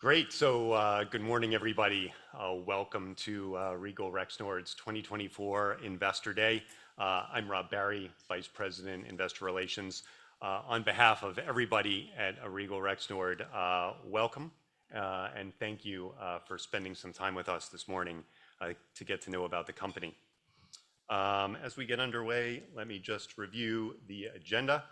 Great. So, good morning, everybody. Welcome to Regal Rexnord's 2024 Investor Day. I'm Rob Barry, Vice President, Investor Relations. On behalf of everybody at Regal Rexnord, welcome, and thank you for spending some time with us this morning to get to know about the company. As we get underway, let me just review the agenda.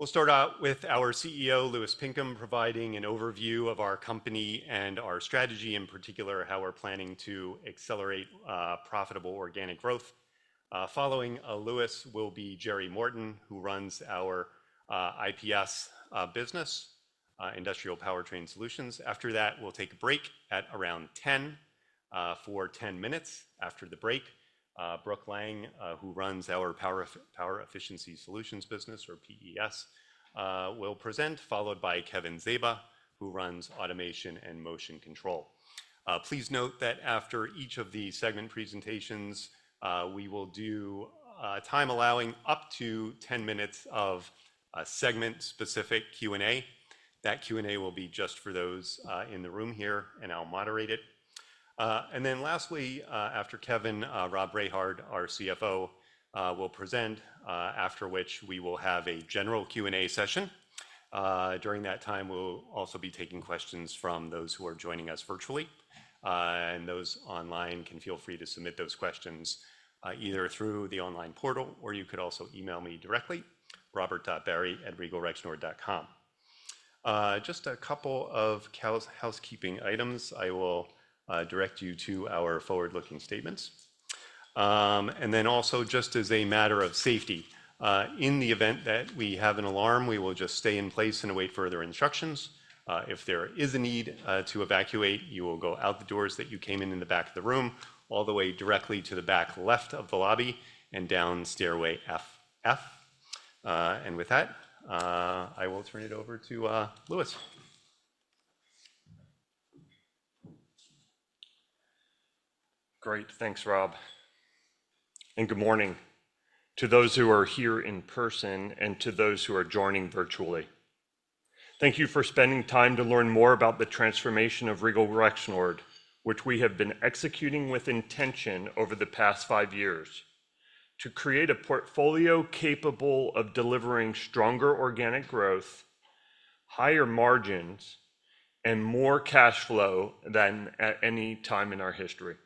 We'll start out with our CEO, Louis Pinkham, providing an overview of our company and our strategy, in particular how we're planning to accelerate profitable organic growth. Following Louis, we'll have Jerry Morton, who runs our IPS business, Industrial Powertrain Solutions. After that, we'll take a break at around 10:00 A.M. for 10 minutes. After the break, Brooke Lang, who runs our Power Efficiency Solutions business, or PES, will present, followed by Kevin Zaba, who runs Automation and Motion Control. Please note that after each of the segment presentations, we will do, time allowing, up to 10 minutes of segment-specific Q&A. That Q&A will be just for those in the room here, and I'll moderate it, and then lastly, after Kevin, Rob Rehard, our CFO, will present, after which we will have a general Q&A session. During that time, we'll also be taking questions from those who are joining us virtually, and those online can feel free to submit those questions, either through the online portal or you could also email me directly, robert.barry@regalrexnord.com.Just a couple of housekeeping items. I will direct you to our forward-looking statements, and then also, just as a matter of safety, in the event that we have an alarm, we will just stay in place and await further instructions. If there is a need to evacuate, you will go out the doors that you came in, in the back of the room, all the way directly to the back left of the lobby and down Stairway F. With that, I will turn it over to Louis. Great. Thanks, Rob. And good morning to those who are here in person and to those who are joining virtually. Thank you for spending time to learn more about the transformation of Regal Rexnord, which we have been executing with intention over the past five years to create a portfolio capable of delivering stronger organic growth, higher margins, and more cash flow than at any time in our history.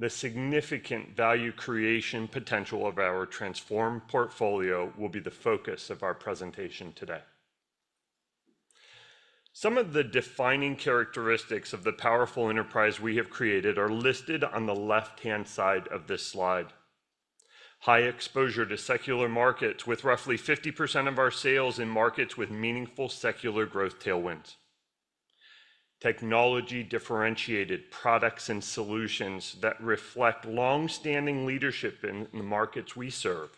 The significant value creation potential of our transformed portfolio will be the focus of our presentation today. Some of the defining characteristics of the powerful enterprise we have created are listed on the left-hand side of this slide: high exposure to secular markets, with roughly 50% of our sales in markets with meaningful secular growth tailwinds, technology-differentiated products and solutions that reflect longstanding leadership in the markets we serve,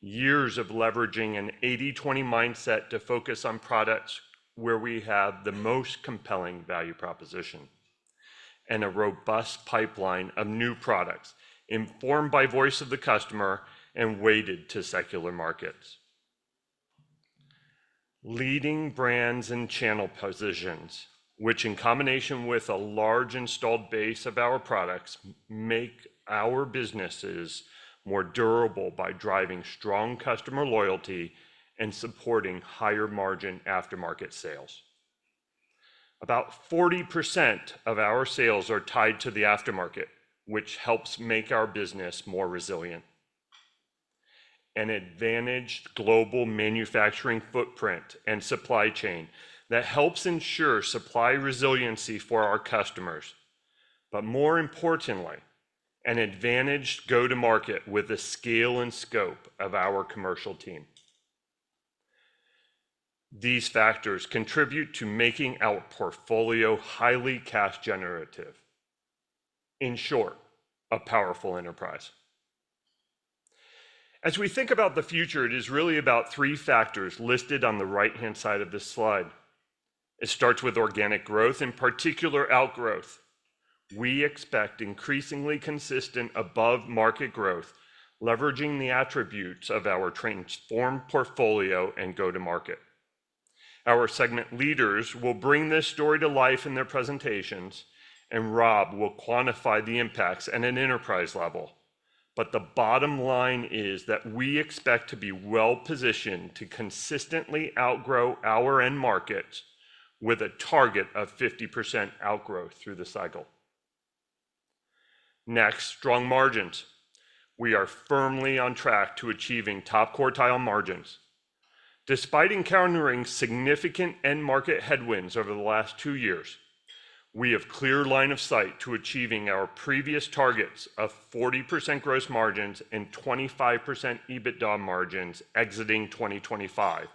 years of leveraging an 80/20 mindset to focus on products where we have the most compelling value proposition, and a robust pipeline of new products informed by voice of the customer and weighted to secular markets, leading brands and channel positions, which in combination with a large installed base of our products make our businesses more durable by driving strong customer loyalty and supporting higher margin aftermarket sales. About 40% of our sales are tied to the aftermarket, which helps make our business more resilient. An advantaged global manufacturing footprint and supply chain that helps ensure supply resiliency for our customers. But more importantly, an advantaged go-to-market with the scale and scope of our commercial team. These factors contribute to making our portfolio highly cash-generative. In short, a powerful enterprise. As we think about the future, it is really about three factors listed on the right-hand side of this slide. It starts with organic growth, in particular outgrowth. We expect increasingly consistent above-market growth, leveraging the attributes of our transformed portfolio and go-to-market. Our segment leaders will bring this story to life in their presentations, and Rob will quantify the impacts at an enterprise level. But the bottom line is that we expect to be well-positioned to consistently outgrow our end markets with a target of 50% outgrowth through the cycle. Next, strong margins. We are firmly on track to achieving top quartile margins. Despite encountering significant end-market headwinds over the last two years, we have a clear line of sight to achieving our previous targets of 40% gross margins and 25% EBITDA margins exiting 2025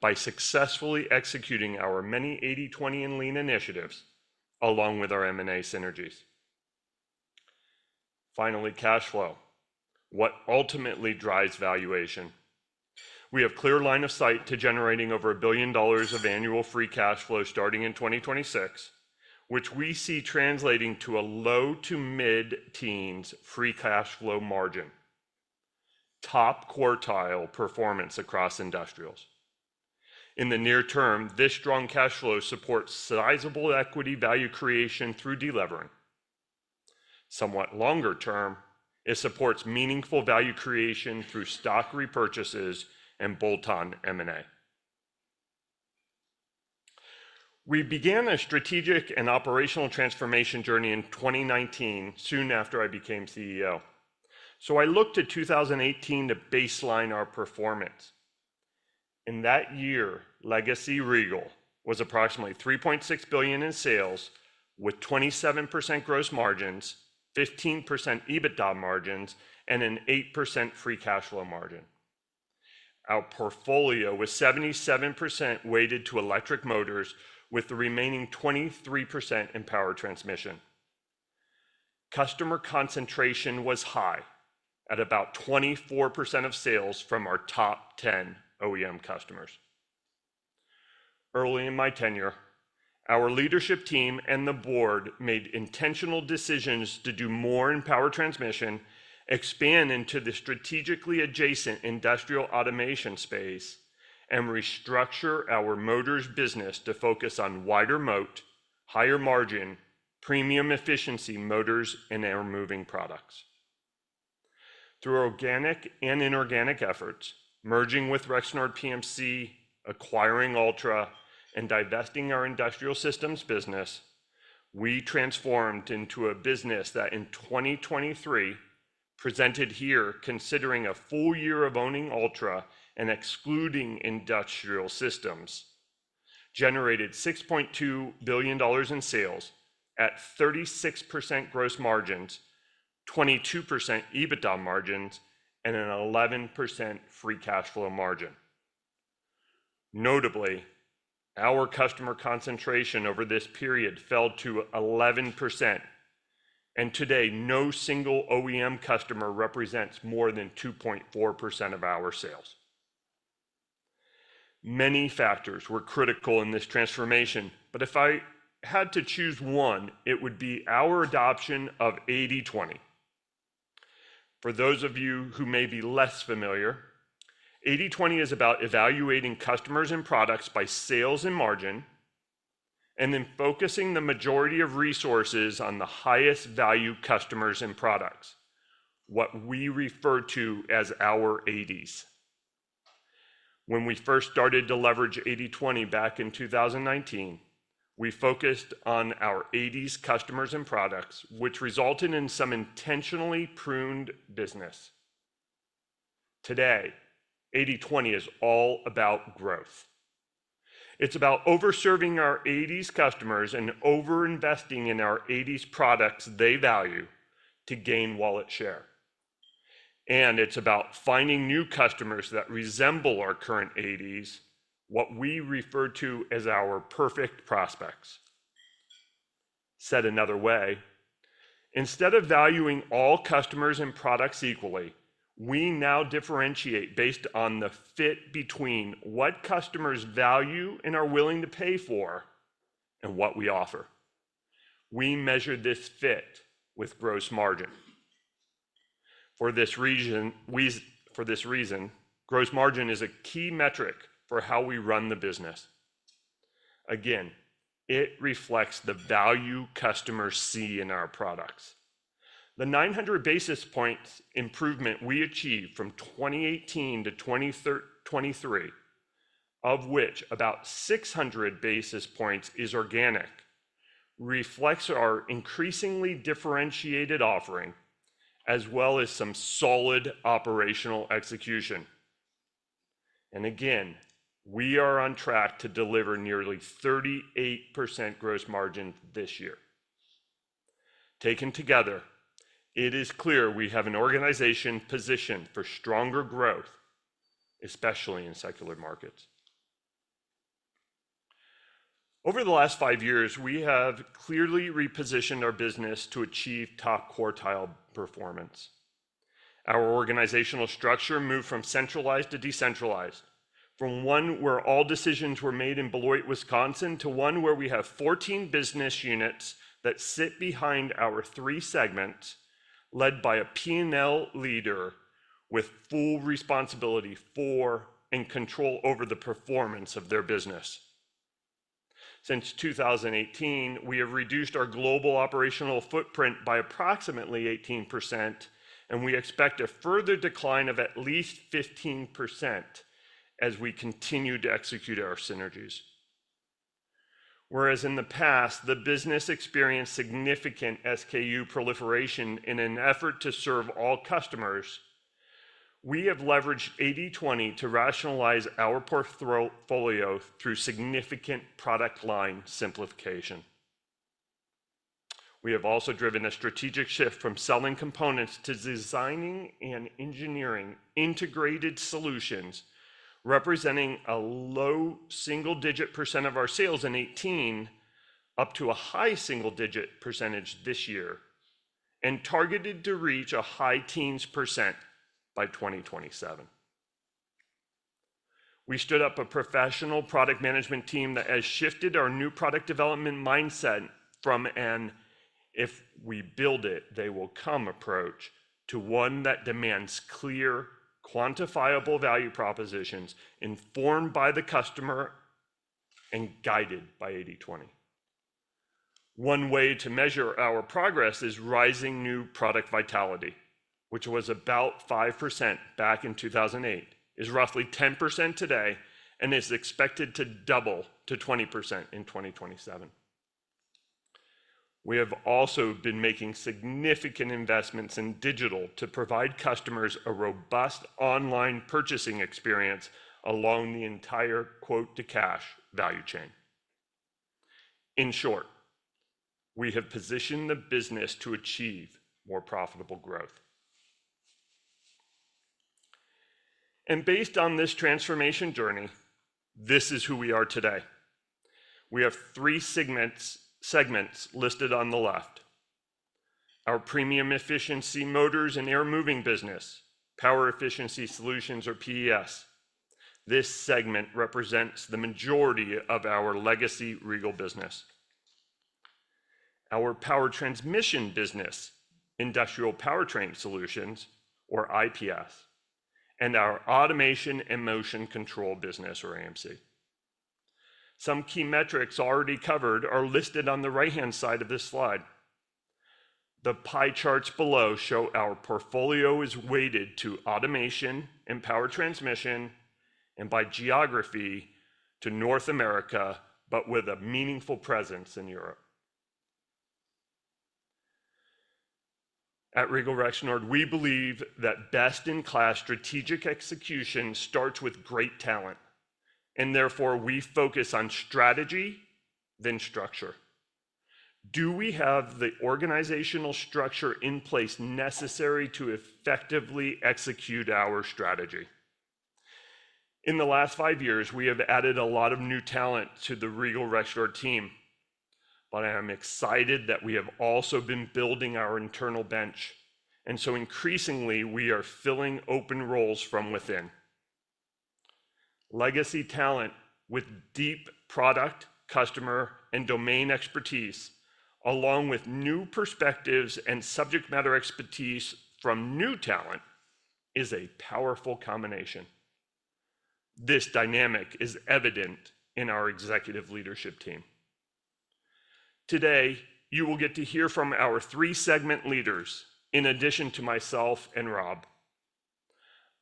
by successfully executing our many 80/20 and lean initiatives, along with our M&A synergies. Finally, cash flow. What ultimately drives valuation? We have a clear line of sight to generating over $1 billion of annual free cash flow starting in 2026, which we see translating to a low to mid-teens free cash flow margin, top quartile performance across industrials. In the near term, this strong cash flow supports sizable equity value creation through delivering. Somewhat longer term, it supports meaningful value creation through stock repurchases and bolt-on M&A. We began a strategic and operational transformation journey in 2019, soon after I became CEO. So I looked at 2018 to baseline our performance. In that year, Legacy Regal was approximately $3.6 billion in sales, with 27% gross margins, 15% EBITDA margins, and an 8% free cash flow margin. Our portfolio was 77% weighted to electric motors, with the remaining 23% in power transmission. Customer concentration was high, at about 24% of sales from our top 10 OEM customers. Early in my tenure, our leadership team and the board made intentional decisions to do more in power transmission, expand into the strategically adjacent industrial automation space, and restructure our motors business to focus on wider moat, higher margin, premium efficiency motors, and air-moving products. Through organic and inorganic efforts, merging with Rexnord PMC, acquiring Altra, and divesting our Industrial Systems business, we transformed into a business that in 2023, presented here considering a full year of owning Altra and excluding Industrial Systems, generated $6.2 billion in sales at 36% gross margins, 22% EBITDA margins, and an 11% free cash flow margin. Notably, our customer concentration over this period fell to 11%, and today no single OEM customer represents more than 2.4% of our sales. Many factors were critical in this transformation, but if I had to choose one, it would be our adoption of 80/20. For those of you who may be less familiar, 80/20 is about evaluating customers and products by sales and margin, and then focusing the majority of resources on the highest-value customers and products, what we refer to as our 80s. When we first started to leverage 80/20 back in 2019, we focused on our 80s customers and products, which resulted in some intentionally pruned business. Today, 80/20 is all about growth. It's about overserving our 80s customers and over-investing in our 80s products they value to gain wallet share, and it's about finding new customers that resemble our current 80s, what we refer to as our perfect prospects. Said another way, instead of valuing all customers and products equally, we now differentiate based on the fit between what customers value and are willing to pay for and what we offer. We measure this fit with gross margin. For this reason, gross margin is a key metric for how we run the business. Again, it reflects the value customers see in our products. The 900 basis points improvement we achieved from 2018 to 2023, of which about 600 basis points is organic, reflects our increasingly differentiated offering as well as some solid operational execution, and again, we are on track to deliver nearly 38% gross margin this year. Taken together, it is clear we have an organization positioned for stronger growth, especially in secular markets. Over the last five years, we have clearly repositioned our business to achieve top quartile performance. Our organizational structure moved from centralized to decentralized, from one where all decisions were made in Beloit, Wisconsin, to one where we have 14 business units that sit behind our three segments, led by a P&L leader with full responsibility for and control over the performance of their business. Since 2018, we have reduced our global operational footprint by approximately 18%, and we expect a further decline of at least 15% as we continue to execute our synergies. Whereas in the past, the business experienced significant SKU proliferation in an effort to serve all customers, we have leveraged 80/20 to rationalize our portfolio through significant product line simplification. We have also driven a strategic shift from selling components to designing and engineering integrated solutions, representing a low single-digit % of our sales in 2018 up to a high single-digit % this year, and targeted to reach a high teens % by 2027. We stood up a professional product management team that has shifted our new product development mindset from an "if we build it, they will come" approach to one that demands clear, quantifiable value propositions informed by the customer and guided by 80/20. One way to measure our progress is rising new product vitality, which was about 5% back in 2008, is roughly 10% today, and is expected to double to 20% in 2027. We have also been making significant investments in digital to provide customers a robust online purchasing experience along the entire quote-to-cash value chain. In short, we have positioned the business to achieve more profitable growth, and based on this transformation journey, this is who we are today. We have three segments listed on the left: our premium efficiency motors and air-moving business, Power Efficiency Solutions, or PES. This segment represents the majority of our Legacy Regal business, our power transmission business, Industrial Powertrain Solutions, or IPS, and our Automation and Motion Control business, or AMC. Some key metrics already covered are listed on the right-hand side of this slide. The pie charts below show our portfolio is weighted to automation and power transmission, and by geography to North America, but with a meaningful presence in Europe. At Regal Rexnord, we believe that best-in-class strategic execution starts with great talent, and therefore we focus on strategy than structure. Do we have the organizational structure in place necessary to effectively execute our strategy? In the last five years, we have added a lot of new talent to the Regal Rexnord team, but I am excited that we have also been building our internal bench, and so increasingly we are filling open roles from within. Legacy talent with deep product, customer, and domain expertise, along with new perspectives and subject matter expertise from new talent, is a powerful combination. This dynamic is evident in our executive leadership team. Today, you will get to hear from our three segment leaders in addition to myself and Rob.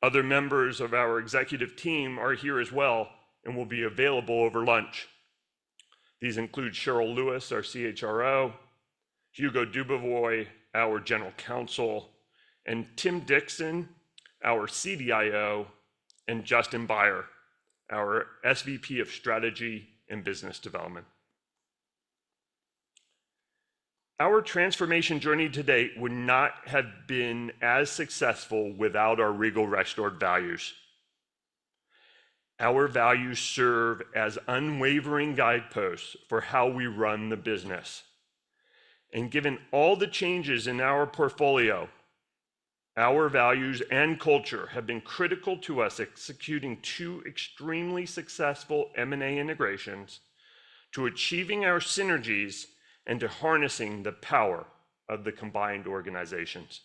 Other members of our executive team are here as well and will be available over lunch. These include Cheryl Lewis, our CHRO, Hugo Dubovoy, our General Counsel, and Tom Dixon, our CDIO, and Justin Baier, our SVP of Strategy and Business Development. Our transformation journey to date would not have been as successful without our Regal Rexnord values. Our values serve as unwavering guideposts for how we run the business and given all the changes in our portfolio, our values and culture have been critical to us executing two extremely successful M&A integrations, to achieving our synergies, and to harnessing the power of the combined organizations.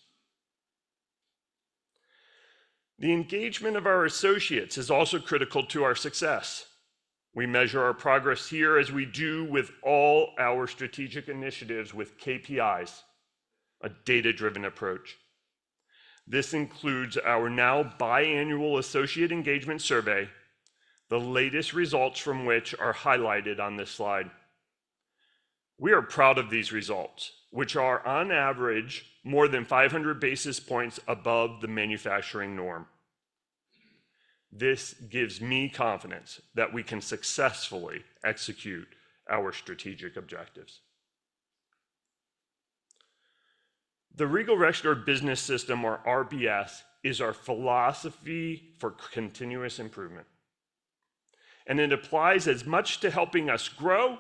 The engagement of our associates is also critical to our success. We measure our progress here as we do with all our strategic initiatives with KPIs, a data-driven approach. This includes our now biannual associate engagement survey, the latest results from which are highlighted on this slide. We are proud of these results, which are on average more than 500 basis points above the manufacturing norm. This gives me confidence that we can successfully execute our strategic objectives. The Regal Rexnord Business System, or RBS, is our philosophy for continuous improvement, and it applies as much to helping us grow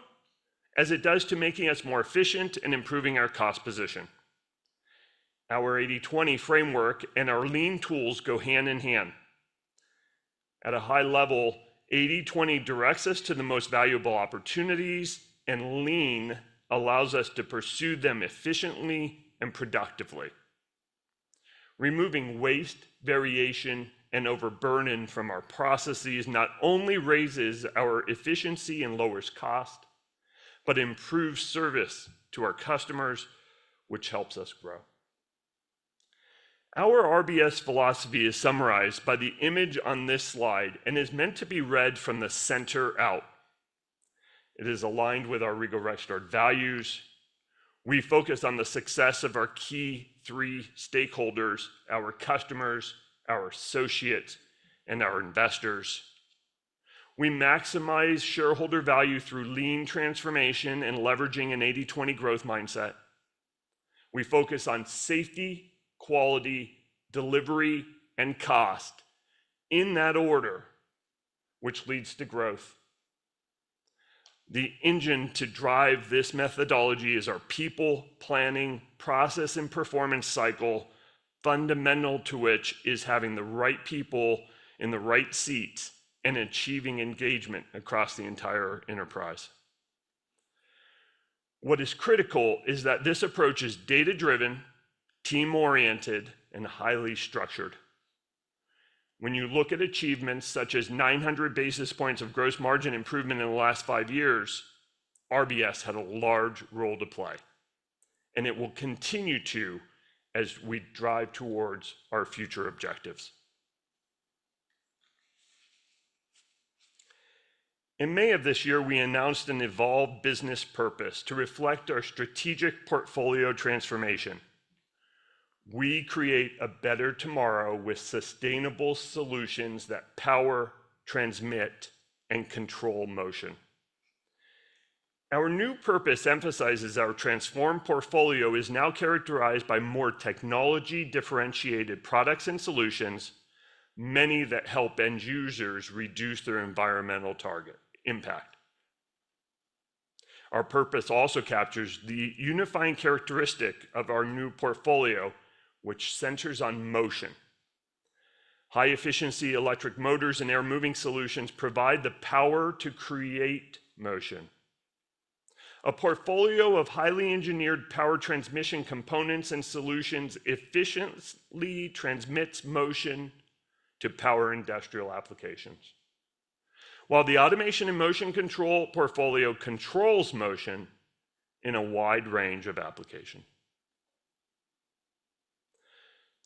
as it does to making us more efficient and improving our cost position. Our 80/20 framework and our lean tools go hand in hand. At a high level, 80/20 directs us to the most valuable opportunities, and lean allows us to pursue them efficiently and productively. Removing waste, variation, and overburden from our processes not only raises our efficiency and lowers cost, but improves service to our customers, which helps us grow. Our RBS philosophy is summarized by the image on this slide and is meant to be read from the center out. It is aligned with our Regal Rexnord values. We focus on the success of our key three stakeholders: our customers, our associates, and our investors. We maximize shareholder value through lean transformation and leveraging an 80/20 growth mindset. We focus on safety, quality, delivery, and cost in that order, which leads to growth. The engine to drive this methodology is our people, planning, process, and performance cycle, fundamental to which is having the right people in the right seats and achieving engagement across the entire enterprise. What is critical is that this approach is data-driven, team-oriented, and highly structured. When you look at achievements such as 900 basis points of gross margin improvement in the last five years, RBS had a large role to play, and it will continue to as we drive towards our future objectives. In May of this year, we announced an evolved business purpose to reflect our strategic portfolio transformation. We create a better tomorrow with sustainable solutions that power, transmit, and control motion. Our new purpose emphasizes our transformed portfolio is now characterized by more technology-differentiated products and solutions, many that help end users reduce their environmental impact. Our purpose also captures the unifying characteristic of our new portfolio, which centers on motion. High-efficiency electric motors and air-moving solutions provide the power to create motion. A portfolio of highly engineered power transmission components and solutions efficiently transmits motion to power industrial applications, while the Automation and Motion Control portfolio controls motion in a wide range of applications.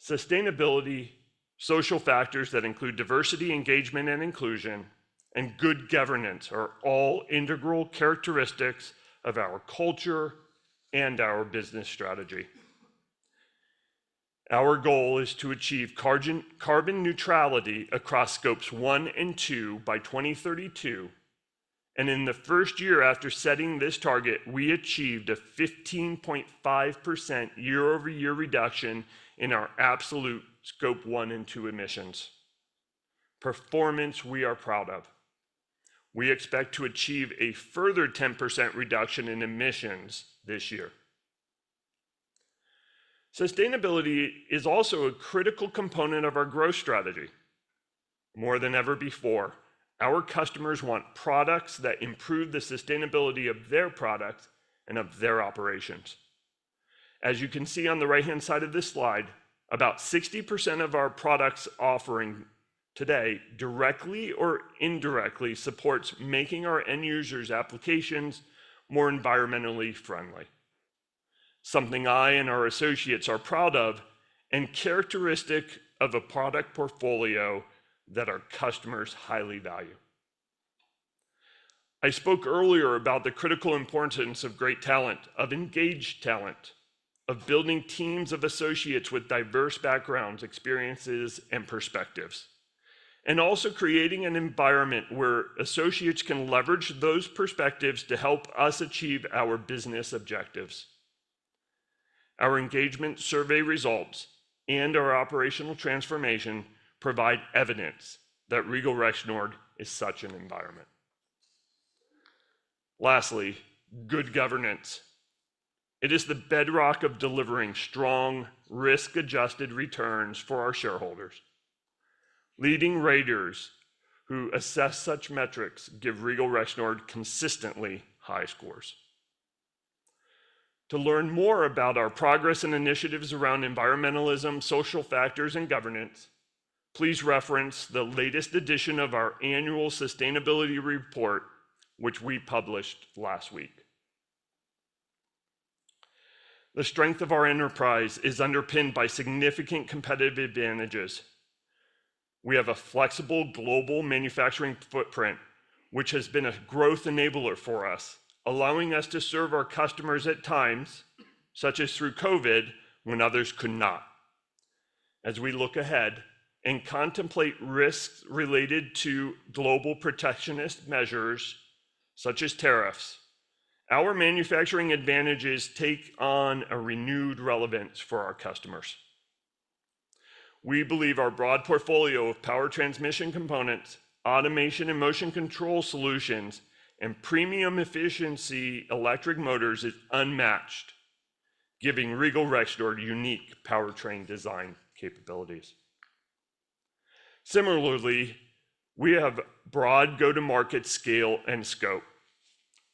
Sustainability, social factors that include diversity, engagement, and inclusion, and good governance are all integral characteristics of our culture and our business strategy. Our goal is to achieve carbon neutrality across Scope 1 and 2 by 2032. And in the first year after setting this target, we achieved a 15.5% year-over-year reduction in our absolute Scope 1 and 2 emissions. Performance we are proud of. We expect to achieve a further 10% reduction in emissions this year. Sustainability is also a critical component of our growth strategy. More than ever before, our customers want products that improve the sustainability of their products and of their operations. As you can see on the right-hand side of this slide, about 60% of our products offering today directly or indirectly supports making our end users' applications more environmentally friendly, something I and our associates are proud of and characteristic of a product portfolio that our customers highly value. I spoke earlier about the critical importance of great talent, of engaged talent, of building teams of associates with diverse backgrounds, experiences, and perspectives, and also creating an environment where associates can leverage those perspectives to help us achieve our business objectives. Our engagement survey results and our operational transformation provide evidence that Regal Rexnord is such an environment. Lastly, good governance. It is the bedrock of delivering strong, risk-adjusted returns for our shareholders. Leading raters who assess such metrics give Regal Rexnord consistently high scores. To learn more about our progress and initiatives around environmentalism, social factors, and governance, please reference the latest edition of our annual sustainability report, which we published last week. The strength of our enterprise is underpinned by significant competitive advantages. We have a flexible global manufacturing footprint, which has been a growth enabler for us, allowing us to serve our customers at times, such as through COVID, when others could not. As we look ahead and contemplate risks related to global protectionist measures, such as tariffs, our manufacturing advantages take on a renewed relevance for our customers. We believe our broad portfolio of power transmission components, Automation and Motion Control solutions, and premium efficiency electric motors is unmatched, giving Regal Rexnord unique powertrain design capabilities. Similarly, we have broad go-to-market scale and scope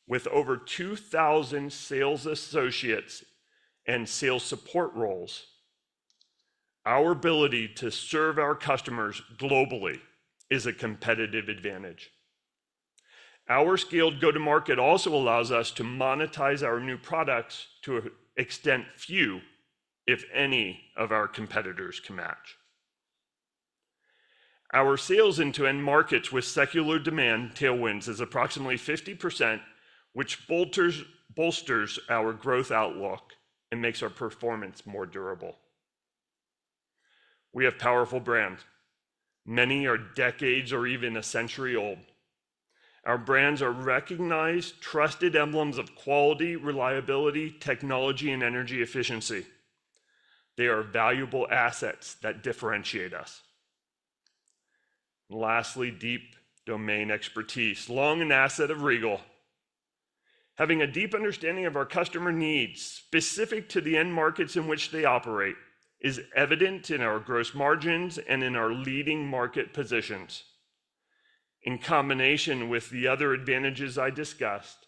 with over 2,000 sales associates and sales support roles. Our ability to serve our customers globally is a competitive advantage. Our scaled go-to-market also allows us to monetize our new products to an extent few, if any, of our competitors can match. Our sales into end markets with secular demand tailwinds is approximately 50%, which bolsters our growth outlook and makes our performance more durable. We have powerful brands. Many are decades or even a century old. Our brands are recognized, trusted emblems of quality, reliability, technology, and energy efficiency. They are valuable assets that differentiate us. Lastly, deep domain expertise has long been an asset of Regal. Having a deep understanding of our customer needs specific to the end markets in which they operate is evident in our gross margins and in our leading market positions. In combination with the other advantages I discussed,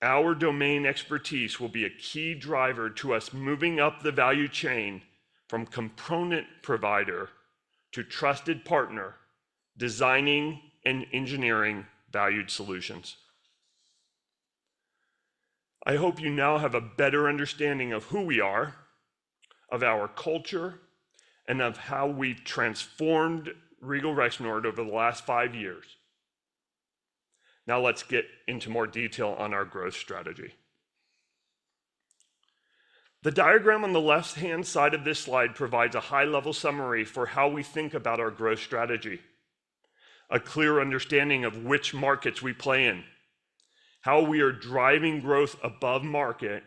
our domain expertise will be a key driver to us moving up the value chain from component provider to trusted partner designing and engineering valued solutions. I hope you now have a better understanding of who we are, of our culture, and of how we've transformed Regal Rexnord over the last five years. Now let's get into more detail on our growth strategy. The diagram on the left-hand side of this slide provides a high-level summary for how we think about our growth strategy, a clear understanding of which markets we play in, how we are driving growth above market,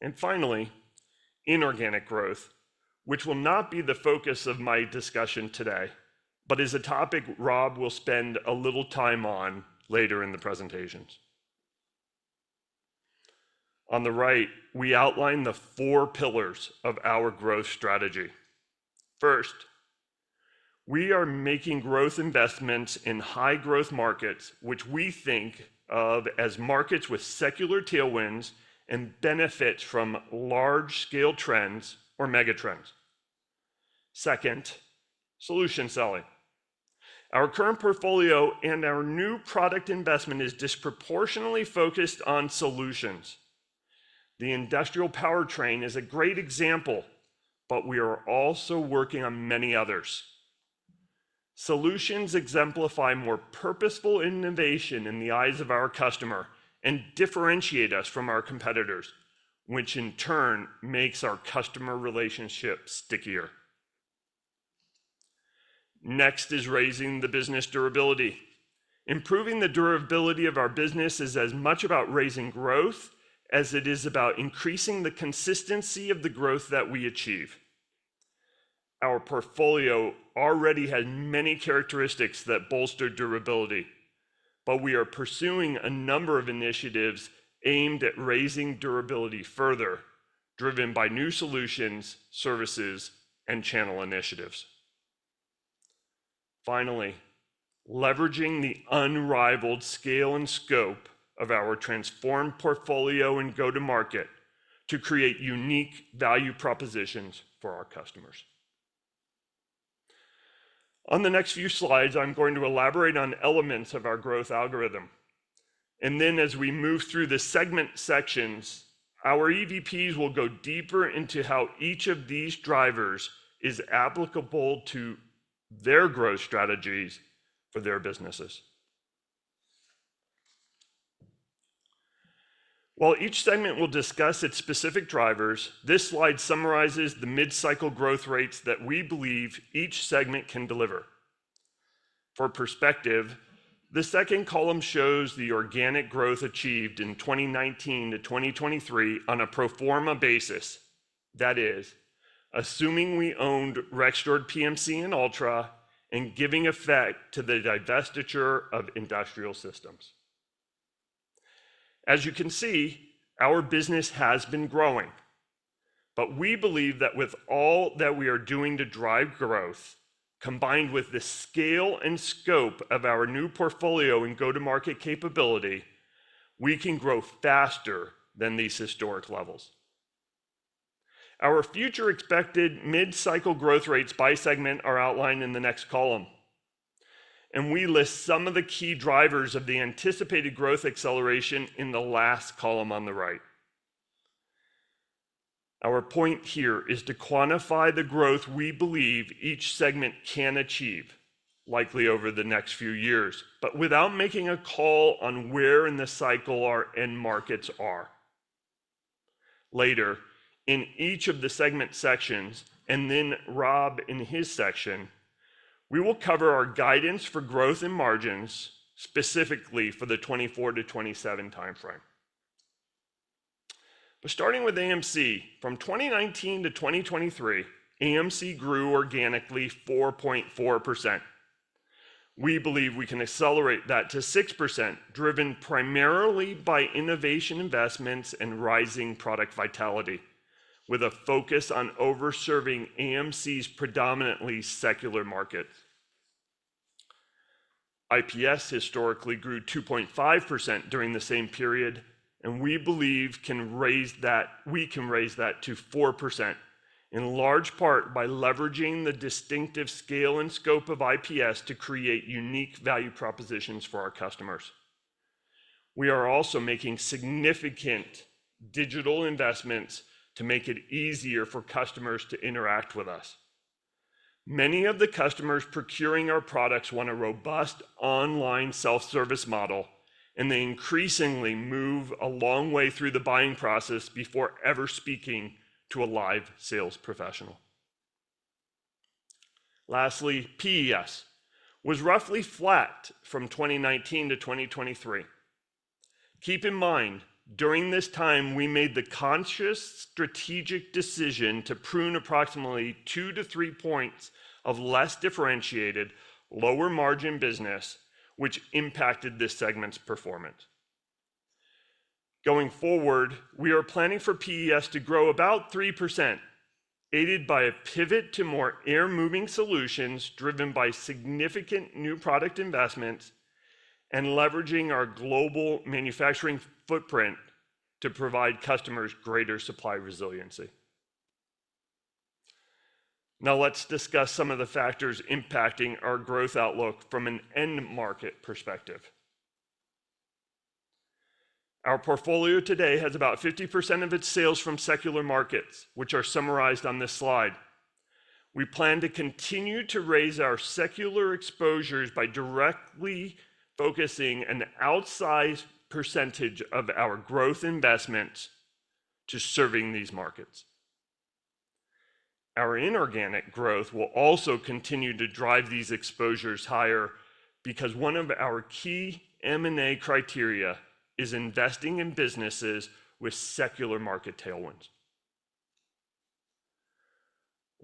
and finally, inorganic growth, which will not be the focus of my discussion today, but is a topic Rob will spend a little time on later in the presentations. On the right, we outline the four pillars of our growth strategy. First, we are making growth investments in high-growth markets, which we think of as markets with secular tailwinds and benefits from large-scale trends or mega trends. Second, solution selling. Our current portfolio and our new product investment is disproportionately focused on solutions. The industrial powertrain is a great example, but we are also working on many others. Solutions exemplify more purposeful innovation in the eyes of our customer and differentiate us from our competitors, which in turn makes our customer relationship stickier. Next is raising the business durability. Improving the durability of our business is as much about raising growth as it is about increasing the consistency of the growth that we achieve. Our portfolio already has many characteristics that bolster durability, but we are pursuing a number of initiatives aimed at raising durability further, driven by new solutions, services, and channel initiatives. Finally, leveraging the unrivaled scale and scope of our transformed portfolio and go-to-market to create unique value propositions for our customers. On the next few slides, I'm going to elaborate on elements of our growth algorithm. And then, as we move through the segment sections, our EVPs will go deeper into how each of these drivers is applicable to their growth strategies for their businesses. While each segment will discuss its specific drivers, this slide summarizes the mid-cycle growth rates that we believe each segment can deliver. For perspective, the second column shows the organic growth achieved in 2019 to 2023 on a pro forma basis. That is, assuming we owned Rexnord, PMC, and Altra, and giving effect to the divestiture of Industrial Systems. As you can see, our business has been growing, but we believe that with all that we are doing to drive growth, combined with the scale and scope of our new portfolio and go-to-market capability, we can grow faster than these historic levels. Our future expected mid-cycle growth rates by segment are outlined in the next column, and we list some of the key drivers of the anticipated growth acceleration in the last column on the right. Our point here is to quantify the growth we believe each segment can achieve, likely over the next few years, but without making a call on where in the cycle our end markets are. Later, in each of the segment sections, and then Rob in his section, we will cover our guidance for growth and margins specifically for the 2024-2027 timeframe. But starting with AMC, from 2019 to 2023, AMC grew organically 4.4%. We believe we can accelerate that to 6%, driven primarily by innovation investments and rising product vitality, with a focus on overserving AMC's predominantly secular markets. IPS historically grew 2.5% during the same period, and we believe we can raise that to 4%, in large part by leveraging the distinctive scale and scope of IPS to create unique value propositions for our customers. We are also making significant digital investments to make it easier for customers to interact with us. Many of the customers procuring our products want a robust online self-service model, and they increasingly move a long way through the buying process before ever speaking to a live sales professional. Lastly, PES was roughly flat from 2019 to 2023. Keep in mind, during this time, we made the conscious strategic decision to prune approximately two-to-three points of less differentiated, lower-margin business, which impacted this segment's performance. Going forward, we are planning for PES to grow about 3%, aided by a pivot to more air-moving solutions driven by significant new product investments and leveraging our global manufacturing footprint to provide customers greater supply resiliency. Now let's discuss some of the factors impacting our growth outlook from an end market perspective. Our portfolio today has about 50% of its sales from secular markets, which are summarized on this slide. We plan to continue to raise our secular exposures by directly focusing an outsized percentage of our growth investments to serving these markets. Our inorganic growth will also continue to drive these exposures higher because one of our key M&A criteria is investing in businesses with secular market tailwinds.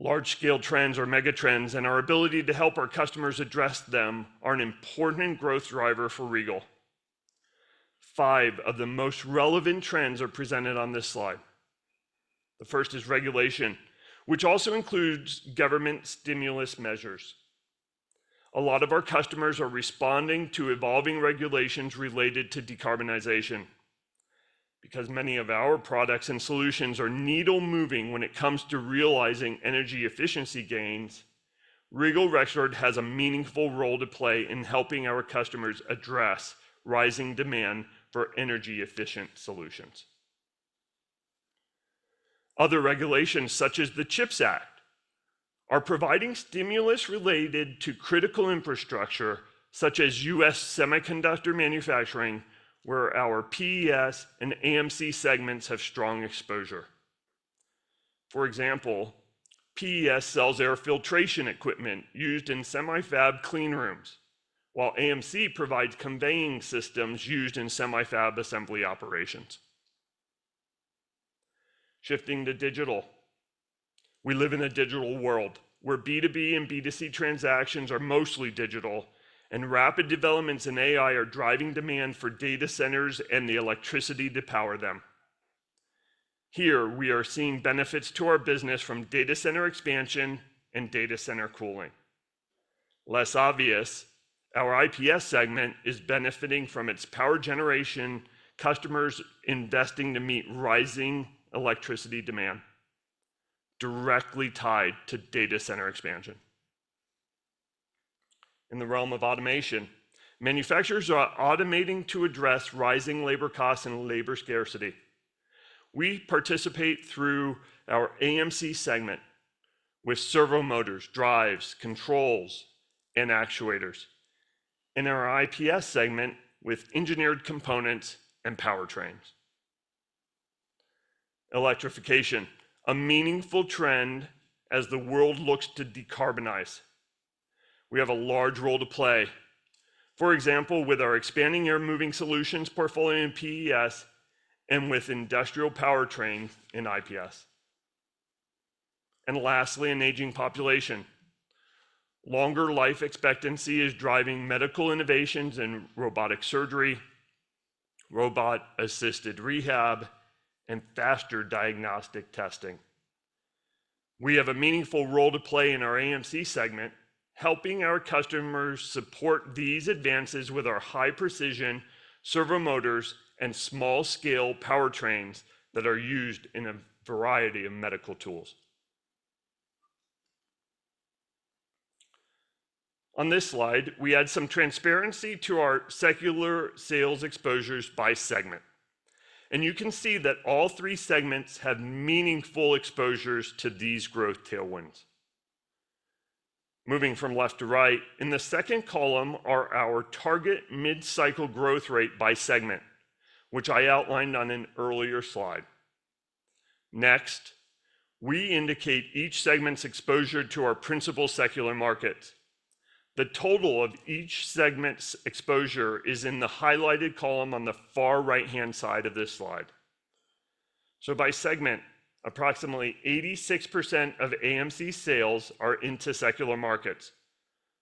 Large-scale trends or mega trends and our ability to help our customers address them are an important growth driver for Regal. Five of the most relevant trends are presented on this slide. The first is regulation, which also includes government stimulus measures. A lot of our customers are responding to evolving regulations related to decarbonization. Because many of our products and solutions are needle-moving when it comes to realizing energy efficiency gains, Regal Rexnord has a meaningful role to play in helping our customers address rising demand for energy-efficient solutions. Other regulations, such as the CHIPS Act, are providing stimulus related to critical infrastructure, such as U.S. semiconductor manufacturing, where our PES and AMC segments have strong exposure. For example, PES sells air filtration equipment used in semi-fab cleanrooms, while AMC provides conveying systems used in semi-fab assembly operations. Shifting to digital. We live in a digital world where B2B and B2C transactions are mostly digital, and rapid developments in AI are driving demand for data centers and the electricity to power them. Here, we are seeing benefits to our business from data center expansion and data center cooling. Less obvious, our IPS segment is benefiting from its power generation customers investing to meet rising electricity demand, directly tied to data center expansion. In the realm of automation, manufacturers are automating to address rising labor costs and labor scarcity. We participate through our AMC segment with servo motors, drives, controls, and actuators, and our IPS segment with engineered components and powertrains. Electrification, a meaningful trend as the world looks to decarbonize. We have a large role to play, for example, with our expanding air-moving solutions portfolio in PES and with industrial powertrains in IPS. And lastly, an aging population. Longer life expectancy is driving medical innovations in robotic surgery, robot-assisted rehab, and faster diagnostic testing. We have a meaningful role to play in our AMC segment, helping our customers support these advances with our high-precision servo motors and small-scale powertrains that are used in a variety of medical tools. On this slide, we add some transparency to our secular sales exposures by segment, and you can see that all three segments have meaningful exposures to these growth tailwinds. Moving from left to right, in the second column are our target mid-cycle growth rate by segment, which I outlined on an earlier slide. Next, we indicate each segment's exposure to our principal secular markets. The total of each segment's exposure is in the highlighted column on the far right-hand side of this slide. So by segment, approximately 86% of AMC sales are into secular markets,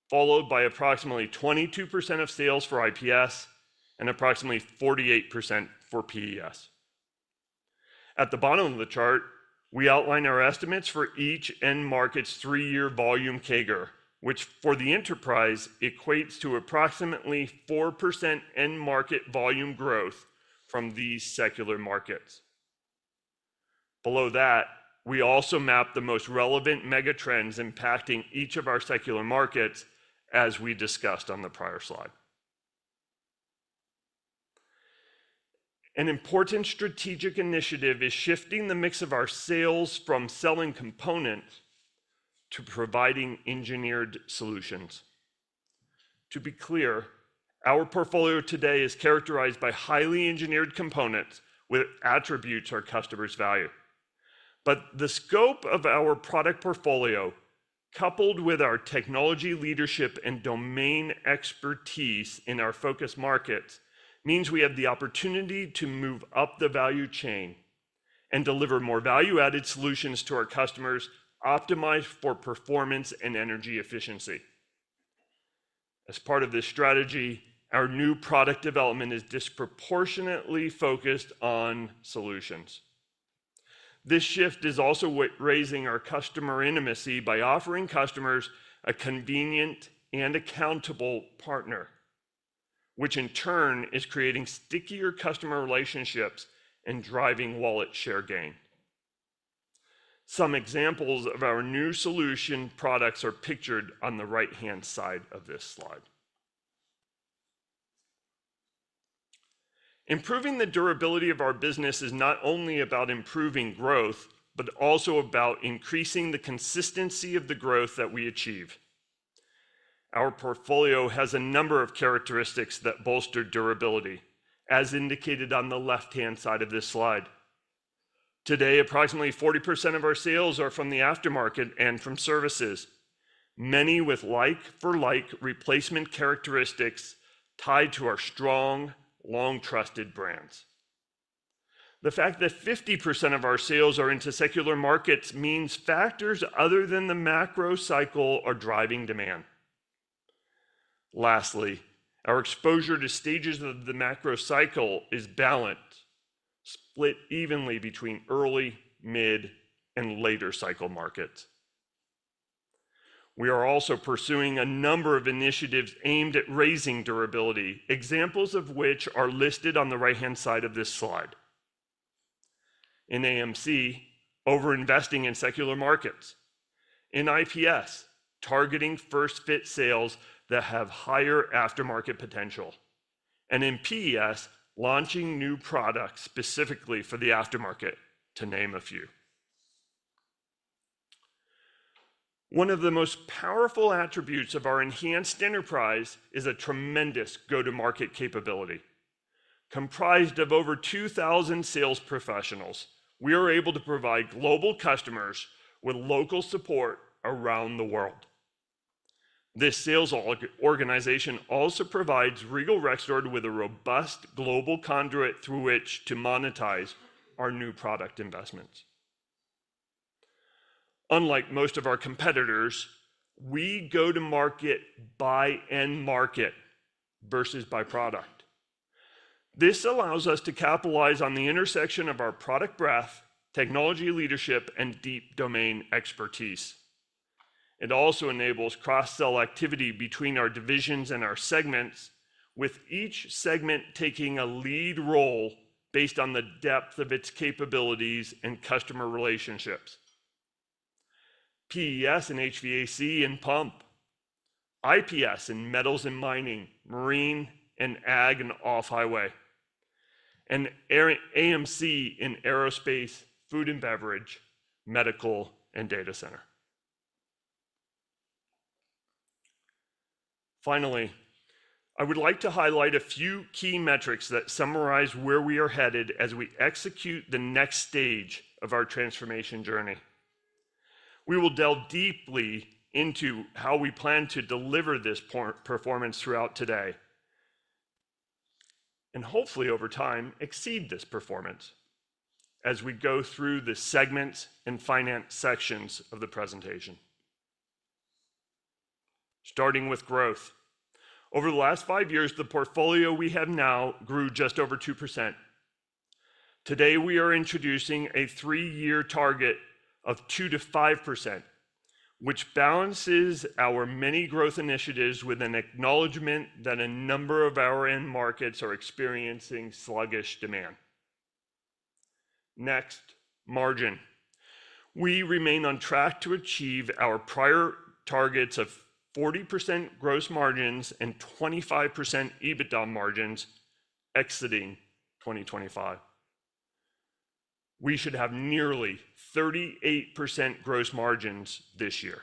followed by approximately 22% of sales for IPS and approximately 48% for PES. At the bottom of the chart, we outline our estimates for each end market's three-year volume CAGR, which for the enterprise equates to approximately 4% end market volume growth from these secular markets. Below that, we also map the most relevant mega trends impacting each of our secular markets, as we discussed on the prior slide. An important strategic initiative is shifting the mix of our sales from selling components to providing engineered solutions. To be clear, our portfolio today is characterized by highly engineered components with attributes our customers value. But the scope of our product portfolio, coupled with our technology leadership and domain expertise in our focus markets, means we have the opportunity to move up the value chain and deliver more value-added solutions to our customers optimized for performance and energy efficiency. As part of this strategy, our new product development is disproportionately focused on solutions. This shift is also raising our customer intimacy by offering customers a convenient and accountable partner, which in turn is creating stickier customer relationships and driving wallet share gain. Some examples of our new solution products are pictured on the right-hand side of this slide. Improving the durability of our business is not only about improving growth, but also about increasing the consistency of the growth that we achieve. Our portfolio has a number of characteristics that bolster durability, as indicated on the left-hand side of this slide. Today, approximately 40% of our sales are from the aftermarket and from services, many with like-for-like replacement characteristics tied to our strong, long-trusted brands. The fact that 50% of our sales are into secular markets means factors other than the macro cycle are driving demand. Lastly, our exposure to stages of the macro cycle is balanced, split evenly between early, mid, and later cycle markets. We are also pursuing a number of initiatives aimed at raising durability, examples of which are listed on the right-hand side of this slide. In AMC, over-investing in secular markets. In IPS, targeting first-fit sales that have higher aftermarket potential. And in PES, launching new products specifically for the aftermarket, to name a few. One of the most powerful attributes of our enhanced enterprise is a tremendous go-to-market capability. Comprised of over 2,000 sales professionals, we are able to provide global customers with local support around the world. This sales organization also provides Regal Rexnord with a robust global conduit through which to monetize our new product investments. Unlike most of our competitors, we go to market by end market versus by product. This allows us to capitalize on the intersection of our product breadth, technology leadership, and deep domain expertise. It also enables cross-sell activity between our divisions and our segments, with each segment taking a lead role based on the depth of its capabilities and customer relationships: PES and HVAC and pump, IPS and metals and mining, marine and ag and off-highway, and AMC in aerospace, food and beverage, medical, and data center. Finally, I would like to highlight a few key metrics that summarize where we are headed as we execute the next stage of our transformation journey. We will delve deeply into how we plan to deliver this performance throughout today, and hopefully over time, exceed this performance as we go through the segments and finance sections of the presentation. Starting with growth. Over the last five years, the portfolio we have now grew just over 2%. Today, we are introducing a three-year target of 2%-5%, which balances our many growth initiatives with an acknowledgment that a number of our end markets are experiencing sluggish demand. Next, margin. We remain on track to achieve our prior targets of 40% gross margins and 25% EBITDA margins exiting 2025. We should have nearly 38% gross margins this year.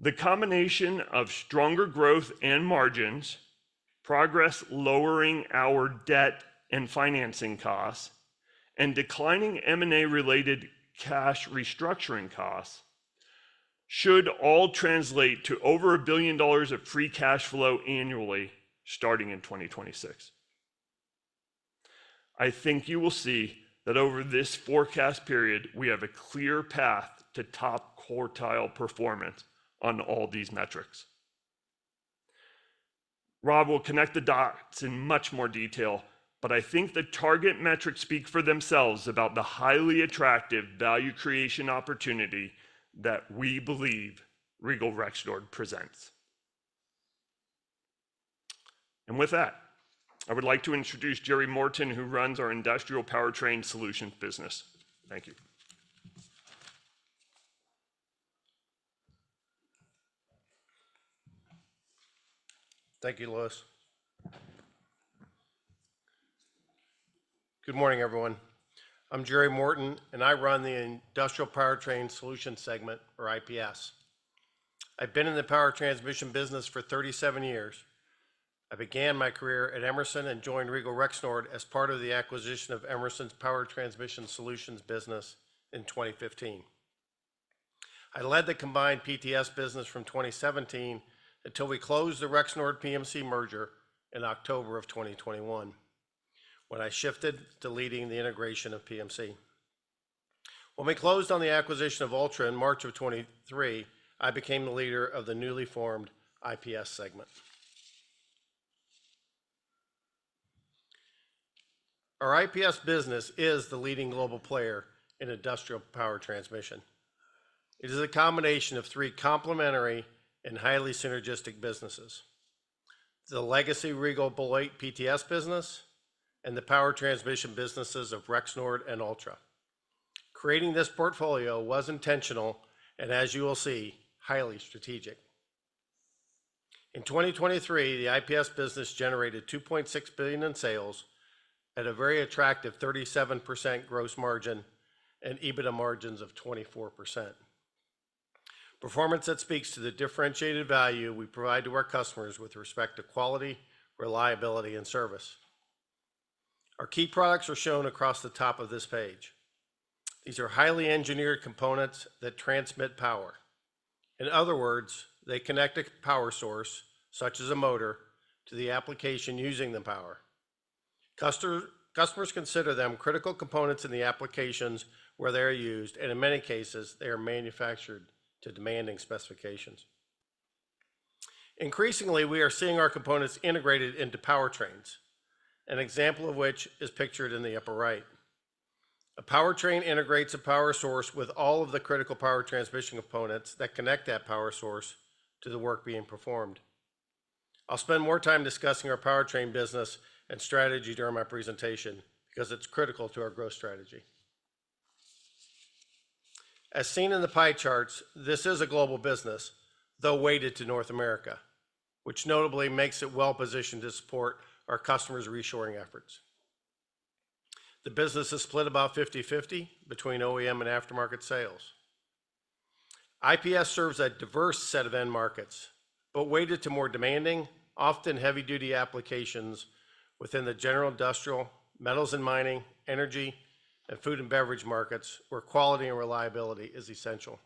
The combination of stronger growth and margins, progress lowering our debt and financing costs, and declining M&A-related cash restructuring costs should all translate to over $1 billion of free cash flow annually starting in 2026. I think you will see that over this forecast period, we have a clear path to top quartile performance on all these metrics. Rob will connect the dots in much more detail, but I think the target metrics speak for themselves about the highly attractive value creation opportunity that we believe Regal Rexnord presents. With that, I would like to introduce Jerry Morton, who runs our Industrial Powertrain Solutions business. Thank you. Thank you, Louis. Good morning, everyone. I'm Jerry Morton, and I run the Industrial Powertrain Solutions segment, or IPS. I've been in the power transmission business for 37 years. I began my career at Emerson and joined Regal Rexnord as part of the acquisition of Emerson's power transmission solutions business in 2015. I led the combined PTS business from 2017 until we closed the Rexnord-PMC merger in October of 2021, when I shifted to leading the integration of PMC. When we closed on the acquisition of Altra in March of 2023, I became the leader of the newly formed IPS segment. Our IPS business is the leading global player in industrial power transmission. It is a combination of three complementary and highly synergistic businesses: the legacy Regal Beloit PTS business and the power transmission businesses of Rexnord and Altra. Creating this portfolio was intentional and, as you will see, highly strategic. In 2023, the IPS business generated $2.6 billion in sales at a very attractive 37% gross margin and EBITDA margins of 24%. Performance that speaks to the differentiated value we provide to our customers with respect to quality, reliability, and service. Our key products are shown across the top of this page. These are highly engineered components that transmit power. In other words, they connect a power source, such as a motor, to the application using the power. Customers consider them critical components in the applications where they're used, and in many cases, they are manufactured to demanding specifications. Increasingly, we are seeing our components integrated into powertrains, an example of which is pictured in the upper right. A powertrain integrates a power source with all of the critical power transmission components that connect that power source to the work being performed. I'll spend more time discussing our powertrain business and strategy during my presentation because it's critical to our growth strategy. As seen in the pie charts, this is a global business, though weighted to North America, which notably makes it well-positioned to support our customers' reshoring efforts. The business is split about 50/50 between OEM and aftermarket sales. IPS serves a diverse set of end markets, but weighted to more demanding, often heavy-duty applications within the general industrial, metals and mining, energy, and food and beverage markets where quality and reliability is essential.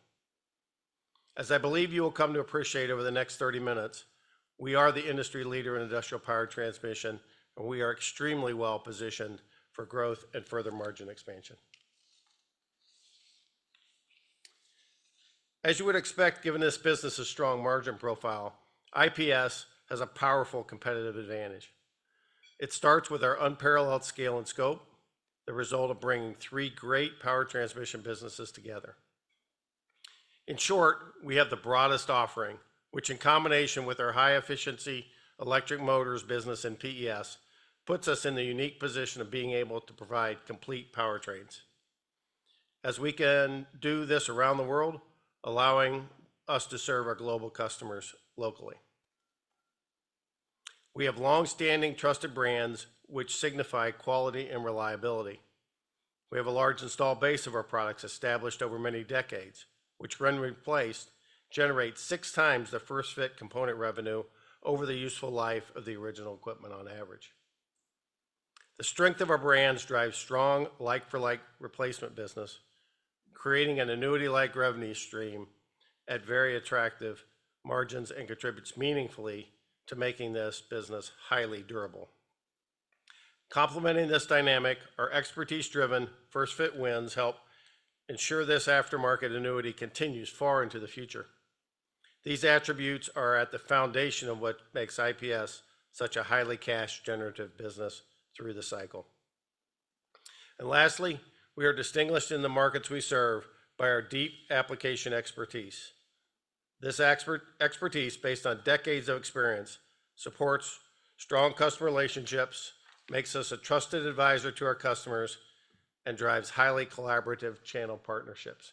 As I believe you will come to appreciate over the next 30 minutes, we are the industry leader in industrial power transmission, and we are extremely well-positioned for growth and further margin expansion. As you would expect, given this business's strong margin profile, IPS has a powerful competitive advantage. It starts with our unparalleled scale and scope, the result of bringing three great power transmission businesses together. In short, we have the broadest offering, which, in combination with our high-efficiency electric motors business and PES, puts us in the unique position of being able to provide complete powertrains, as we can do this around the world, allowing us to serve our global customers locally. We have long-standing trusted brands, which signify quality and reliability. We have a large installed base of our products established over many decades, which, when replaced, generates six times the first-fit component revenue over the useful life of the original equipment on average. The strength of our brands drives strong like-for-like replacement business, creating an annuity-like revenue stream at very attractive margins and contributes meaningfully to making this business highly durable. Complementing this dynamic, our expertise-driven first-fit wins help ensure this aftermarket annuity continues far into the future. These attributes are at the foundation of what makes IPS such a highly cash-generative business through the cycle, and lastly, we are distinguished in the markets we serve by our deep application expertise. This expertise, based on decades of experience, supports strong customer relationships, makes us a trusted advisor to our customers, and drives highly collaborative channel partnerships.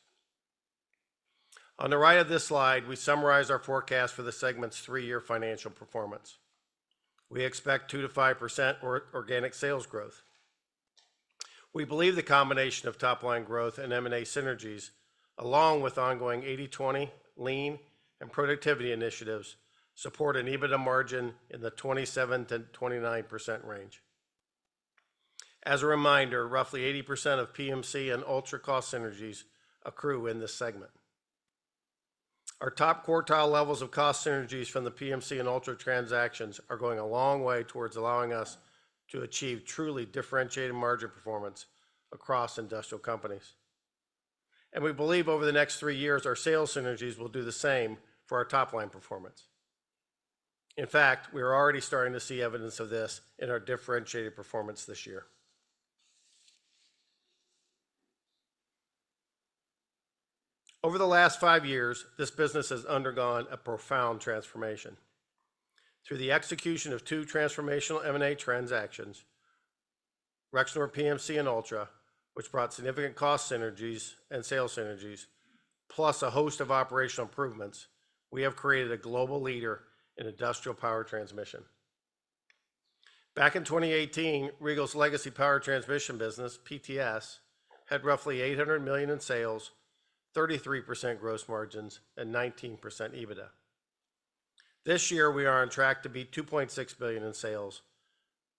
On the right of this slide, we summarize our forecast for the segment's three-year financial performance. We expect 2%-5% organic sales growth. We believe the combination of top-line growth and M&A synergies, along with ongoing 80/20, lean, and productivity initiatives, support an EBITDA margin in the 27%-29% range. As a reminder, roughly 80% of PMC and Altra cost synergies accrue in this segment. Our top quartile levels of cost synergies from the PMC and Altra transactions are going a long way towards allowing us to achieve truly differentiated margin performance across industrial companies. And we believe over the next three years, our sales synergies will do the same for our top-line performance. In fact, we are already starting to see evidence of this in our differentiated performance this year. Over the last five years, this business has undergone a profound transformation. Through the execution of two transformational M&A transactions, Rexnord PMC and Altra, which brought significant cost synergies and sales synergies, plus a host of operational improvements, we have created a global leader in industrial power transmission. Back in 2018, Regal's legacy power transmission business, PTS, had roughly $800 million in sales, 33% gross margins, and 19% EBITDA. This year, we are on track to beat $2.6 billion in sales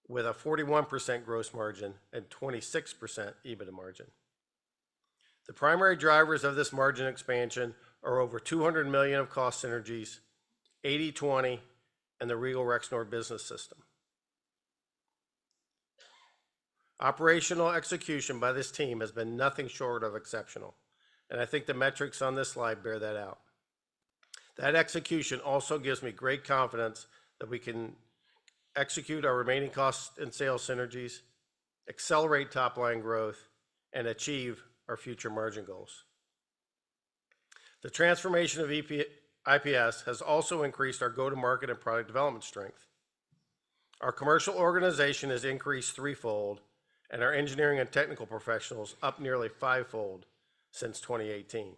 with a 41% gross margin and 26% EBITDA margin. The primary drivers of this margin expansion are over $200 million of cost synergies, 80/20, and the Regal Rexnord Business System. Operational execution by this team has been nothing short of exceptional, and I think the metrics on this slide bear that out. That execution also gives me great confidence that we can execute our remaining costs and sales synergies, accelerate top-line growth, and achieve our future margin goals. The transformation of IPS has also increased our go-to-market and product development strength. Our commercial organization has increased threefold, and our engineering and technical professionals up nearly fivefold since 2018.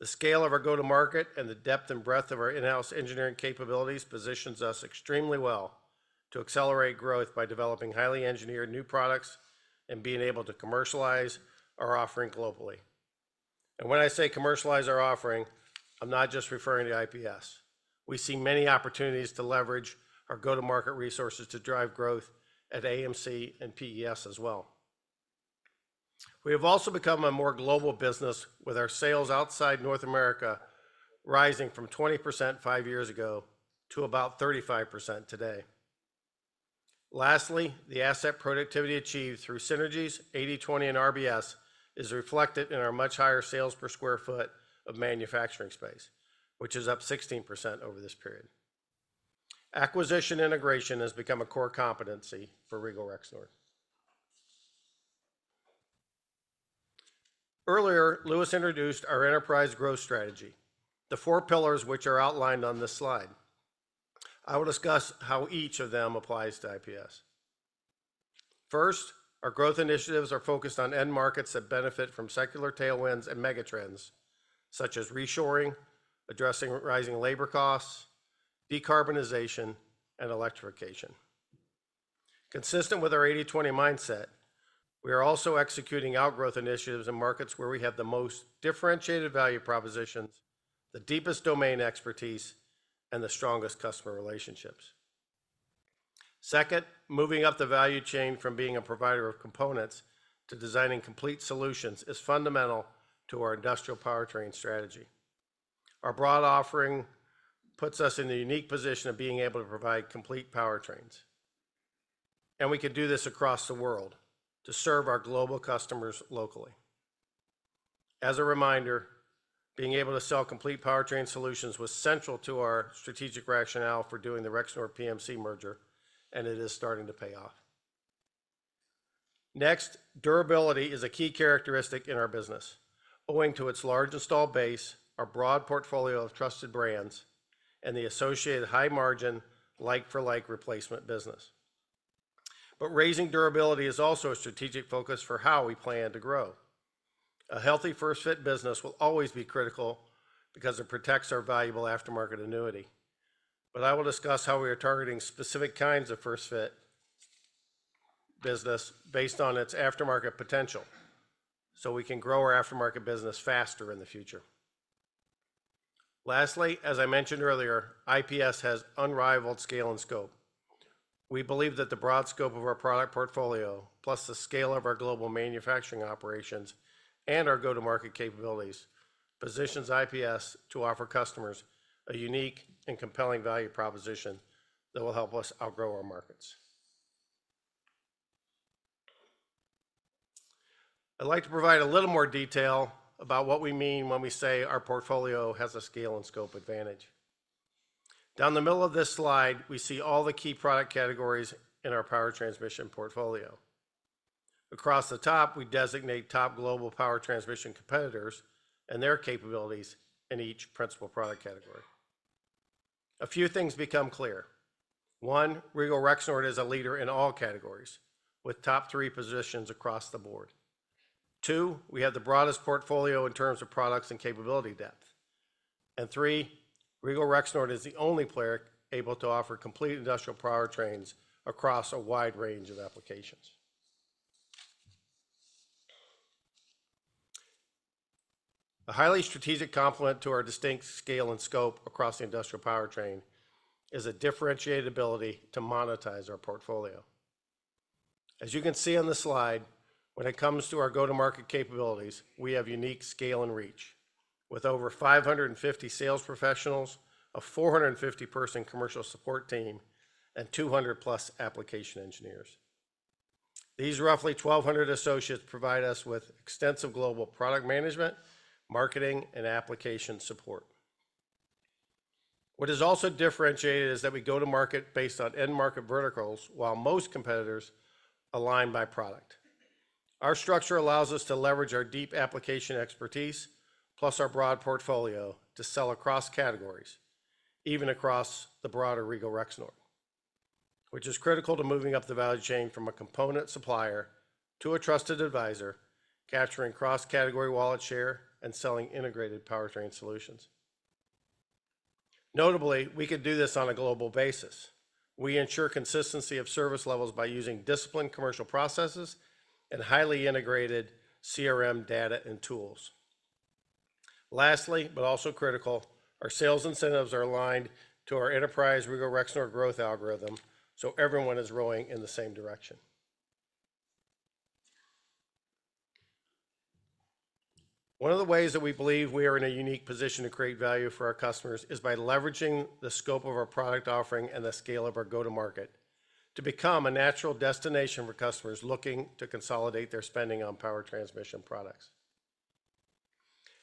The scale of our go-to-market and the depth and breadth of our in-house engineering capabilities positions us extremely well to accelerate growth by developing highly engineered new products and being able to commercialize our offering globally, and when I say commercialize our offering, I'm not just referring to IPS. We see many opportunities to leverage our go-to-market resources to drive growth at AMC and PES as well. We have also become a more global business with our sales outside North America rising from 20% five years ago to about 35% today. Lastly, the asset productivity achieved through synergies, 80/20, and RBS is reflected in our much higher sales per sq ft of manufacturing space, which is up 16% over this period. Acquisition integration has become a core competency for Regal Rexnord. Earlier, Louis introduced our enterprise growth strategy, the four pillars which are outlined on this slide. I will discuss how each of them applies to IPS. First, our growth initiatives are focused on end markets that benefit from secular tailwinds and megatrends, such as reshoring, addressing rising labor costs, decarbonization, and electrification. Consistent with our 80/20 mindset, we are also executing outgrowth initiatives in markets where we have the most differentiated value propositions, the deepest domain expertise, and the strongest customer relationships. Second, moving up the value chain from being a provider of components to designing complete solutions is fundamental to our industrial powertrain strategy. Our broad offering puts us in the unique position of being able to provide complete powertrains, and we can do this across the world to serve our global customers locally. As a reminder, being able to sell complete powertrain solutions was central to our strategic rationale for doing the Rexnord PMC merger, and it is starting to pay off. Next, durability is a key characteristic in our business, owing to its large installed base, our broad portfolio of trusted brands, and the associated high-margin like-for-like replacement business. But raising durability is also a strategic focus for how we plan to grow. A healthy first-fit business will always be critical because it protects our valuable aftermarket annuity. But I will discuss how we are targeting specific kinds of first-fit business based on its aftermarket potential so we can grow our aftermarket business faster in the future. Lastly, as I mentioned earlier, IPS has unrivaled scale and scope. We believe that the broad scope of our product portfolio, plus the scale of our global manufacturing operations and our go-to-market capabilities, positions IPS to offer customers a unique and compelling value proposition that will help us outgrow our markets. I'd like to provide a little more detail about what we mean when we say our portfolio has a scale and scope advantage. Down the middle of this slide, we see all the key product categories in our power transmission portfolio. Across the top, we designate top global power transmission competitors and their capabilities in each principal product category. A few things become clear. One, Regal Rexnord is a leader in all categories with top three positions across the board. Two, we have the broadest portfolio in terms of products and capability depth. And three, Regal Rexnord is the only player able to offer complete industrial powertrains across a wide range of applications. A highly strategic complement to our distinct scale and scope across the industrial powertrain is a differentiated ability to monetize our portfolio. As you can see on the slide, when it comes to our go-to-market capabilities, we have unique scale and reach with over 550 sales professionals, a 450-person commercial support team, and 200+ application engineers. These roughly 1,200 associates provide us with extensive global product management, marketing, and application support. What is also differentiated is that we go to market based on end market verticals while most competitors align by product. Our structure allows us to leverage our deep application expertise, plus our broad portfolio, to sell across categories, even across the broader Regal Rexnord, which is critical to moving up the value chain from a component supplier to a trusted advisor, capturing cross-category wallet share and selling integrated powertrain solutions. Notably, we can do this on a global basis. We ensure consistency of service levels by using disciplined commercial processes and highly integrated CRM data and tools. Lastly, but also critical, our sales incentives are aligned to our enterprise Regal Rexnord growth algorithm, so everyone is rowing in the same direction. One of the ways that we believe we are in a unique position to create value for our customers is by leveraging the scope of our product offering and the scale of our go-to-market to become a natural destination for customers looking to consolidate their spending on power transmission products.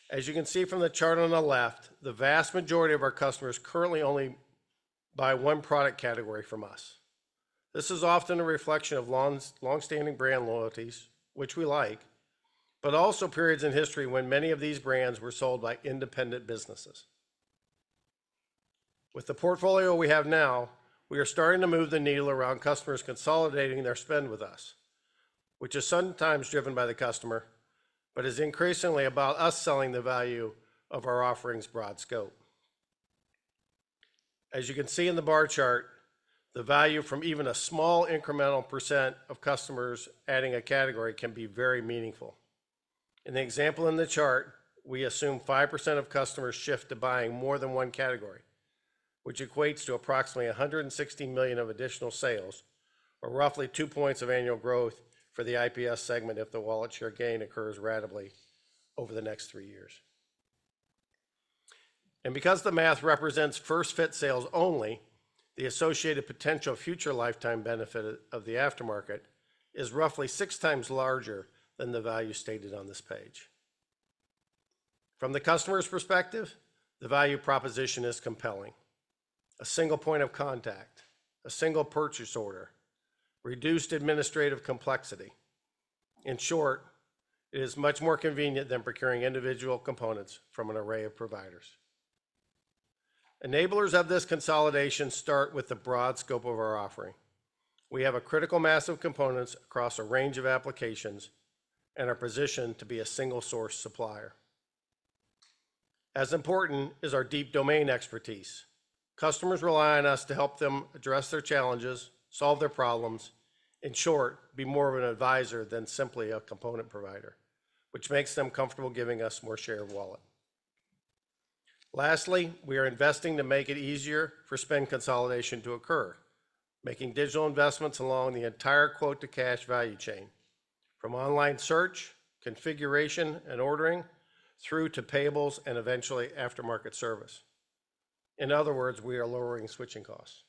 As you can see from the chart on the left, the vast majority of our customers currently only buy one product category from us. This is often a reflection of long-standing brand loyalties, which we like, but also periods in history when many of these brands were sold by independent businesses. With the portfolio we have now, we are starting to move the needle around customers consolidating their spend with us, which is sometimes driven by the customer, but is increasingly about us selling the value of our offering's broad scope. As you can see in the bar chart, the value from even a small incremental percent of customers adding a category can be very meaningful. In the example in the chart, we assume 5% of customers shift to buying more than one category, which equates to approximately $160 million of additional sales, or roughly two points of annual growth for the IPS segment if the wallet share gain occurs gradually over the next three years. Because the math represents first-fit sales only, the associated potential future lifetime benefit of the aftermarket is roughly six times larger than the value stated on this page. From the customer's perspective, the value proposition is compelling. A single point of contact, a single purchase order, reduced administrative complexity. In short, it is much more convenient than procuring individual components from an array of providers. Enablers of this consolidation start with the broad scope of our offering. We have a critical mass of components across a range of applications and are positioned to be a single-source supplier. As important is our deep domain expertise. Customers rely on us to help them address their challenges, solve their problems, in short, be more of an advisor than simply a component provider, which makes them comfortable giving us more share of wallet. Lastly, we are investing to make it easier for spend consolidation to occur, making digital investments along the entire quote-to-cash value chain, from online search, configuration, and ordering, through to payables and eventually aftermarket service. In other words, we are lowering switching costs.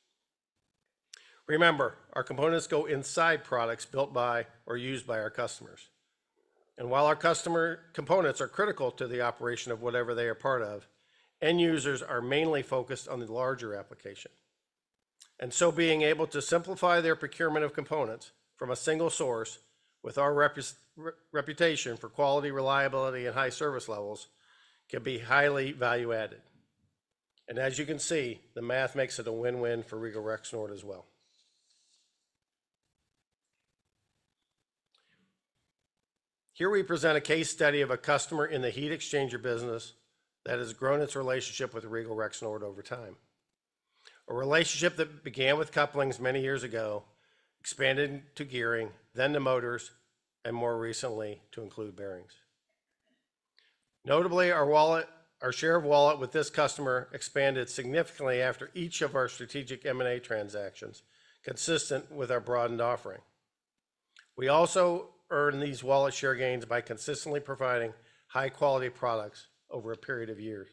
Remember, our components go inside products built by or used by our customers. And while our customer components are critical to the operation of whatever they are part of, end users are mainly focused on the larger application. And so being able to simplify their procurement of components from a single source with our reputation for quality, reliability, and high service levels can be highly value-added. And as you can see, the math makes it a win-win for Regal Rexnord as well. Here we present a case study of a customer in the heat exchanger business that has grown its relationship with Regal Rexnord over time. A relationship that began with couplings many years ago, expanded to gearing, then to motors, and more recently to include bearings. Notably, our share of wallet with this customer expanded significantly after each of our strategic M&A transactions consistent with our broadened offering. We also earned these wallet share gains by consistently providing high-quality products over a period of years.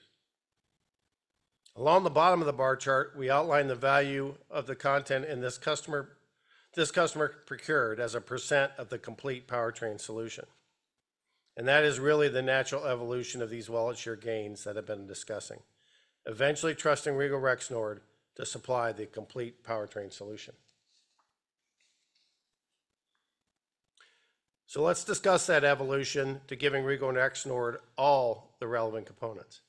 Along the bottom of the bar chart, we outline the value of the content this customer procured as a % of the complete powertrain solution. And that is really the natural evolution of these wallet share gains that have been discussing, eventually trusting Regal Rexnord to supply the complete powertrain solution. So let's discuss that evolution to giving Regal Rexnord all the relevant components.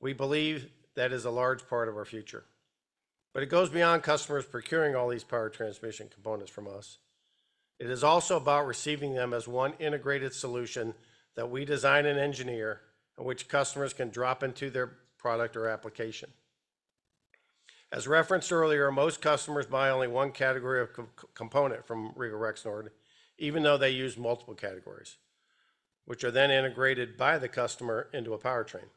We believe that is a large part of our future. But it goes beyond customers procuring all these power transmission components from us. It is also about receiving them as one integrated solution that we design and engineer in which customers can drop into their product or application. As referenced earlier, most customers buy only one category of component from Regal Rexnord, even though they use multiple categories, which are then integrated by the customer into a powertrain.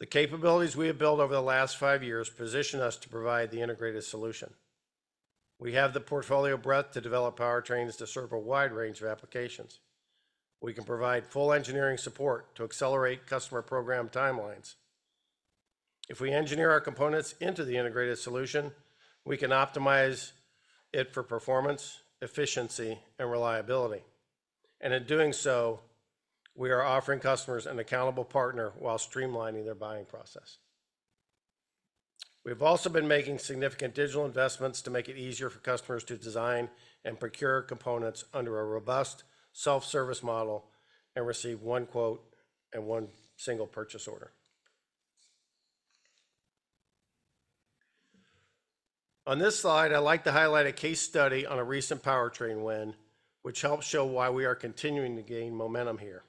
The capabilities we have built over the last five years position us to provide the integrated solution. We have the portfolio breadth to develop powertrains to serve a wide range of applications. We can provide full engineering support to accelerate customer program timelines. If we engineer our components into the integrated solution, we can optimize it for performance, efficiency, and reliability, and in doing so, we are offering customers an accountable partner while streamlining their buying process. We've also been making significant digital investments to make it easier for customers to design and procure components under a robust self-service model and receive one quote and one single purchase order. On this slide, I'd like to highlight a case study on a recent powertrain win, which helps show why we are continuing to gain momentum here.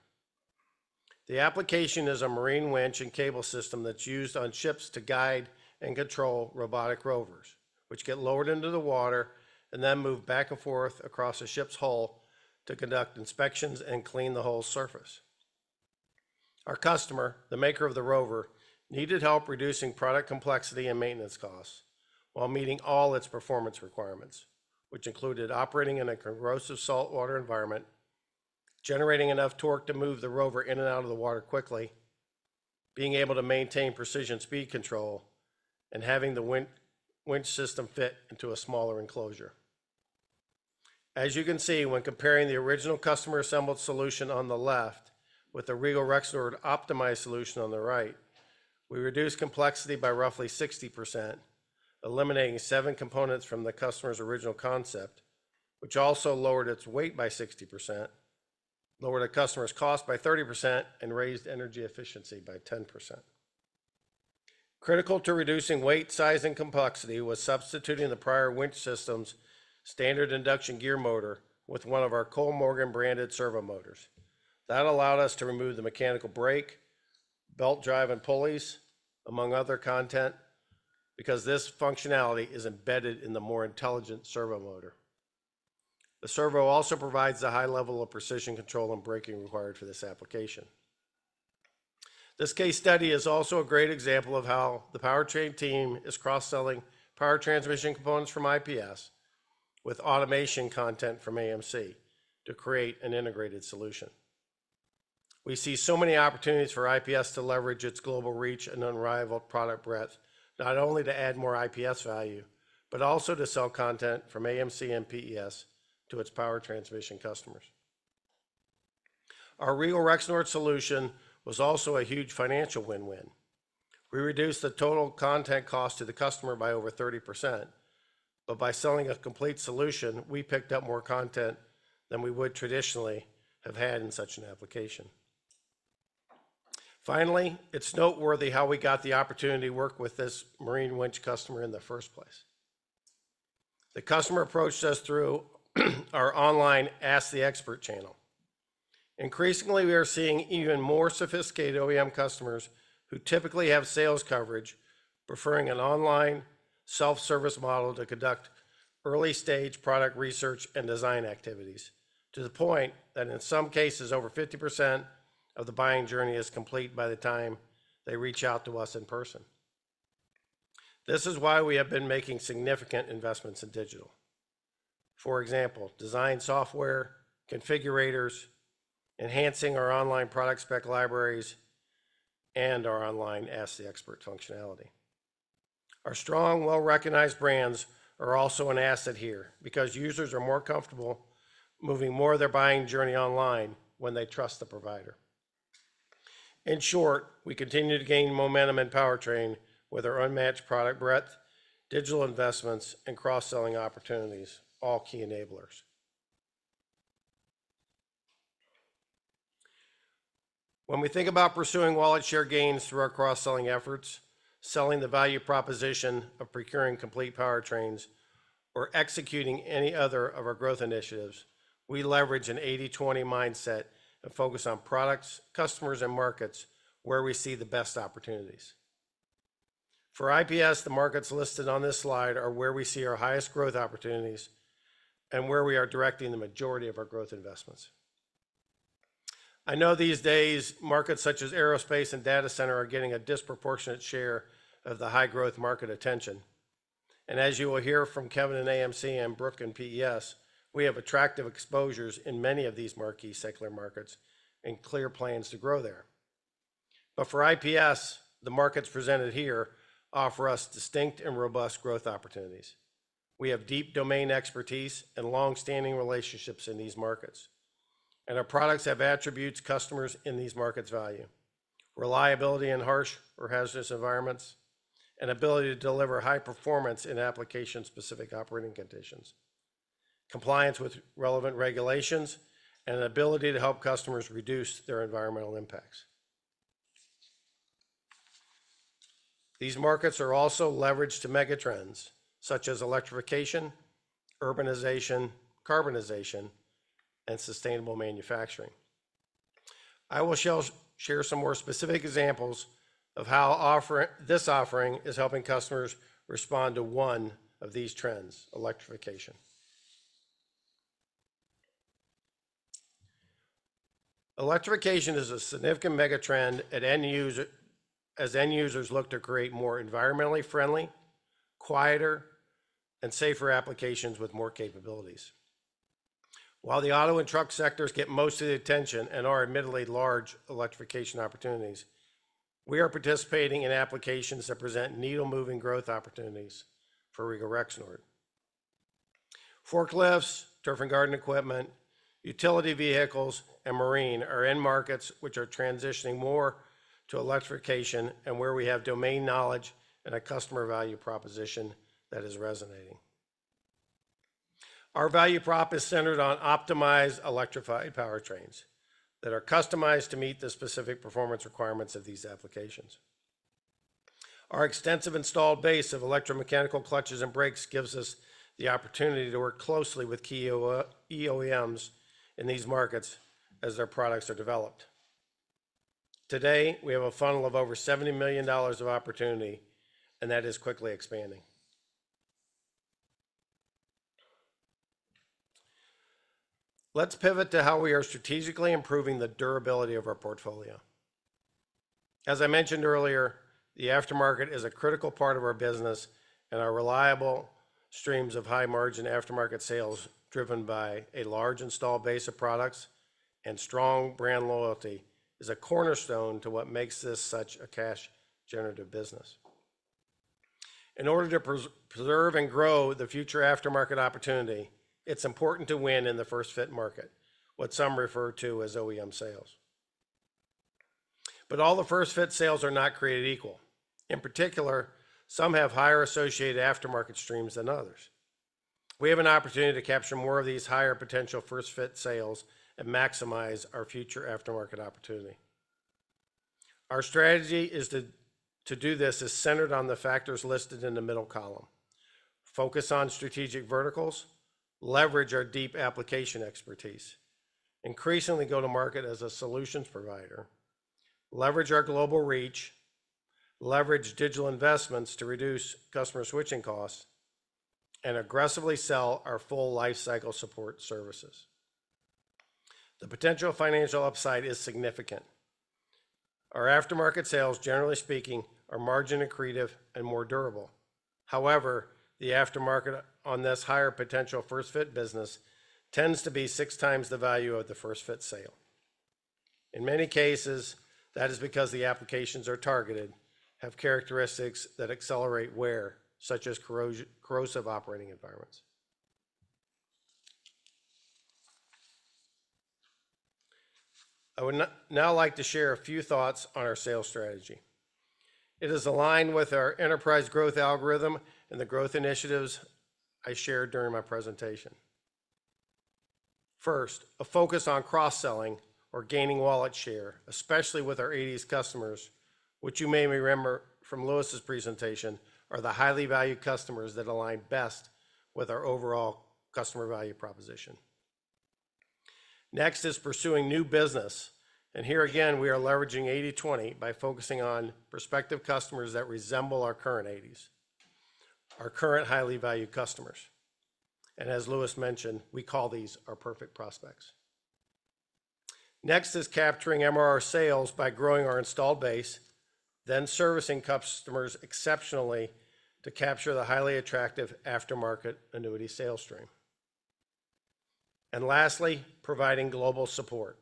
The application is a marine winch and cable system that's used on ships to guide and control robotic rovers, which get lowered into the water and then move back and forth across a ship's hull to conduct inspections and clean the hull surface. Our customer, the maker of the rover, needed help reducing product complexity and maintenance costs while meeting all its performance requirements, which included operating in a corrosive saltwater environment, generating enough torque to move the rover in and out of the water quickly, being able to maintain precision speed control, and having the winch system fit into a smaller enclosure. As you can see, when comparing the original customer-assembled solution on the left with the Regal Rexnord optimized solution on the right, we reduced complexity by roughly 60%, eliminating seven components from the customer's original concept, which also lowered its weight by 60%, lowered a customer's cost by 30%, and raised energy efficiency by 10%. Critical to reducing weight, size, and complexity was substituting the prior winch system's standard induction gear motor with one of our Kollmorgen branded servo motors. That allowed us to remove the mechanical brake, belt drive, and pulleys, among other content, because this functionality is embedded in the more intelligent servo motor. The servo also provides a high level of precision control and braking required for this application. This case study is also a great example of how the powertrain team is cross-selling power transmission components from IPS with automation content from AMC to create an integrated solution. We see so many opportunities for IPS to leverage its global reach and unrivaled product breadth, not only to add more IPS value, but also to sell content from AMC and PES to its power transmission customers. Our Regal Rexnord solution was also a huge financial win-win. We reduced the total content cost to the customer by over 30%. But by selling a complete solution, we picked up more content than we would traditionally have had in such an application. Finally, it's noteworthy how we got the opportunity to work with this marine winch customer in the first place. The customer approached us through our online Ask the Expert channel. Increasingly, we are seeing even more sophisticated OEM customers who typically have sales coverage, preferring an online self-service model to conduct early-stage product research and design activities, to the point that in some cases, over 50% of the buying journey is complete by the time they reach out to us in person. This is why we have been making significant investments in digital. For example, design software, configurators, enhancing our online product spec libraries, and our online Ask the Expert functionality. Our strong, well-recognized brands are also an asset here because users are more comfortable moving more of their buying journey online when they trust the provider. In short, we continue to gain momentum in powertrain with our unmatched product breadth, digital investments, and cross-selling opportunities, all key enablers. When we think about pursuing wallet share gains through our cross-selling efforts, selling the value proposition of procuring complete powertrains, or executing any other of our growth initiatives, we leverage an 80/20 mindset and focus on products, customers, and markets where we see the best opportunities. For IPS, the markets listed on this slide are where we see our highest growth opportunities and where we are directing the majority of our growth investments. I know these days, markets such as aerospace and data center are getting a disproportionate share of the high-growth market attention. As you will hear from Kevin in AMC and Brooke in PES, we have attractive exposures in many of these marquee secular markets and clear plans to grow there. But for IPS, the markets presented here offer us distinct and robust growth opportunities. We have deep domain expertise and long-standing relationships in these markets. Our products have attributes customers in these markets value: reliability in harsh or hazardous environments, an ability to deliver high performance in application-specific operating conditions, compliance with relevant regulations, and an ability to help customers reduce their environmental impacts. These markets are also leveraged to megatrends such as electrification, urbanization, carbonization, and sustainable manufacturing. I will share some more specific examples of how this offering is helping customers respond to one of these trends: electrification. Electrification is a significant megatrend as end users look to create more environmentally friendly, quieter, and safer applications with more capabilities. While the auto and truck sectors get most of the attention and are admittedly large electrification opportunities, we are participating in applications that present needle-moving growth opportunities for Regal Rexnord. Forklifts, turf and garden equipment, utility vehicles, and marine are in markets which are transitioning more to electrification and where we have domain knowledge and a customer value proposition that is resonating. Our value prop is centered on optimized electrified powertrains that are customized to meet the specific performance requirements of these applications. Our extensive installed base of electromechanical clutches and brakes gives us the opportunity to work closely with key OEMs in these markets as their products are developed. Today, we have a funnel of over $70 million of opportunity, and that is quickly expanding. Let's pivot to how we are strategically improving the durability of our portfolio. As I mentioned earlier, the aftermarket is a critical part of our business, and our reliable streams of high-margin aftermarket sales driven by a large installed base of products and strong brand loyalty is a cornerstone to what makes this such a cash-generative business. In order to preserve and grow the future aftermarket opportunity, it's important to win in the first-fit market, what some refer to as OEM sales. But all the first-fit sales are not created equal. In particular, some have higher associated aftermarket streams than others. We have an opportunity to capture more of these higher potential first-fit sales and maximize our future aftermarket opportunity. Our strategy is to do this as centered on the factors listed in the middle column: focus on strategic verticals, leverage our deep application expertise, increasingly go to market as a solutions provider, leverage our global reach, leverage digital investments to reduce customer switching costs, and aggressively sell our full lifecycle support services. The potential financial upside is significant. Our aftermarket sales, generally speaking, are margin accretive and more durable. However, the aftermarket on this higher potential first-fit business tends to be six times the value of the first-fit sale. In many cases, that is because the applications are targeted, have characteristics that accelerate wear, such as corrosive operating environments. I would now like to share a few thoughts on our sales strategy. It is aligned with our enterprise growth algorithm and the growth initiatives I shared during my presentation. First, a focus on cross-selling or gaining wallet share, especially with our 80/20 customers, which you may remember from Louis' presentation, are the highly valued customers that align best with our overall customer value proposition. Next is pursuing new business, and here again, we are leveraging 80/20 by focusing on prospective customers that resemble our current 80/20, our current highly valued customers. And as Louis mentioned, we call these our perfect prospects. Next is capturing MRO sales by growing our installed base, then servicing customers exceptionally to capture the highly attractive aftermarket annuity sales stream, and lastly, providing global support.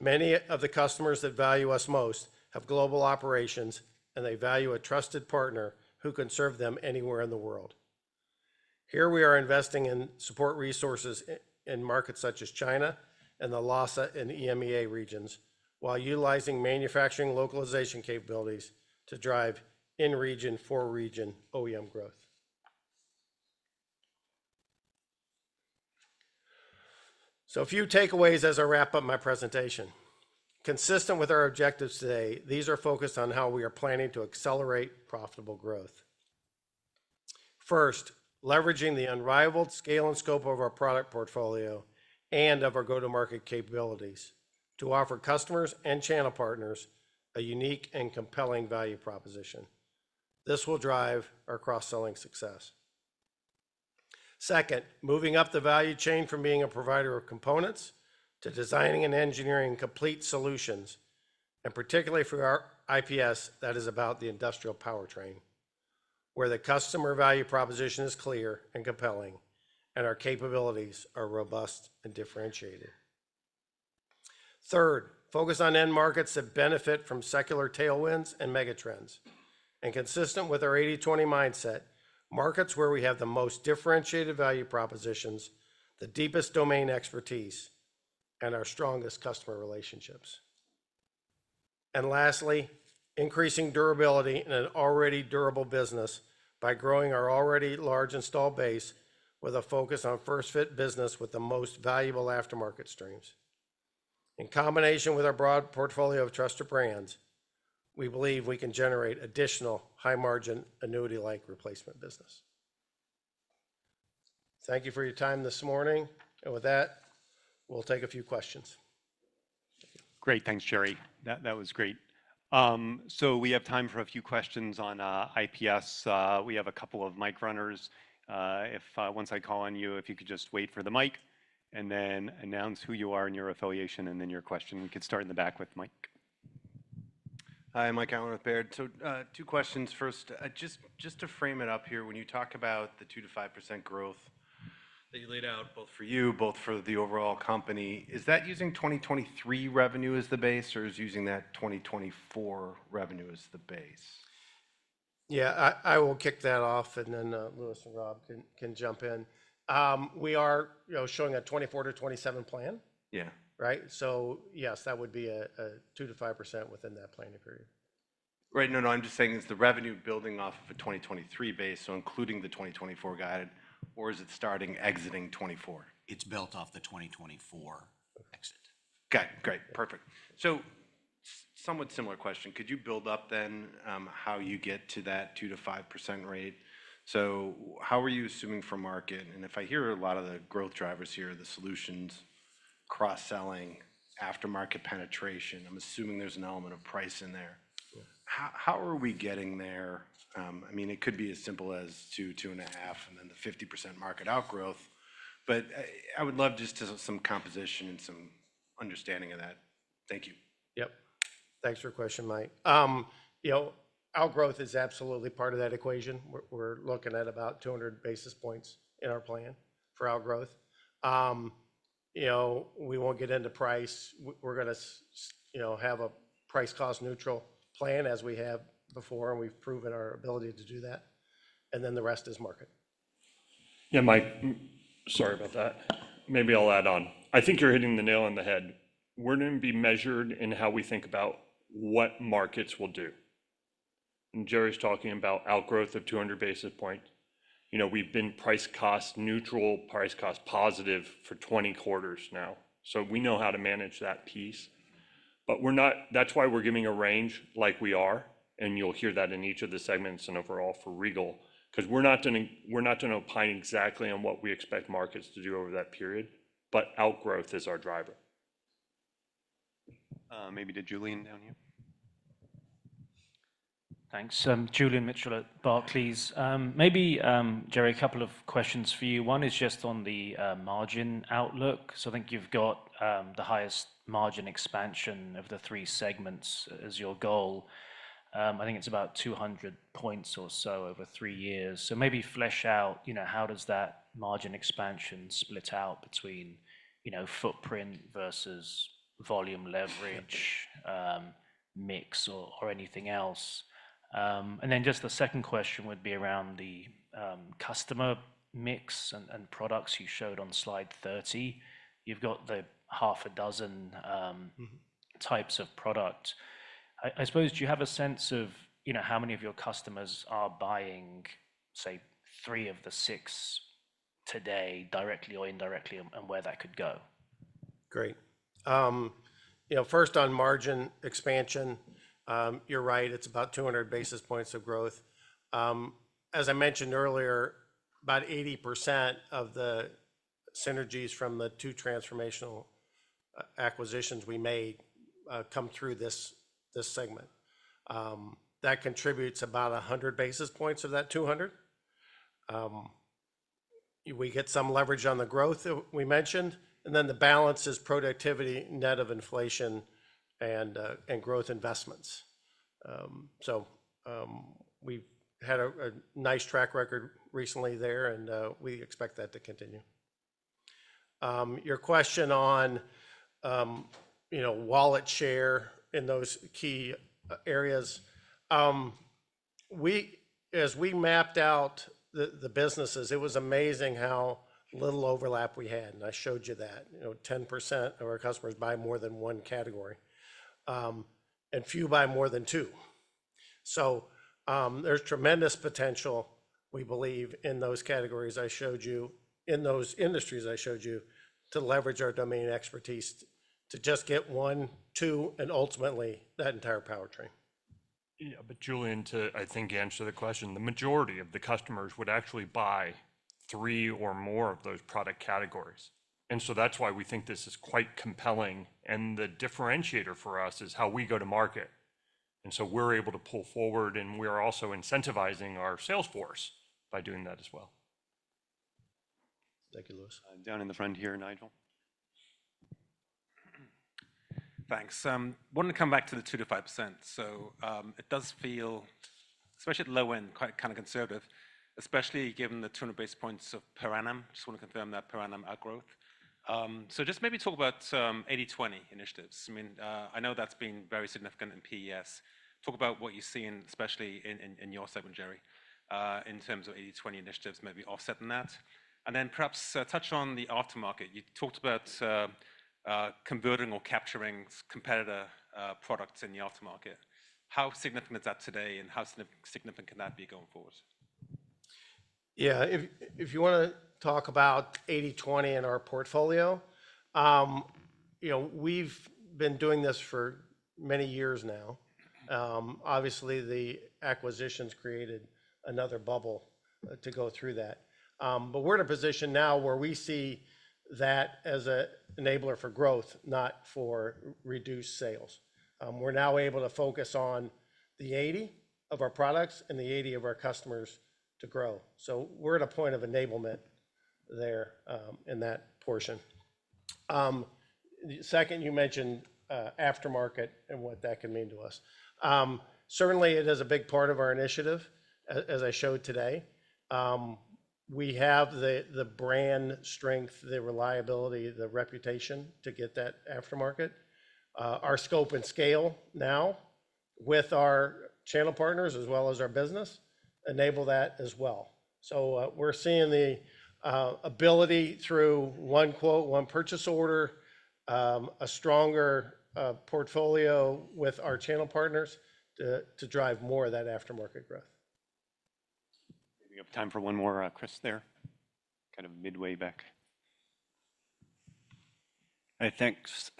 Many of the customers that value us most have global operations, and they value a trusted partner who can serve them anywhere in the world. Here we are investing in support resources in markets such as China and the Asia and EMEA regions while utilizing manufacturing localization capabilities to drive in-region, for-region OEM growth, so a few takeaways as I wrap up my presentation. Consistent with our objectives today, these are focused on how we are planning to accelerate profitable growth. First, leveraging the unrivaled scale and scope of our product portfolio and of our go-to-market capabilities to offer customers and channel partners a unique and compelling value proposition. This will drive our cross-selling success. Second, moving up the value chain from being a provider of components to designing and engineering complete solutions, and particularly for our IPS, that is about the industrial powertrain, where the customer value proposition is clear and compelling and our capabilities are robust and differentiated. Third, focus on end markets that benefit from secular tailwinds and megatrends. And consistent with our 80/20 mindset, markets where we have the most differentiated value propositions, the deepest domain expertise, and our strongest customer relationships. And lastly, increasing durability in an already durable business by growing our already large installed base with a focus on first-fit business with the most valuable aftermarket streams. In combination with our broad portfolio of trusted brands, we believe we can generate additional high-margin annuity-like replacement business. Thank you for your time this morning. And with that, we'll take a few questions. Great. Thanks, Jerry. That was great. So we have time for a few questions on IPS. We have a couple of mic runners. Once I call on you, if you could just wait for the mic and then announce who you are and your affiliation and then your question. We could start in the back with Mike. Hi, Mike Halloran, Baird. So two questions. First, just to frame it up here, when you talk about the 2%-5% growth that you laid out, both for you, both for the overall company, is that using 2023 revenue as the base or is using that 2024 revenue as the base? Yeah, I will kick that off, and then Louis and Rob can jump in. We are showing a 2024 to 2027 plan. Yeah. Right? So yes, that would be a 2%-5% within that planning period. Right. No, no. I'm just saying is the revenue building off of a 2023 base, so including the 2024 guided, or is it starting exiting 2024? It's built off the 2024 exit. Okay. Great. Perfect. So somewhat similar question. Could you build up then how you get to that 2%-5% rate? So how are you assuming for market? And if I hear a lot of the growth drivers here, the solutions, cross-selling, aftermarket penetration, I'm assuming there's an element of price in there. How are we getting there? I mean, it could be as simple as two, two and a half, and then the 50% market outgrowth. But I would love just some composition and some understanding of that. Thank you. Yep. Thanks for your question, Mike. Outgrowth is absolutely part of that equation. We're looking at about 200 basis points in our plan for outgrowth. We won't get into price. We're going to have a price-cost-neutral plan as we have before, and we've proven our ability to do that. And then the rest is market. Yeah, Mike. Sorry about that. Maybe I'll add on. I think you're hitting the nail on the head. We're going to be measured in how we think about what markets will do. And Jerry's talking about outgrowth of 200 basis points. We've been price-cost-neutral, price-cost-positive for 20 quarters now. So we know how to manage that piece. But that's why we're giving a range like we are. And you'll hear that in each of the segments and overall for Regal because we're not going to opine exactly on what we expect markets to do over that period, but outgrowth is our driver. Maybe it's Julian down here? Thanks. Julian Mitchell at Barclays. Maybe, Jerry, a couple of questions for you. One is just on the margin outlook. So I think you've got the highest margin expansion of the three segments as your goal. I think it's about 200 points or so over three years. So maybe flesh out how does that margin expansion split out between footprint versus volume leverage mix or anything else? And then just the second question would be around the customer mix and products you showed on slide 30. You've got the half a dozen types of product. I suppose, do you have a sense of how many of your customers are buying, say, three of the six today directly or indirectly and where that could go? Great. First, on margin expansion, you're right. It's about 200 basis points of growth. As I mentioned earlier, about 80% of the synergies from the two transformational acquisitions we made come through this segment. That contributes about 100 basis points of that 200. We get some leverage on the growth that we mentioned. And then the balance is productivity, net of inflation, and growth investments. So we've had a nice track record recently there, and we expect that to continue. Your question on wallet share in those key areas, as we mapped out the businesses, it was amazing how little overlap we had. And I showed you that. 10% of our customers buy more than one category, and few buy more than two. So there's tremendous potential, we believe, in those categories I showed you, in those industries I showed you, to leverage our domain expertise to just get one, two, and ultimately that entire powertrain. But Julian, to, I think, answer the question, the majority of the customers would actually buy three or more of those product categories. And so that's why we think this is quite compelling. And the differentiator for us is how we go to market. And so we're able to pull forward, and we are also incentivizing our sales force by doing that as well. Thank you, Louis. Down in the front here, Nigel. Thanks. I want to come back to the 2%-5%. So it does feel, especially at the low end, quite kind of conservative, especially given the 200 basis points of per annum. Just want to confirm that per annum outgrowth. So just maybe talk about 80/20 initiatives. I mean, I know that's been very significant in PES. Talk about what you're seeing, especially in your segment, Jerry, in terms of 80/20 initiatives, maybe offsetting that. And then perhaps touch on the aftermarket. You talked about converting or capturing competitor products in the aftermarket. How significant is that today, and how significant can that be going forward? Yeah. If you want to talk about 80/20 in our portfolio, we've been doing this for many years now. Obviously, the acquisitions created another bubble to go through that. But we're in a position now where we see that as an enabler for growth, not for reduced sales. We're now able to focus on the 80 of our products and the 80 of our customers to grow. So we're at a point of enablement there in that portion. Second, you mentioned aftermarket and what that can mean to us. Certainly, it is a big part of our initiative, as I showed today. We have the brand strength, the reliability, the reputation to get that aftermarket. Our scope and scale now with our channel partners as well as our business enable that as well. So we're seeing the ability through one quote, one purchase order, a stronger portfolio with our channel partners to drive more of that aftermarket growth. We have time for one more, Chris, there. Kind of midway back. Hey, thanks,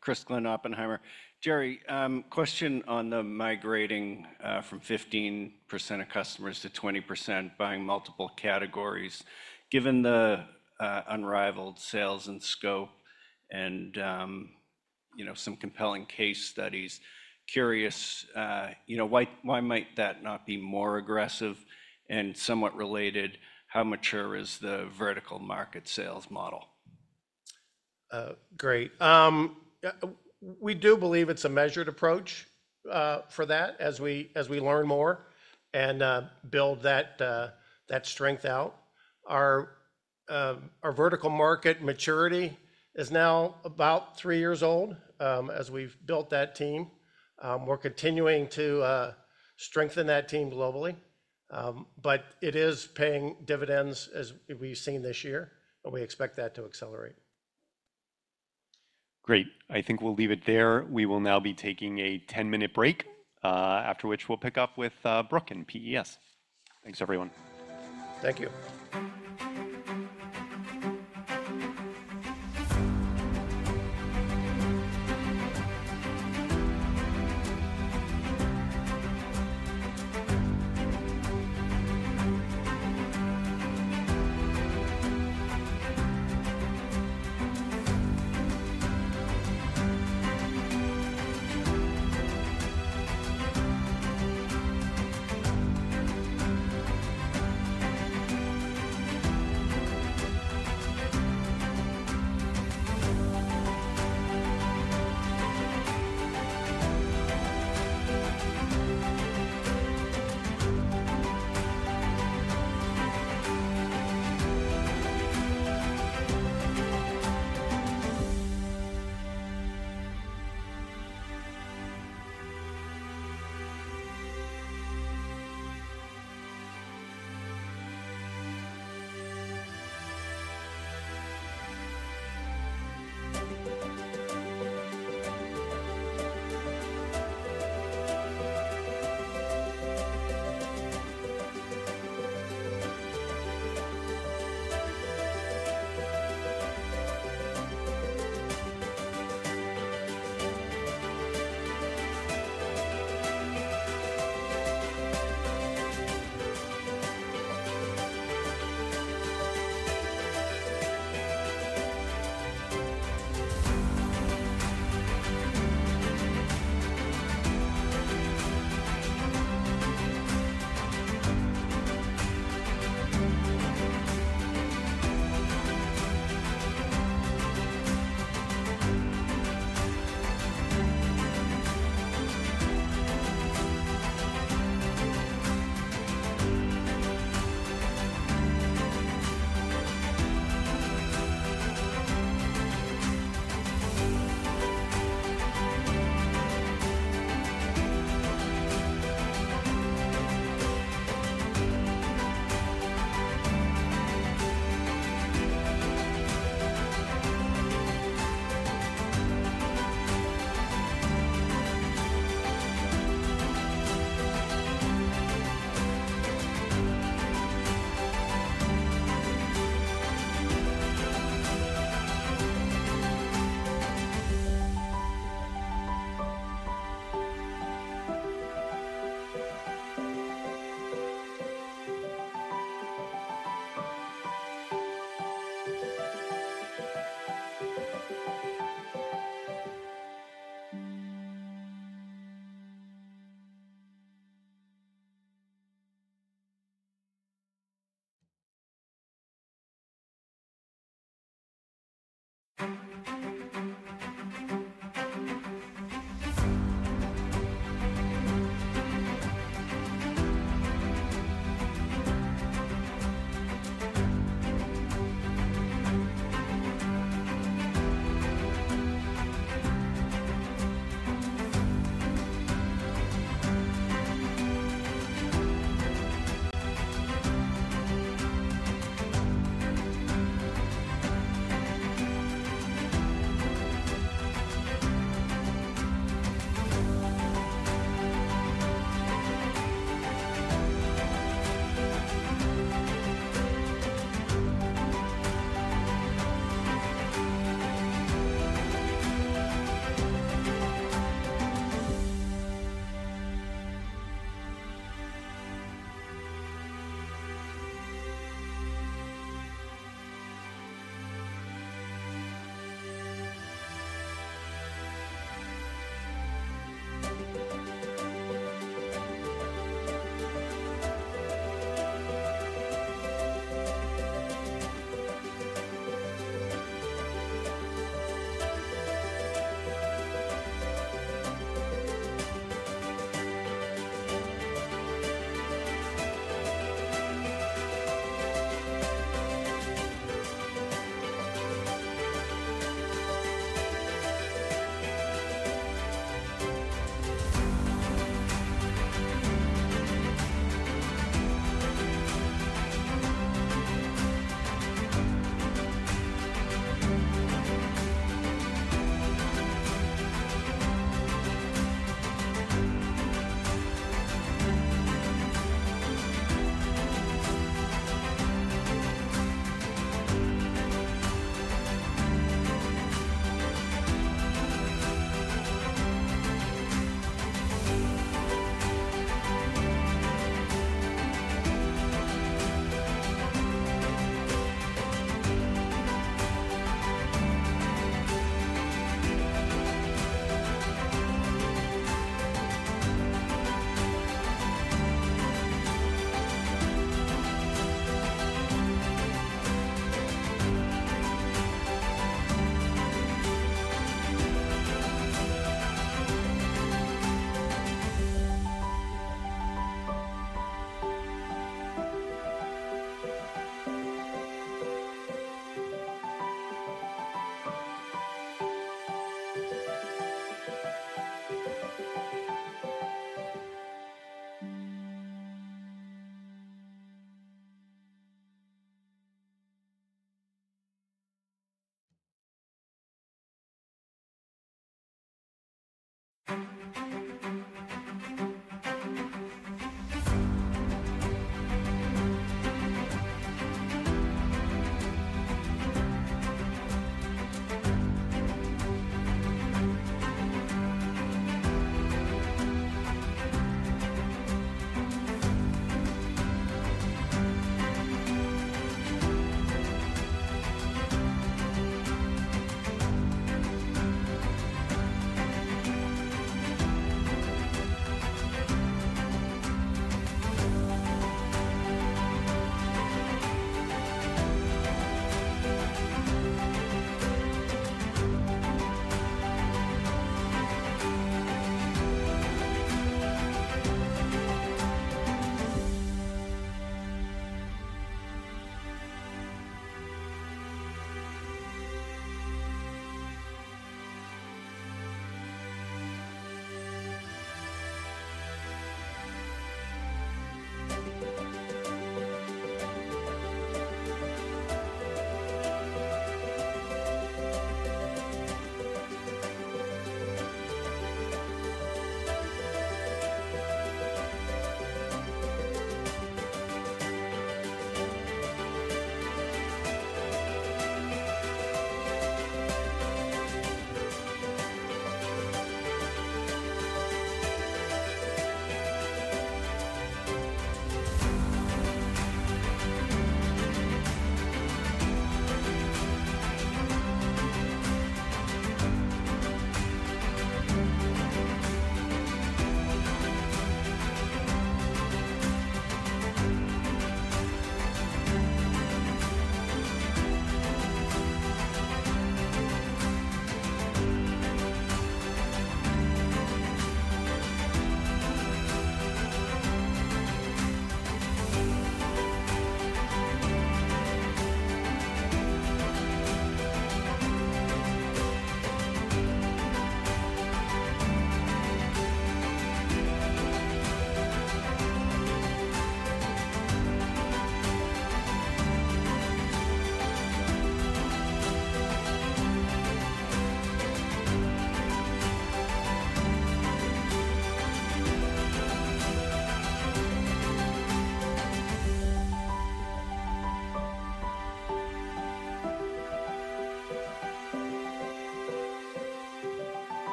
Chris Glynn, Oppenheimer. Jerry, question on the migrating from 15% of customers to 20% buying multiple categories. Given the unrivaled sales and scope and some compelling case studies, curious, why might that not be more aggressive and somewhat related? How mature is the vertical market sales model? Great. We do believe it's a measured approach for that as we learn more and build that strength out. Our vertical market maturity is now about three years old as we've built that team. We're continuing to strengthen that team globally. But it is paying dividends as we've seen this year, and we expect that to accelerate. Great. I think we'll leave it there. We will now be taking a 10-minute break, after which we'll pick up with Brooke in PES. Thanks, everyone. Thank you.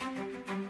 We're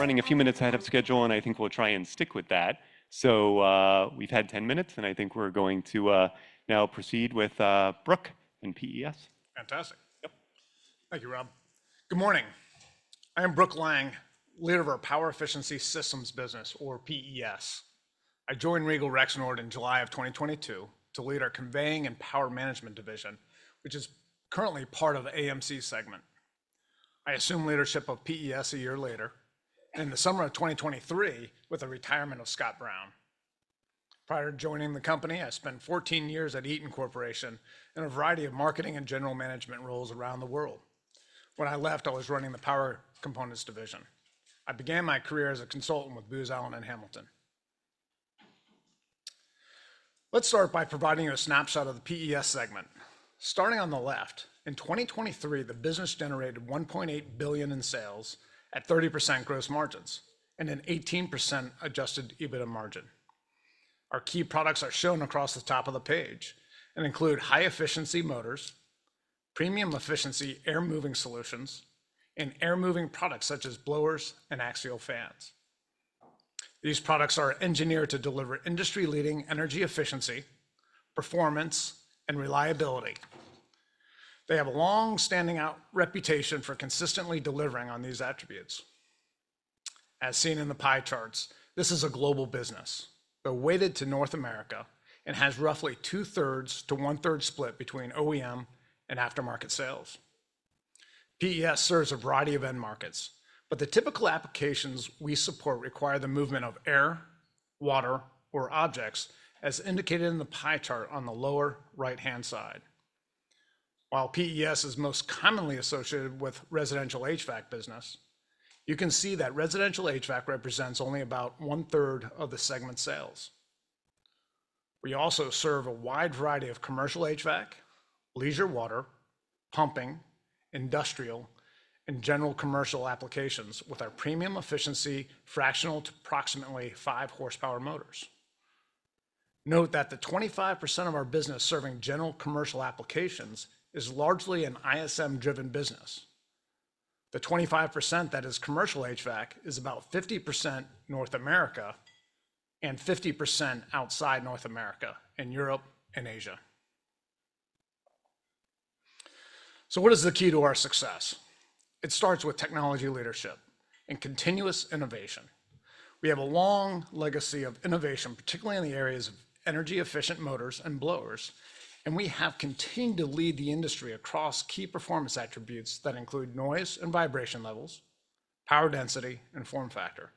running a few minutes ahead of schedule, and I think we'll try and stick with that, so we've had 10 minutes, and I think we're going to now proceed with Brooke in PES. Fantastic. Yep. Thank you, Rob. Good morning. I am Brooke Lang, leader of our Power Efficiency Systems business, or PES. I joined Regal Rexnord in July of 2022 to lead our conveying and power management division, which is currently part of the AMC segment. I assume leadership of PES a year later in the summer of 2023 with the retirement of Scott Brown. Prior to joining the company, I spent 14 years at Eaton Corporation in a variety of marketing and general management roles around the world. When I left, I was running the power components division. I began my career as a consultant with Booz Allen Hamilton. Let's start by providing you a snapshot of the PES segment. Starting on the left, in 2023, the business generated $1.8 billion in sales at 30% gross margins and an 18% Adjusted EBITDA margin. Our key products are shown across the top of the page and include high-efficiency motors, premium-efficiency air-moving solutions, and air-moving products such as blowers and axial fans. These products are engineered to deliver industry-leading energy efficiency, performance, and reliability. They have a long-standing reputation for consistently delivering on these attributes. As seen in the pie charts, this is a global business. They're weighted to North America and have roughly two-thirds to one-third split between OEM and aftermarket sales. PES serves a variety of end markets, but the typical applications we support require the movement of air, water, or objects, as indicated in the pie chart on the lower right-hand side. While PES is most commonly associated with residential HVAC business, you can see that residential HVAC represents only about one-third of the segment sales. We also serve a wide variety of commercial HVAC, leisure water, pumping, industrial, and general commercial applications with our premium-efficiency fractional to approximately five-horsepower motors. Note that the 25% of our business serving general commercial applications is largely an ISM-driven business. The 25% that is commercial HVAC is about 50% North America and 50% outside North America and Europe and Asia. So what is the key to our success? It starts with technology leadership and continuous innovation. We have a long legacy of innovation, particularly in the areas of energy-efficient motors and blowers, and we have continued to lead the industry across key performance attributes that include noise and vibration levels, power density, and form factor.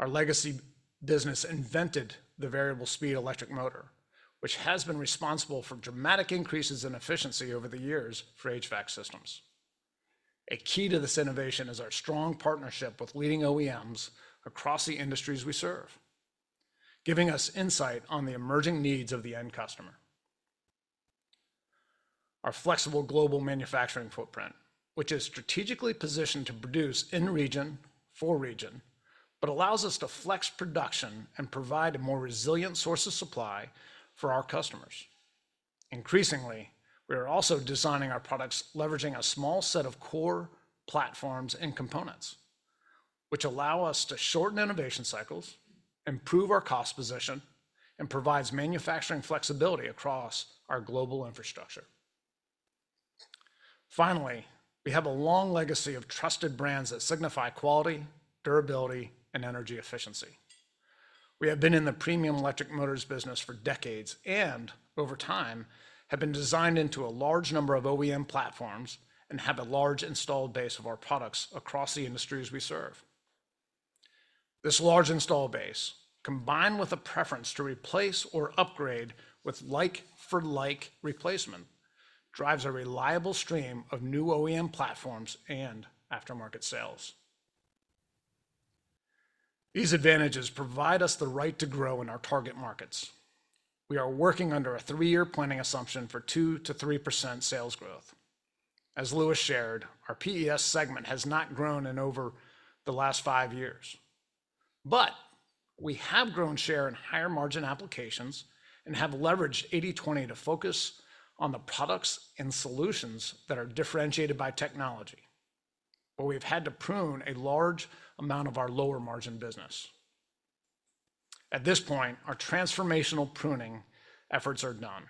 Our legacy business invented the variable-speed electric motor, which has been responsible for dramatic increases in efficiency over the years for HVAC systems. A key to this innovation is our strong partnership with leading OEMs across the industries we serve, giving us insight on the emerging needs of the end customer. Our flexible global manufacturing footprint, which is strategically positioned to produce in region for region, allows us to flex production and provide a more resilient source of supply for our customers. Increasingly, we are also designing our products, leveraging a small set of core platforms and components, which allow us to shorten innovation cycles, improve our cost position, and provide manufacturing flexibility across our global infrastructure. Finally, we have a long legacy of trusted brands that signify quality, durability, and energy efficiency. We have been in the premium electric motors business for decades and, over time, have been designed into a large number of OEM platforms and have a large installed base of our products across the industries we serve. This large installed base, combined with a preference to replace or upgrade with like-for-like replacement, drives a reliable stream of new OEM platforms and aftermarket sales. These advantages provide us the right to grow in our target markets. We are working under a three-year planning assumption for 2%-3% sales growth. As Louis shared, our PES segment has not grown in over the last five years, but we have grown share in higher margin applications and have leveraged 80/20 to focus on the products and solutions that are differentiated by technology, where we've had to prune a large amount of our lower margin business. At this point, our transformational pruning efforts are done,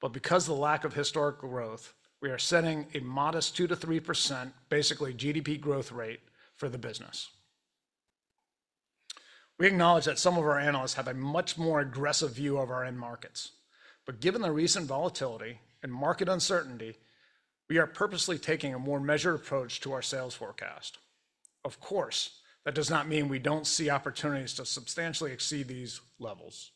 but because of the lack of historical growth, we are setting a modest 2%-3% basically GDP growth rate for the business. We acknowledge that some of our analysts have a much more aggressive view of our end markets, but given the recent volatility and market uncertainty, we are purposely taking a more measured approach to our sales forecast. Of course, that does not mean we don't see opportunities to substantially exceed these levels.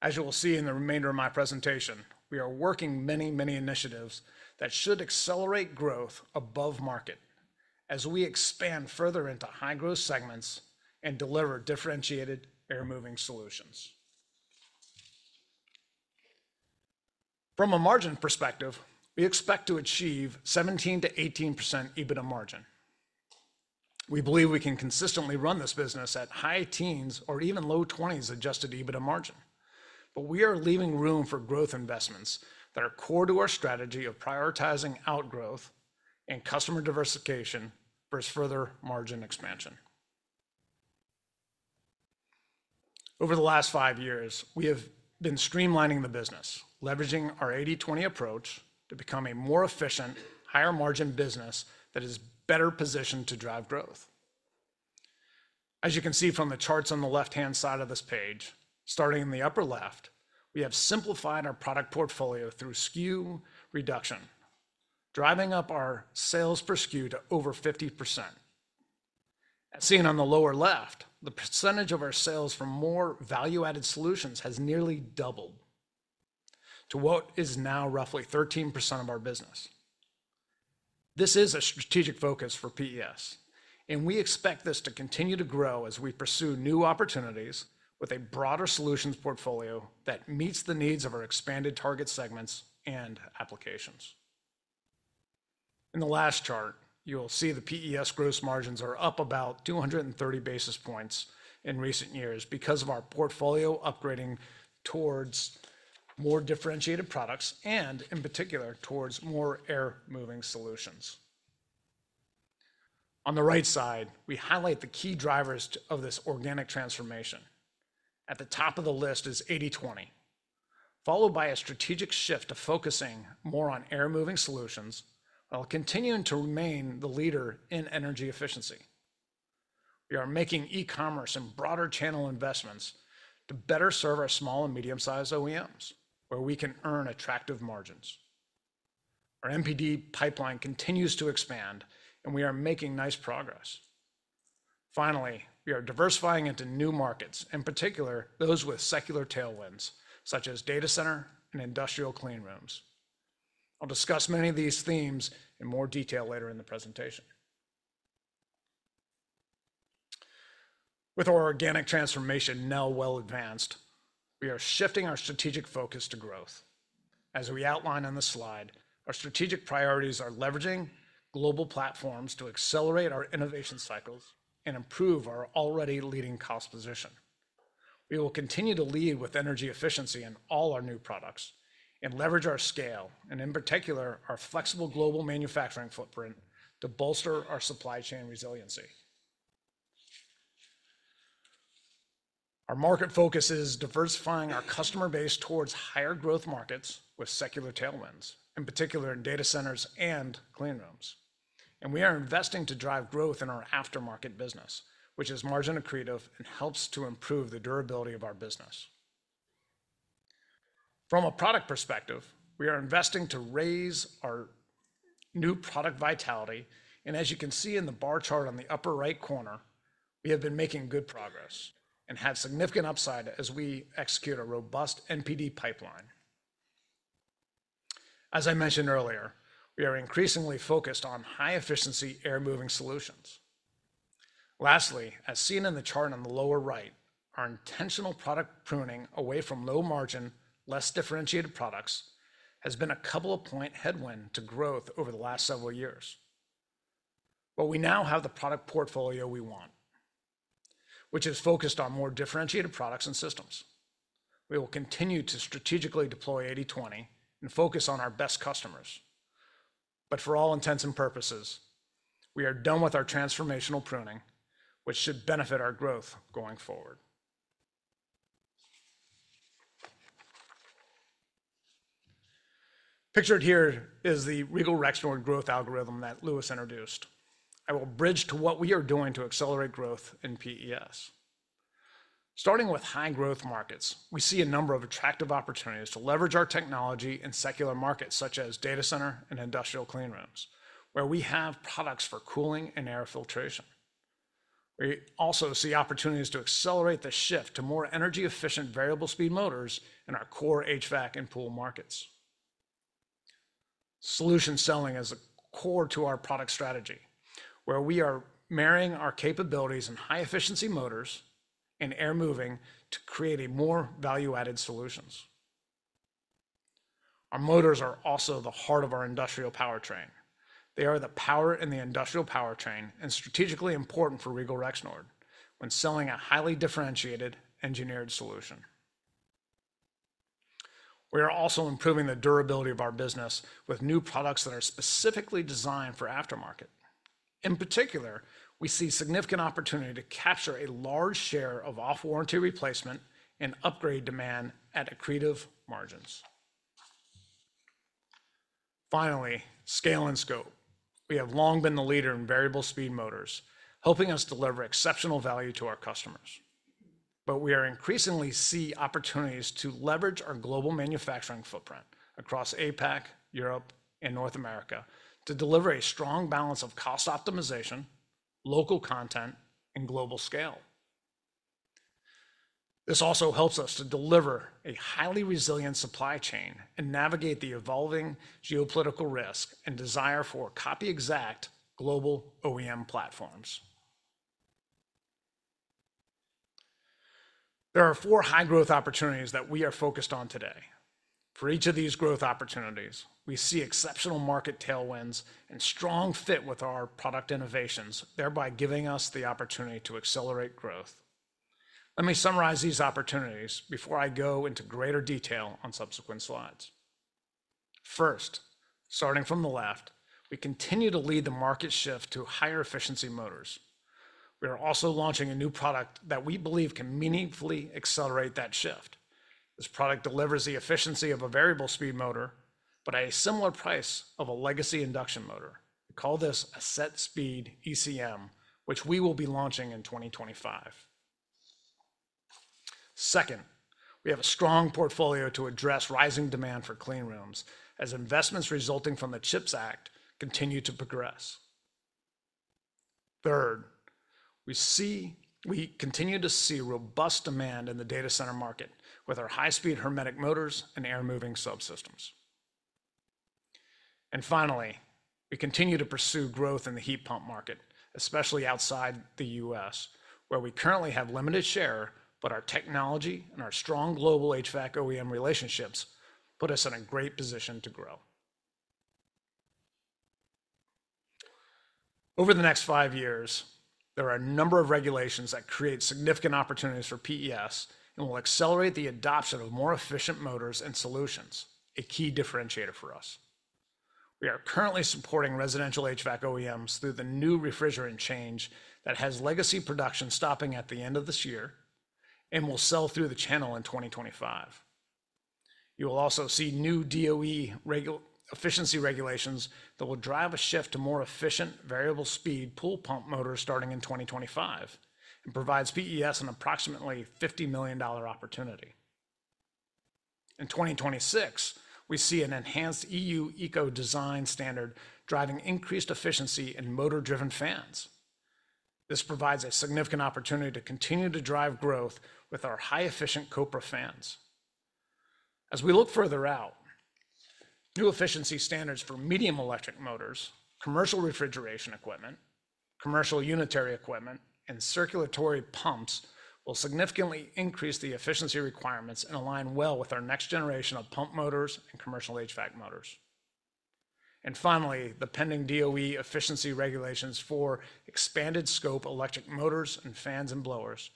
As you will see in the remainder of my presentation, we are working many, many initiatives that should accelerate growth above market as we expand further into high-growth segments and deliver differentiated air-moving solutions. From a margin perspective, we expect to achieve 17%-18% EBITDA margin. We believe we can consistently run this business at high teens or even low 20s adjusted EBITDA margin, but we are leaving room for growth investments that are core to our strategy of prioritizing outgrowth and customer diversification for further margin expansion. Over the last five years, we have been streamlining the business, leveraging our 80/20 approach to become a more efficient, higher-margin business that is better positioned to drive growth. As you can see from the charts on the left-hand side of this page, starting in the upper left, we have simplified our product portfolio through SKU reduction, driving up our sales per SKU to over 50%. As seen on the lower left, the percentage of our sales from more value-added solutions has nearly doubled to what is now roughly 13% of our business. This is a strategic focus for PES, and we expect this to continue to grow as we pursue new opportunities with a broader solutions portfolio that meets the needs of our expanded target segments and applications. In the last chart, you will see the PES gross margins are up about 230 basis points in recent years because of our portfolio upgrading towards more differentiated products and, in particular, towards more air-moving solutions. On the right side, we highlight the key drivers of this organic transformation. At the top of the list is 80/20, followed by a strategic shift to focusing more on air-moving solutions while continuing to remain the leader in energy efficiency. We are making e-commerce and broader channel investments to better serve our small and medium-sized OEMs, where we can earn attractive margins. Our NPD pipeline continues to expand, and we are making nice progress. Finally, we are diversifying into new markets, in particular those with secular tailwinds such as data center and industrial clean rooms. I'll discuss many of these themes in more detail later in the presentation. With our organic transformation now well-advanced, we are shifting our strategic focus to growth. As we outline on the slide, our strategic priorities are leveraging global platforms to accelerate our innovation cycles and improve our already leading cost position. We will continue to lead with energy efficiency in all our new products and leverage our scale and, in particular, our flexible global manufacturing footprint to bolster our supply chain resiliency. Our market focus is diversifying our customer base towards higher growth markets with secular tailwinds, in particular in data centers and clean rooms. And we are investing to drive growth in our aftermarket business, which is margin accretive and helps to improve the durability of our business. From a product perspective, we are investing to raise our new product vitality. And as you can see in the bar chart on the upper right corner, we have been making good progress and have significant upside as we execute a robust NPD pipeline. As I mentioned earlier, we are increasingly focused on high-efficiency air-moving solutions. Lastly, as seen in the chart on the lower right, our intentional product pruning away from low-margin, less differentiated products has been a couple-of-point headwind to growth over the last several years. But we now have the product portfolio we want, which is focused on more differentiated products and systems. We will continue to strategically deploy 80/20 and focus on our best customers. But for all intents and purposes, we are done with our transformational pruning, which should benefit our growth going forward. Pictured here is the Regal Rexnord growth algorithm that Louis introduced. I will bridge to what we are doing to accelerate growth in PES. Starting with high-growth markets, we see a number of attractive opportunities to leverage our technology in secular markets such as data center and industrial clean rooms, where we have products for cooling and air filtration. We also see opportunities to accelerate the shift to more energy-efficient variable-speed motors in our core HVAC and pool markets. Solution selling is a core to our product strategy, where we are marrying our capabilities in high-efficiency motors and air-moving to create more value-added solutions. Our motors are also the heart of our industrial powertrain. They are the power in the industrial powertrain and strategically important for Regal Rexnord when selling a highly differentiated engineered solution. We are also improving the durability of our business with new products that are specifically designed for aftermarket. In particular, we see significant opportunity to capture a large share of off-warranty replacement and upgrade demand at accretive margins. Finally, scale and scope. We have long been the leader in variable-speed motors, helping us deliver exceptional value to our customers. But we are increasingly seeing opportunities to leverage our global manufacturing footprint across APAC, Europe, and North America to deliver a strong balance of cost optimization, local content, and global scale. This also helps us to deliver a highly resilient supply chain and navigate the evolving geopolitical risk and desire for copy-exact global OEM platforms. There are four high-growth opportunities that we are focused on today. For each of these growth opportunities, we see exceptional market tailwinds and strong fit with our product innovations, thereby giving us the opportunity to accelerate growth. Let me summarize these opportunities before I go into greater detail on subsequent slides. First, starting from the left, we continue to lead the market shift to higher-efficiency motors. We are also launching a new product that we believe can meaningfully accelerate that shift. This product delivers the efficiency of a variable-speed motor but at a similar price of a legacy induction motor. We call this a set-speed ECM, which we will be launching in 2025. Second, we have a strong portfolio to address rising demand for clean rooms as investments resulting from the CHIPS Act continue to progress. Third, we continue to see robust demand in the data center market with our high-speed hermetic motors and air-moving subsystems. And finally, we continue to pursue growth in the heat pump market, especially outside the U.S., where we currently have limited share, but our technology and our strong global HVAC-OEM relationships put us in a great position to grow. Over the next five years, there are a number of regulations that create significant opportunities for PES and will accelerate the adoption of more efficient motors and solutions, a key differentiator for us. We are currently supporting residential HVAC-OEMs through the new refrigerant change that has legacy production stopping at the end of this year and will sell through the channel in 2025. You will also see new DOE efficiency regulations that will drive a shift to more efficient variable-speed pool pump motors starting in 2025 and provide PES an approximately $50 million opportunity. In 2026, we see an enhanced EU eco-design standard driving increased efficiency in motor-driven fans. This provides a significant opportunity to continue to drive growth with our high-efficient Kopra fans. As we look further out, new efficiency standards for medium electric motors, commercial refrigeration equipment, commercial unitary equipment, and circulatory pumps will significantly increase the efficiency requirements and align well with our next generation of pump motors and commercial HVAC motors. And finally, the pending DOE efficiency regulations for expanded-scope electric motors and fans and blowers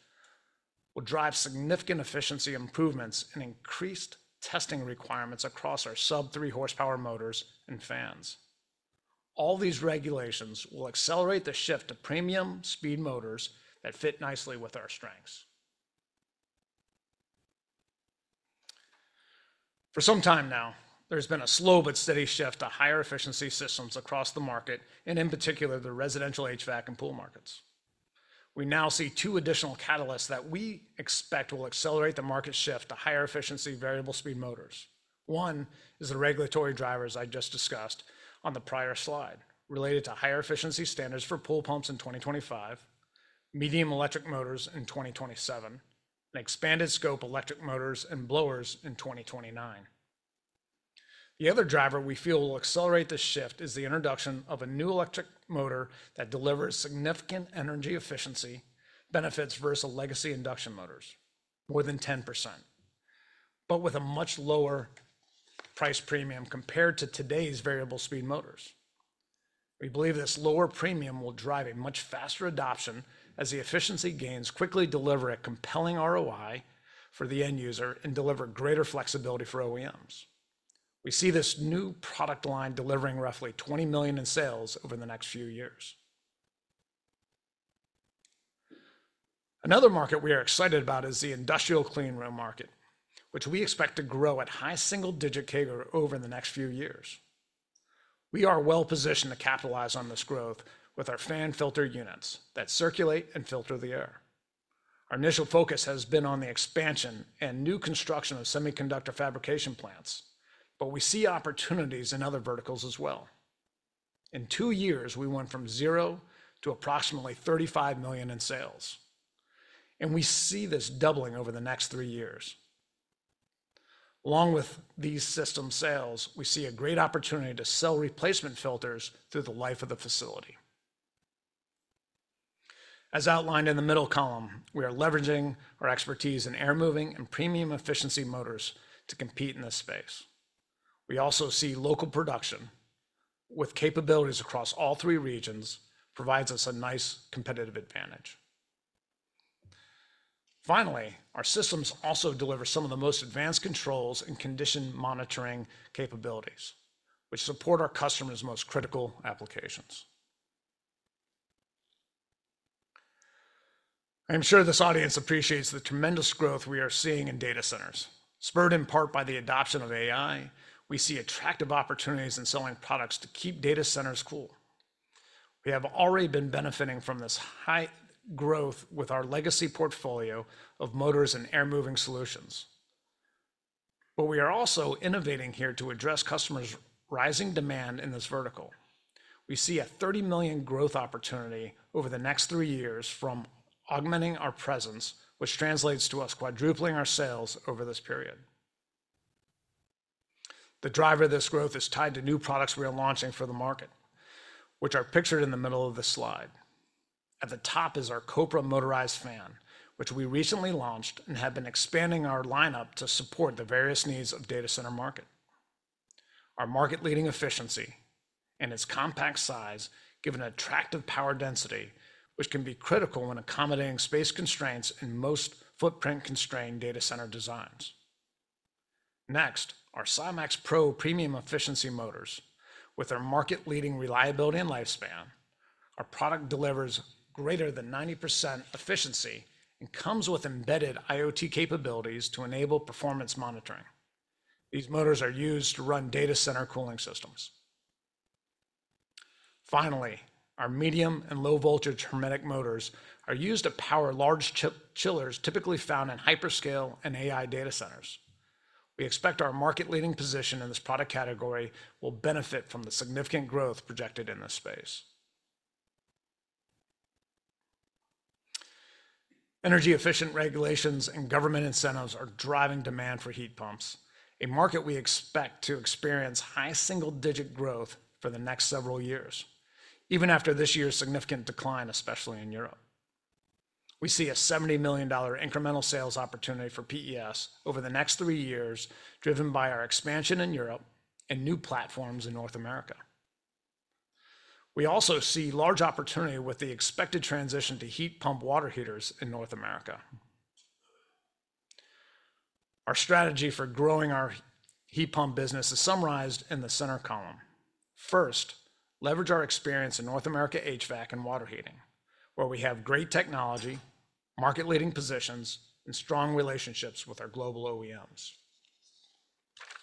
will drive significant efficiency improvements and increased testing requirements across our sub-3 horsepower motors and fans. All these regulations will accelerate the shift to premium speed motors that fit nicely with our strengths. For some time now, there has been a slow but steady shift to higher efficiency systems across the market and, in particular, the residential HVAC and pool markets. We now see two additional catalysts that we expect will accelerate the market shift to higher efficiency variable-speed motors. One is the regulatory drivers I just discussed on the prior slide related to higher efficiency standards for pool pumps in 2025, medium electric motors in 2027, and expanded-scope electric motors and blowers in 2029. The other driver we feel will accelerate this shift is the introduction of a new electric motor that delivers significant energy efficiency benefits versus legacy induction motors, more than 10%, but with a much lower price premium compared to today's variable-speed motors. We believe this lower premium will drive a much faster adoption as the efficiency gains quickly deliver a compelling ROI for the end user and deliver greater flexibility for OEMs. We see this new product line delivering roughly $20 million in sales over the next few years. Another market we are excited about is the industrial clean room market, which we expect to grow at high single-digit CAGR over the next few years. We are well-positioned to capitalize on this growth with our fan filter units that circulate and filter the air. Our initial focus has been on the expansion and new construction of semiconductor fabrication plants, but we see opportunities in other verticals as well. In two years, we went from zero to approximately $35 million in sales, and we see this doubling over the next three years. Along with these system sales, we see a great opportunity to sell replacement filters through the life of the facility. As outlined in the middle column, we are leveraging our expertise in air-moving and premium efficiency motors to compete in this space. We also see local production with capabilities across all three regions provides us a nice competitive advantage. Finally, our systems also deliver some of the most advanced controls and condition monitoring capabilities, which support our customers' most critical applications. I'm sure this audience appreciates the tremendous growth we are seeing in data centers. Spurred in part by the adoption of AI, we see attractive opportunities in selling products to keep data centers cool. We have already been benefiting from this high growth with our legacy portfolio of motors and air-moving solutions. But we are also innovating here to address customers' rising demand in this vertical. We see a $30 million growth opportunity over the next three years from augmenting our presence, which translates to us quadrupling our sales over this period. The driver of this growth is tied to new products we are launching for the market, which are pictured in the middle of the slide. At the top is our Kopra motorized fan, which we recently launched and have been expanding our lineup to support the various needs of the data center market. Our market-leading efficiency and its compact size give an attractive power density, which can be critical when accommodating space constraints and most footprint-constrained data center designs. Next, our SyMAX Pro premium efficiency motors. With our market-leading reliability and lifespan, our product delivers greater than 90% efficiency and comes with embedded IoT capabilities to enable performance monitoring. These motors are used to run data center cooling systems. Finally, our medium and low-voltage hermetic motors are used to power large chillers typically found in hyperscale and AI data centers. We expect our market-leading position in this product category will benefit from the significant growth projected in this space. Energy-efficient regulations and government incentives are driving demand for heat pumps, a market we expect to experience high single-digit growth for the next several years, even after this year's significant decline, especially in Europe. We see a $70 million incremental sales opportunity for PES over the next three years, driven by our expansion in Europe and new platforms in North America. We also see large opportunity with the expected transition to heat pump water heaters in North America. Our strategy for growing our heat pump business is summarized in the center column. First, leverage our experience in North America HVAC and water heating, where we have great technology, market-leading positions, and strong relationships with our global OEMs.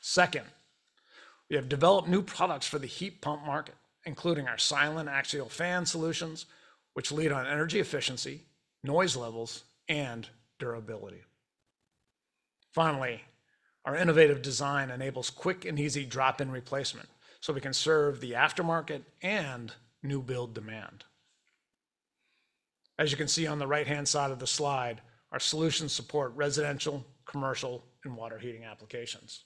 Second, we have developed new products for the heat pump market, including our silent axial fan solutions, which lead on energy efficiency, noise levels, and durability. Finally, our innovative design enables quick and easy drop-in replacement, so we can serve the aftermarket and new build demand. As you can see on the right-hand side of the slide, our solutions support residential, commercial, and water heating applications.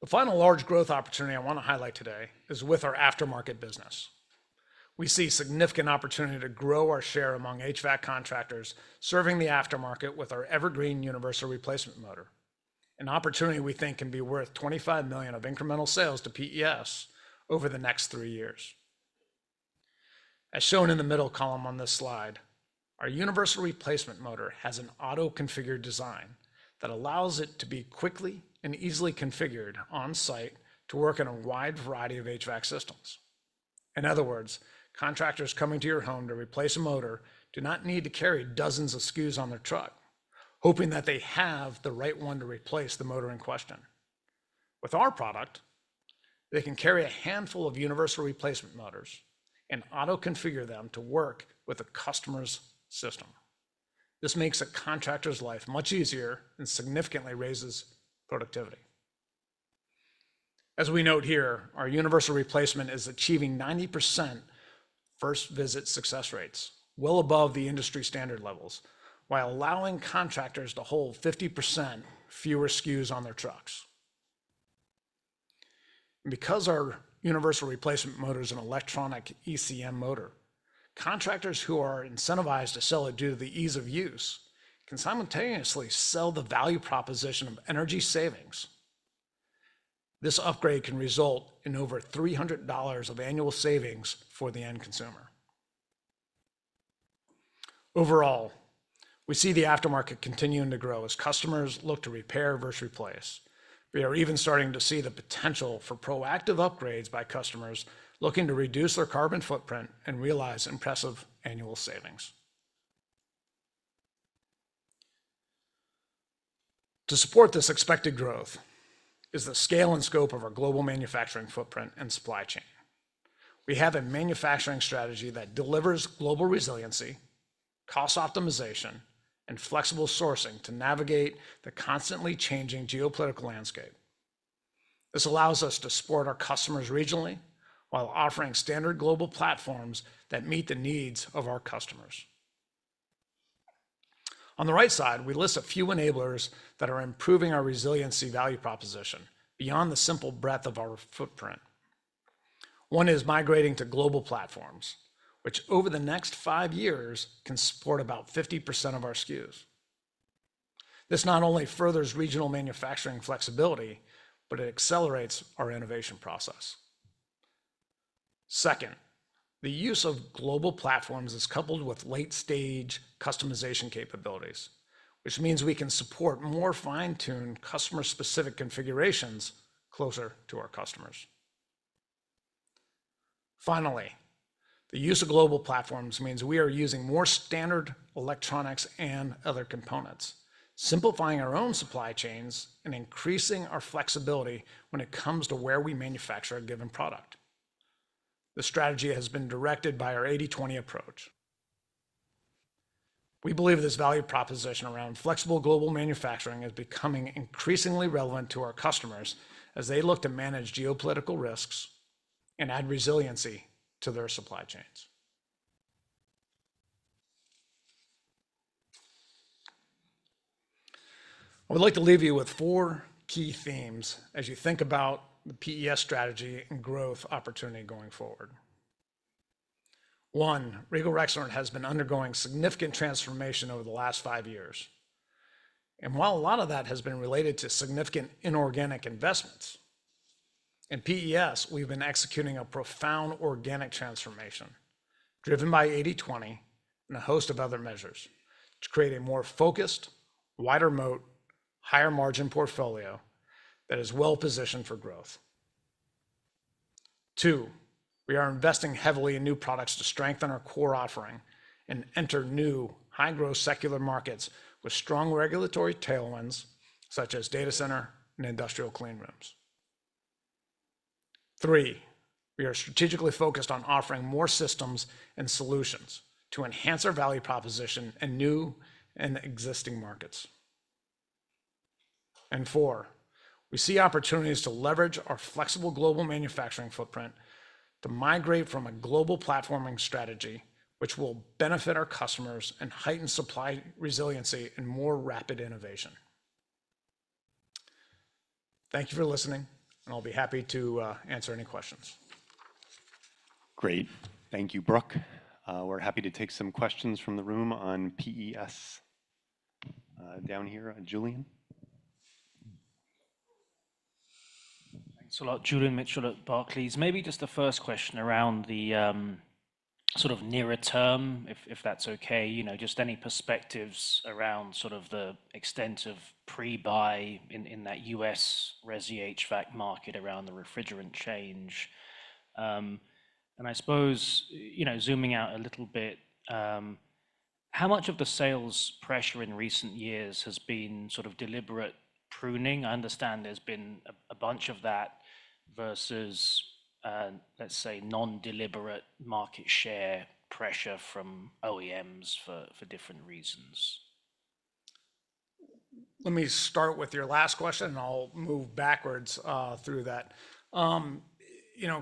The final large growth opportunity I want to highlight today is with our aftermarket business. We see significant opportunity to grow our share among HVAC contractors serving the aftermarket with our Evergreen Universal Replacement Motor, an opportunity we think can be worth $25 million of incremental sales to PES over the next three years. As shown in the middle column on this slide, our Universal Replacement Motor has an auto-configured design that allows it to be quickly and easily configured on-site to work in a wide variety of HVAC systems. In other words, contractors coming to your home to replace a motor do not need to carry dozens of SKUs on their truck, hoping that they have the right one to replace the motor in question. With our product, they can carry a handful of Universal Replacement Motors and auto-configure them to work with a customer's system. This makes a contractor's life much easier and significantly raises productivity. As we note here, our Universal Replacement is achieving 90% first-visit success rates, well above the industry standard levels, while allowing contractors to hold 50% fewer SKUs on their trucks. Because our Universal Replacement Motor is an electronic ECM motor, contractors who are incentivized to sell it due to the ease of use can simultaneously sell the value proposition of energy savings. This upgrade can result in over $300 of annual savings for the end consumer. Overall, we see the aftermarket continuing to grow as customers look to repair versus replace. We are even starting to see the potential for proactive upgrades by customers looking to reduce their carbon footprint and realize impressive annual savings. To support this expected growth is the scale and scope of our global manufacturing footprint and supply chain. We have a manufacturing strategy that delivers global resiliency, cost optimization, and flexible sourcing to navigate the constantly changing geopolitical landscape. This allows us to support our customers regionally while offering standard global platforms that meet the needs of our customers. On the right side, we list a few enablers that are improving our resiliency value proposition beyond the simple breadth of our footprint. One is migrating to global platforms, which over the next five years can support about 50% of our SKUs. This not only furthers regional manufacturing flexibility, but it accelerates our innovation process. Second, the use of global platforms is coupled with late-stage customization capabilities, which means we can support more fine-tuned, customer-specific configurations closer to our customers. Finally, the use of global platforms means we are using more standard electronics and other components, simplifying our own supply chains and increasing our flexibility when it comes to where we manufacture a given product. This strategy has been directed by our 80/20 approach. We believe this value proposition around flexible global manufacturing is becoming increasingly relevant to our customers as they look to manage geopolitical risks and add resiliency to their supply chains. I would like to leave you with four key themes as you think about the PES strategy and growth opportunity going forward. One, Regal Rexnord has been undergoing significant transformation over the last five years. And while a lot of that has been related to significant inorganic investments, in PES, we've been executing a profound organic transformation driven by 80/20 and a host of other measures to create a more focused, wider moat, higher margin portfolio that is well-positioned for growth. Two, we are investing heavily in new products to strengthen our core offering and enter new high-growth secular markets with strong regulatory tailwinds such as data center and industrial clean rooms. Three, we are strategically focused on offering more systems and solutions to enhance our value proposition in new and existing markets. And four, we see opportunities to leverage our flexible global manufacturing footprint to migrate from a global platforming strategy, which will benefit our customers and heighten supply resiliency and more rapid innovation. Thank you for listening, and I'll be happy to answer any questions. Great. Thank you, Brooke. We're happy to take some questions from the room on PES down here. Julian? Thanks a lot, Julian Mitchell at Barclays. Maybe just a first question around the sort of nearer term, if that's okay, just any perspectives around sort of the extent of pre-buy in that U.S. residential HVAC market around the refrigerant change? And I suppose, zooming out a little bit, how much of the sales pressure in recent years has been sort of deliberate pruning? I understand there's been a bunch of that versus, let's say, non-deliberate market share pressure from OEMs for different reasons. Let me start with your last question, and I'll move backwards through that.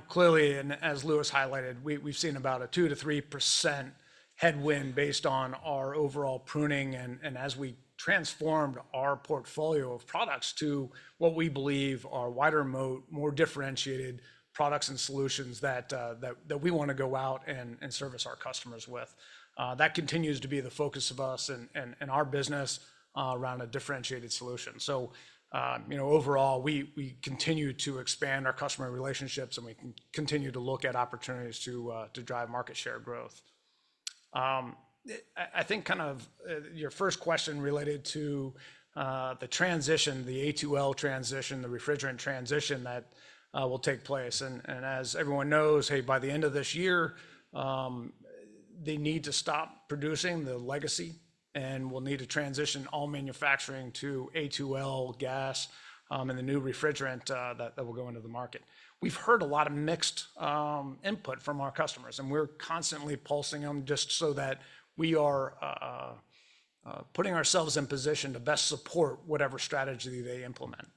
Clearly, and as Louis highlighted, we've seen about a 2%-3% headwind based on our overall pruning and as we transformed our portfolio of products to what we believe are wider moat, more differentiated products and solutions that we want to go out and service our customers with. That continues to be the focus of us and our business around a differentiated solution. So overall, we continue to expand our customer relationships, and we can continue to look at opportunities to drive market share growth. I think kind of your first question related to the transition, the A2L transition, the refrigerant transition that will take place, and as everyone knows, hey, by the end of this year, they need to stop producing the legacy, and we'll need to transition all manufacturing to A2L gas and the new refrigerant that will go into the market. We've heard a lot of mixed input from our customers, and we're constantly pulsing them just so that we are putting ourselves in position to best support whatever strategy they implement.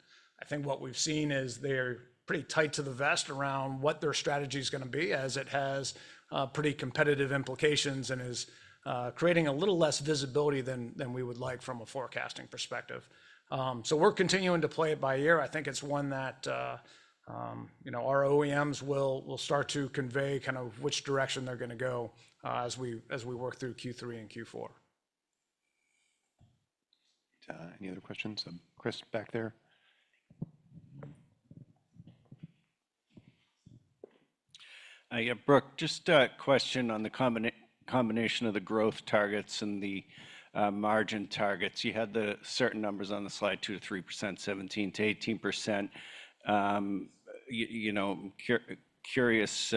I think what we've seen is they're pretty close to the vest around what their strategy is going to be, as it has pretty competitive implications and is creating a little less visibility than we would like from a forecasting perspective. So we're continuing to play it by ear. I think it's one that our OEMs will start to convey kind of which direction they're going to go as we work through Q3 and Q4. Any other questions? Chris, back there. Yeah, Brooke, just a question on the combination of the growth targets and the margin targets. You had the certain numbers on the slide, 2%-3%, 17%-18%. Curious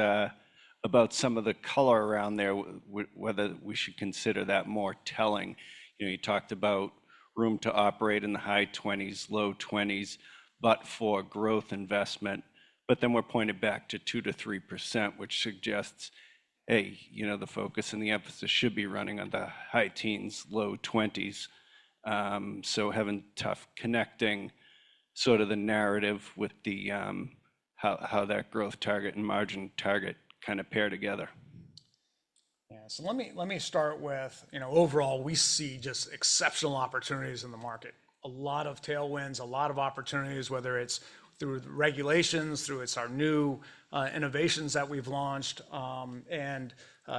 about some of the color around there, whether we should consider that more telling. You talked about room to operate in the high 20s-low 20s, but for growth investment. But then we're pointed back to 2%-3%, which suggests, hey, the focus and the emphasis should be running on the high teens-low 20s. So having tough connecting sort of the narrative with how that growth target and margin target kind of pair together. Yeah, so let me start with overall, we see just exceptional opportunities in the market. A lot of tailwinds, a lot of opportunities, whether it's through regulations, through our new innovations that we've launched, and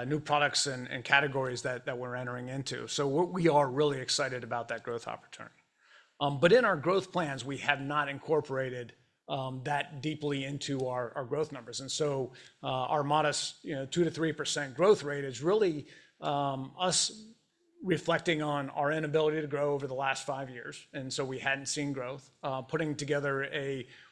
new products and categories that we're entering into. So we are really excited about that growth opportunity. But in our growth plans, we have not incorporated that deeply into our growth numbers. And so our modest 2%-3% growth rate is really us reflecting on our inability to grow over the last five years. And so we hadn't seen growth, putting together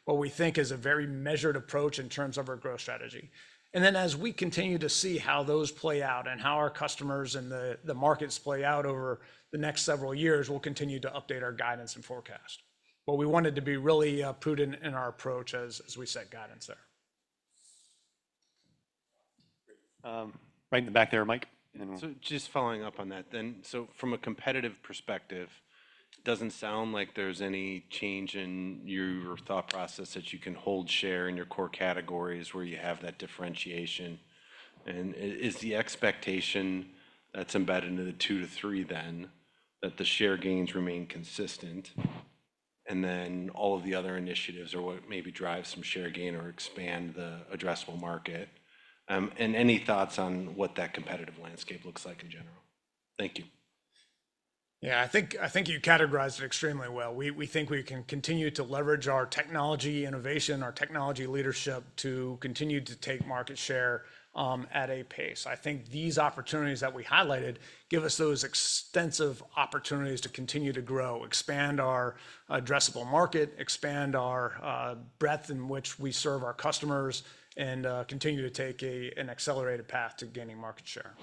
what we think is a very measured approach in terms of our growth strategy. And then as we continue to see how those play out and how our customers and the markets play out over the next several years, we'll continue to update our guidance and forecast. But we wanted to be really prudent in our approach as we set guidance there. Right in the back there, Mike. So just following up on that then, so from a competitive perspective, it doesn't sound like there's any change in your thought process that you can hold share in your core categories where you have that differentiation. Is the expectation that's embedded into the 2-3 then that the share gains remain consistent? And then all of the other initiatives are what maybe drive some share gain or expand the addressable market. And any thoughts on what that competitive landscape looks like in general? Thank you. Yeah, I think you categorized it extremely well. We think we can continue to leverage our technology innovation, our technology leadership to continue to take market share at a pace. I think these opportunities that we highlighted give us those extensive opportunities to continue to grow, expand our addressable market, expand our breadth in which we serve our customers, and continue to take an accelerated path to gaining market share.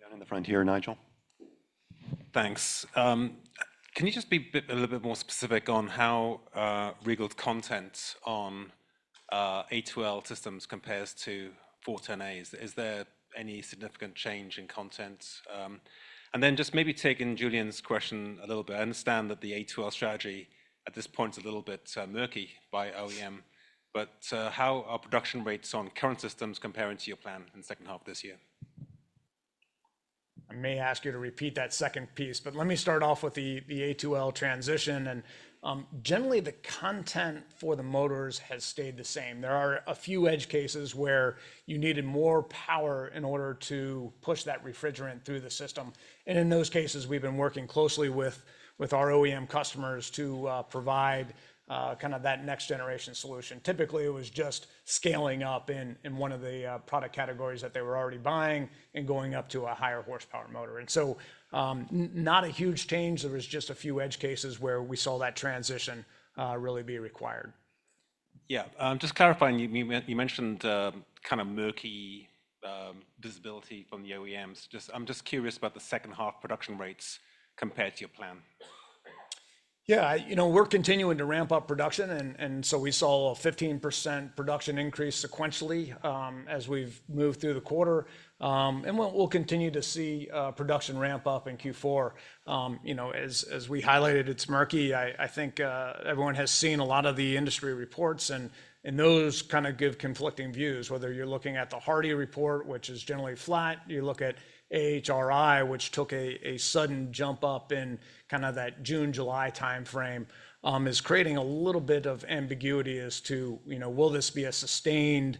Down on the front here, Nigel. Thanks. Can you just be a little bit more specific on how Regal's content on A2L systems compares to 410A's? Is there any significant change in content? And then just maybe taking Julian's question a little bit, I understand that the A2L strategy at this point is a little bit murky by OEM, but how are production rates on current systems comparing to your plan in the second half of this year? I may ask you to repeat that second piece, but let me start off with the A2L transition. And generally, the content for the motors has stayed the same. There are a few edge cases where you needed more power in order to push that refrigerant through the system. And in those cases, we've been working closely with our OEM customers to provide kind of that next-generation solution. Typically, it was just scaling up in one of the product categories that they were already buying and going up to a higher horsepower motor. And so, not a huge change. There was just a few edge cases where we saw that transition really be required. Yeah, just clarifying, you mentioned kind of murky visibility from the OEMs. I'm just curious about the second half production rates compared to your plan. Yeah, we're continuing to ramp up production. And so, we saw a 15% production increase sequentially as we've moved through the quarter. And we'll continue to see production ramp up in Q4. As we highlighted, it's murky. I think everyone has seen a lot of the industry reports, and those kind of give conflicting views. Whether you're looking at the HARDI report, which is generally flat, you look at AHRI, which took a sudden jump up in kind of that June-July timeframe, is creating a little bit of ambiguity as to will this be a sustained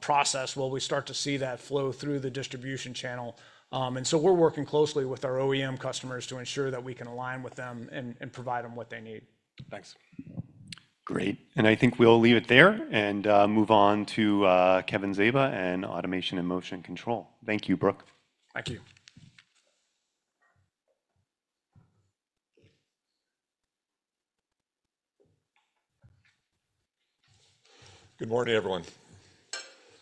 process? Will we start to see that flow through the distribution channel? And so we're working closely with our OEM customers to ensure that we can align with them and provide them what they need. Thanks. Great. And I think we'll leave it there and move on to Kevin Zaba and Automation and Motion Control. Thank you, Brooke. Thank you. Good morning, everyone.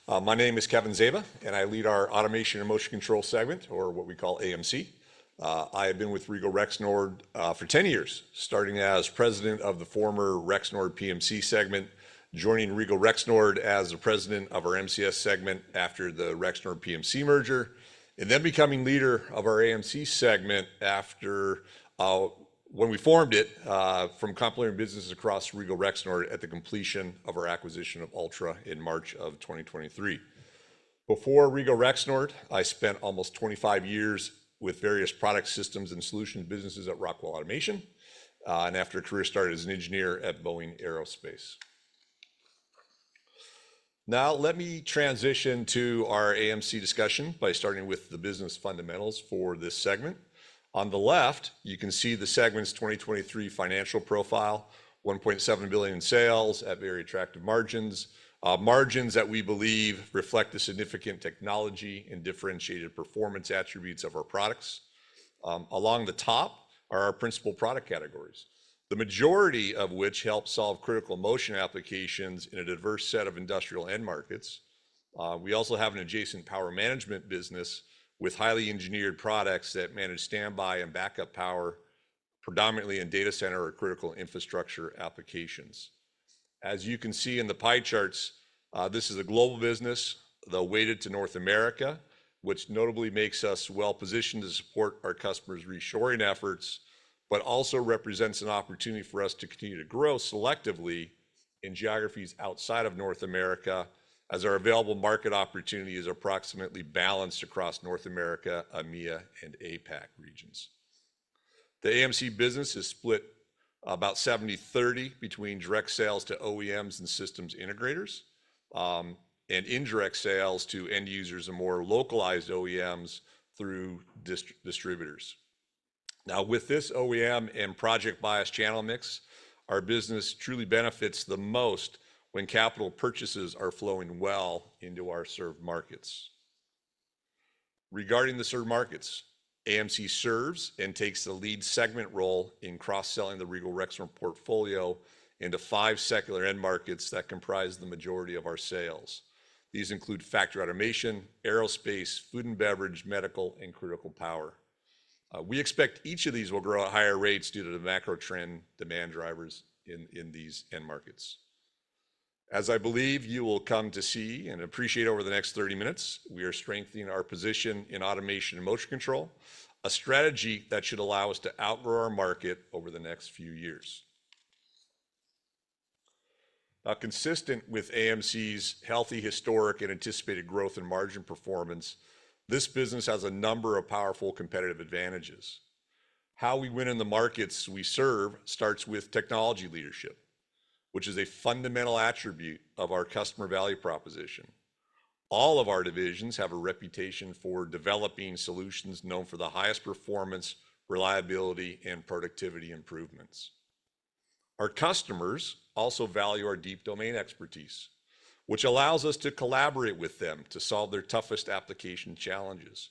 My name is Kevin Zaba, and I lead our Automation and Motion Control segment, or what we call AMC. I have been with Regal Rexnord for 10 years, starting as president of the former Rexnord PMC segment, joining Regal Rexnord as the president of our MCS segment after the Rexnord PMC merger, and then becoming leader of our AMC segment when we formed it from complementary businesses across Regal Rexnord at the completion of our acquisition of Altra in March of 2023. Before Regal Rexnord, I spent almost 25 years with various product systems and solution businesses at Rockwell Automation, and after a career started as an engineer at Boeing Aerospace. Now, let me transition to our AMC discussion by starting with the business fundamentals for this segment. On the left, you can see the segment's 2023 financial profile, $1.7 billion in sales at very attractive margins, margins that we believe reflect the significant technology and differentiated performance attributes of our products. Along the top are our principal product categories, the majority of which help solve critical motion applications in a diverse set of industrial end markets. We also have an adjacent power management business with highly engineered products that manage standby and backup power, predominantly in data center or critical infrastructure applications. As you can see in the pie charts, this is a global business that weighted to North America, which notably makes us well-positioned to support our customers' reshoring efforts, but also represents an opportunity for us to continue to grow selectively in geographies outside of North America, as our available market opportunity is approximately balanced across North America, EMEA, and APAC regions. The AMC business is split about 70-30 between direct sales to OEMs and systems integrators and indirect sales to end users and more localized OEMs through distributors. Now, with this OEM and project-biased channel mix, our business truly benefits the most when capital purchases are flowing well into our served markets. Regarding the served markets, AMC serves and takes the lead segment role in cross-selling the Regal Rexnord portfolio into five secular end markets that comprise the majority of our sales. These include factory automation, aerospace, food and beverage, medical, and critical power. We expect each of these will grow at higher rates due to the macro trend demand drivers in these end markets. As I believe you will come to see and appreciate over the next 30 minutes, we are strengthening our position in Automation and Motion Control, a strategy that should allow us to outgrow our market over the next few years. Now, consistent with AMC's healthy historic and anticipated growth and margin performance, this business has a number of powerful competitive advantages. How we win in the markets we serve starts with technology leadership, which is a fundamental attribute of our customer value proposition. All of our divisions have a reputation for developing solutions known for the highest performance, reliability, and productivity improvements. Our customers also value our deep domain expertise, which allows us to collaborate with them to solve their toughest application challenges.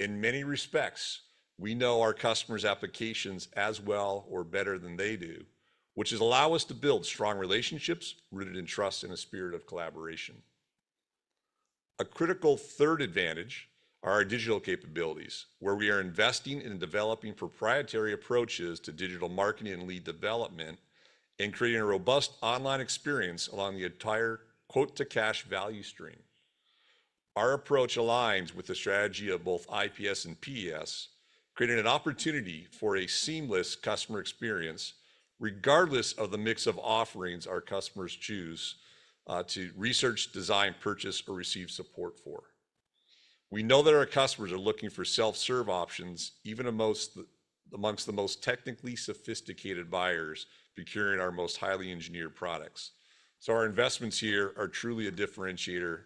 In many respects, we know our customers' applications as well or better than they do, which has allowed us to build strong relationships rooted in trust and a spirit of collaboration. A critical third advantage are our digital capabilities, where we are investing in developing proprietary approaches to digital marketing and lead development and creating a robust online experience along the entire quote-to-cash value stream. Our approach aligns with the strategy of both IPS and PES, creating an opportunity for a seamless customer experience, regardless of the mix of offerings our customers choose to research, design, purchase, or receive support for. We know that our customers are looking for self-serve options, even amongst the most technically sophisticated buyers procuring our most highly engineered products. So our investments here are truly a differentiator,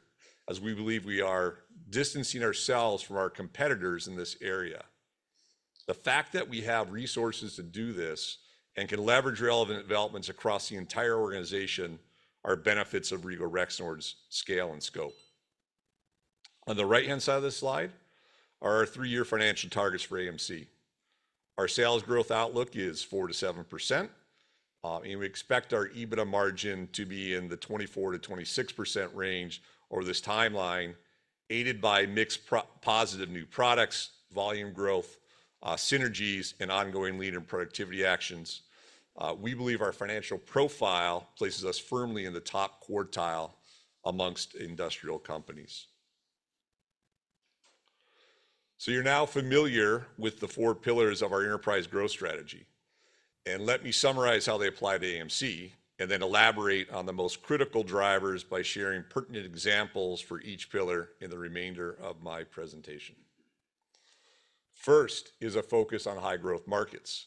as we believe we are distancing ourselves from our competitors in this area. The fact that we have resources to do this and can leverage relevant developments across the entire organization are benefits of Regal Rexnord's scale and scope. On the right-hand side of this slide are our three-year financial targets for AMC. Our sales growth outlook is 4%-7%. We expect our EBITDA margin to be in the 24%-26% range over this timeline, aided by mix positive new products, volume growth, synergies, and ongoing lean and productivity actions. We believe our financial profile places us firmly in the top quartile among industrial companies. So you're now familiar with the four pillars of our enterprise growth strategy. Let me summarize how they apply to AMC and then elaborate on the most critical drivers by sharing pertinent examples for each pillar in the remainder of my presentation. First is a focus on high-growth markets.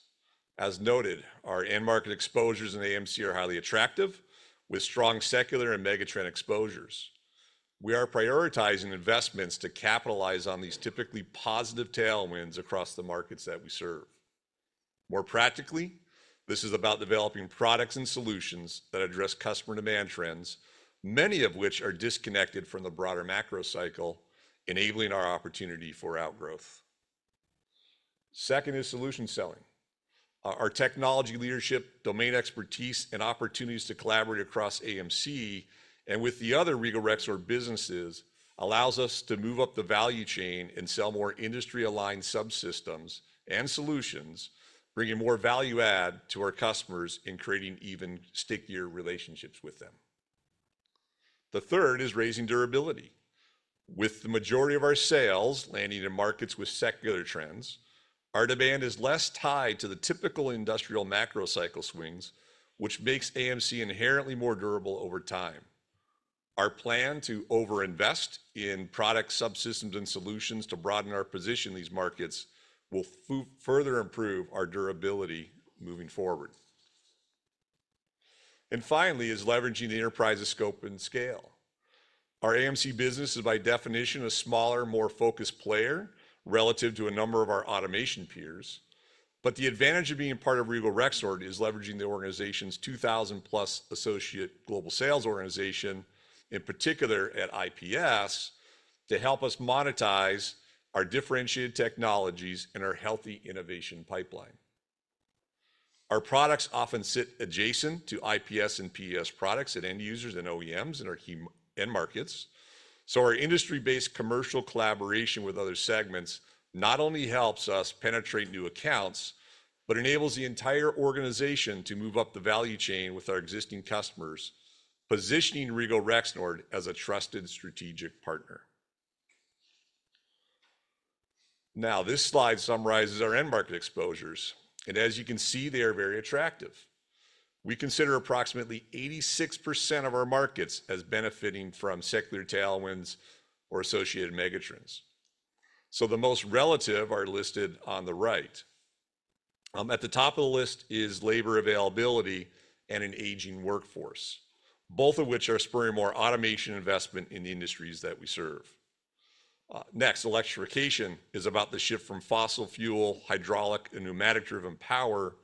As noted, our end market exposures in AMC are highly attractive, with strong secular and megatrend exposures. We are prioritizing investments to capitalize on these typically positive tailwinds across the markets that we serve. More practically, this is about developing products and solutions that address customer demand trends, many of which are disconnected from the broader macro cycle, enabling our opportunity for outgrowth. Second is solution selling. Our technology leadership, domain expertise, and opportunities to collaborate across AMC and with the other Regal Rexnord businesses allows us to move up the value chain and sell more industry-aligned subsystems and solutions, bringing more value add to our customers and creating even stickier relationships with them. The third is raising durability. With the majority of our sales landing in markets with secular trends, our demand is less tied to the typical industrial macro cycle swings, which makes AMC inherently more durable over time. Our plan to over-invest in product subsystems and solutions to broaden our position in these markets will further improve our durability moving forward. And finally is leveraging the enterprise's scope and scale. Our AMC business is by definition a smaller, more focused player relative to a number of our automation peers. But the advantage of being part of Regal Rexnord is leveraging the organization's 2,000+ associate global sales organization, in particular at IPS, to help us monetize our differentiated technologies and our healthy innovation pipeline. Our products often sit adjacent to IPS and PES products at end users and OEMs in our key end markets. So our industry-based commercial collaboration with other segments not only helps us penetrate new accounts, but enables the entire organization to move up the value chain with our existing customers, positioning Regal Rexnord as a trusted strategic partner. Now, this slide summarizes our end market exposures, and as you can see, they are very attractive. We consider approximately 86% of our markets as benefiting from secular tailwinds or associated megatrends, so the most relevant are listed on the right. At the top of the list is labor availability and an aging workforce, both of which are spurring more automation investment in the industries that we serve. Next, electrification is about the shift from fossil fuel, hydraulic, and pneumatic-driven power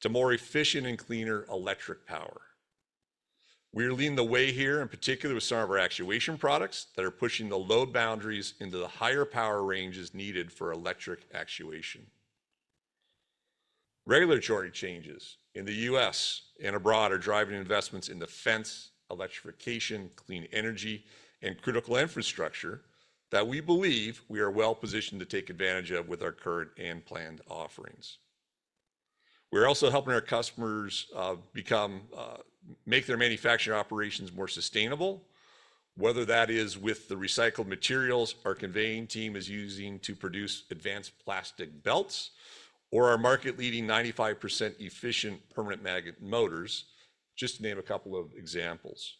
to more efficient and cleaner electric power. We are leading the way here, in particular with some of our actuation products that are pushing the load boundaries into the higher power ranges needed for electric actuation. Regulatory changes in the U.S. and abroad are driving investments in defense, electrification, clean energy, and critical infrastructure that we believe we are well-positioned to take advantage of with our current and planned offerings. We're also helping our customers make their manufacturing operations more sustainable, whether that is with the recycled materials our conveying team is using to produce advanced plastic belts, or our market-leading 95% efficient permanent magnet motors, just to name a couple of examples.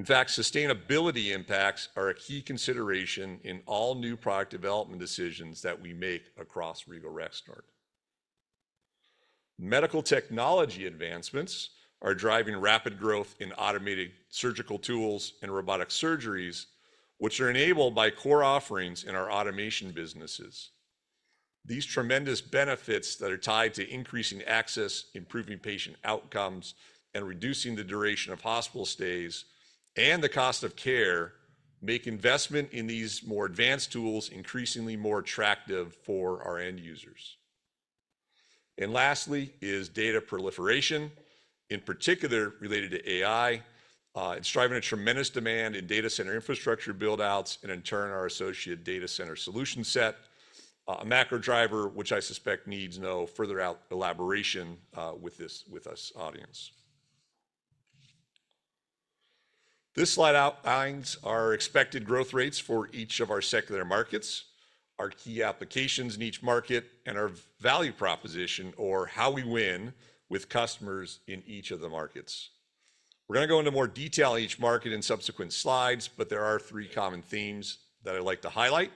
In fact, sustainability impacts are a key consideration in all new product development decisions that we make across Regal Rexnord. Medical technology advancements are driving rapid growth in automated surgical tools and robotic surgeries, which are enabled by core offerings in our automation businesses. These tremendous benefits that are tied to increasing access, improving patient outcomes, and reducing the duration of hospital stays and the cost of care make investment in these more advanced tools increasingly more attractive for our end users. And lastly is data proliferation, in particular related to AI, and driving a tremendous demand in data center infrastructure buildouts and, in turn, our associated data center solution set, a macro driver which I suspect needs no further elaboration with this audience. This slide outlines our expected growth rates for each of our secular markets, our key applications in each market, and our value proposition, or how we win with customers in each of the markets. We're going to go into more detail on each market in subsequent slides, but there are three common themes that I'd like to highlight.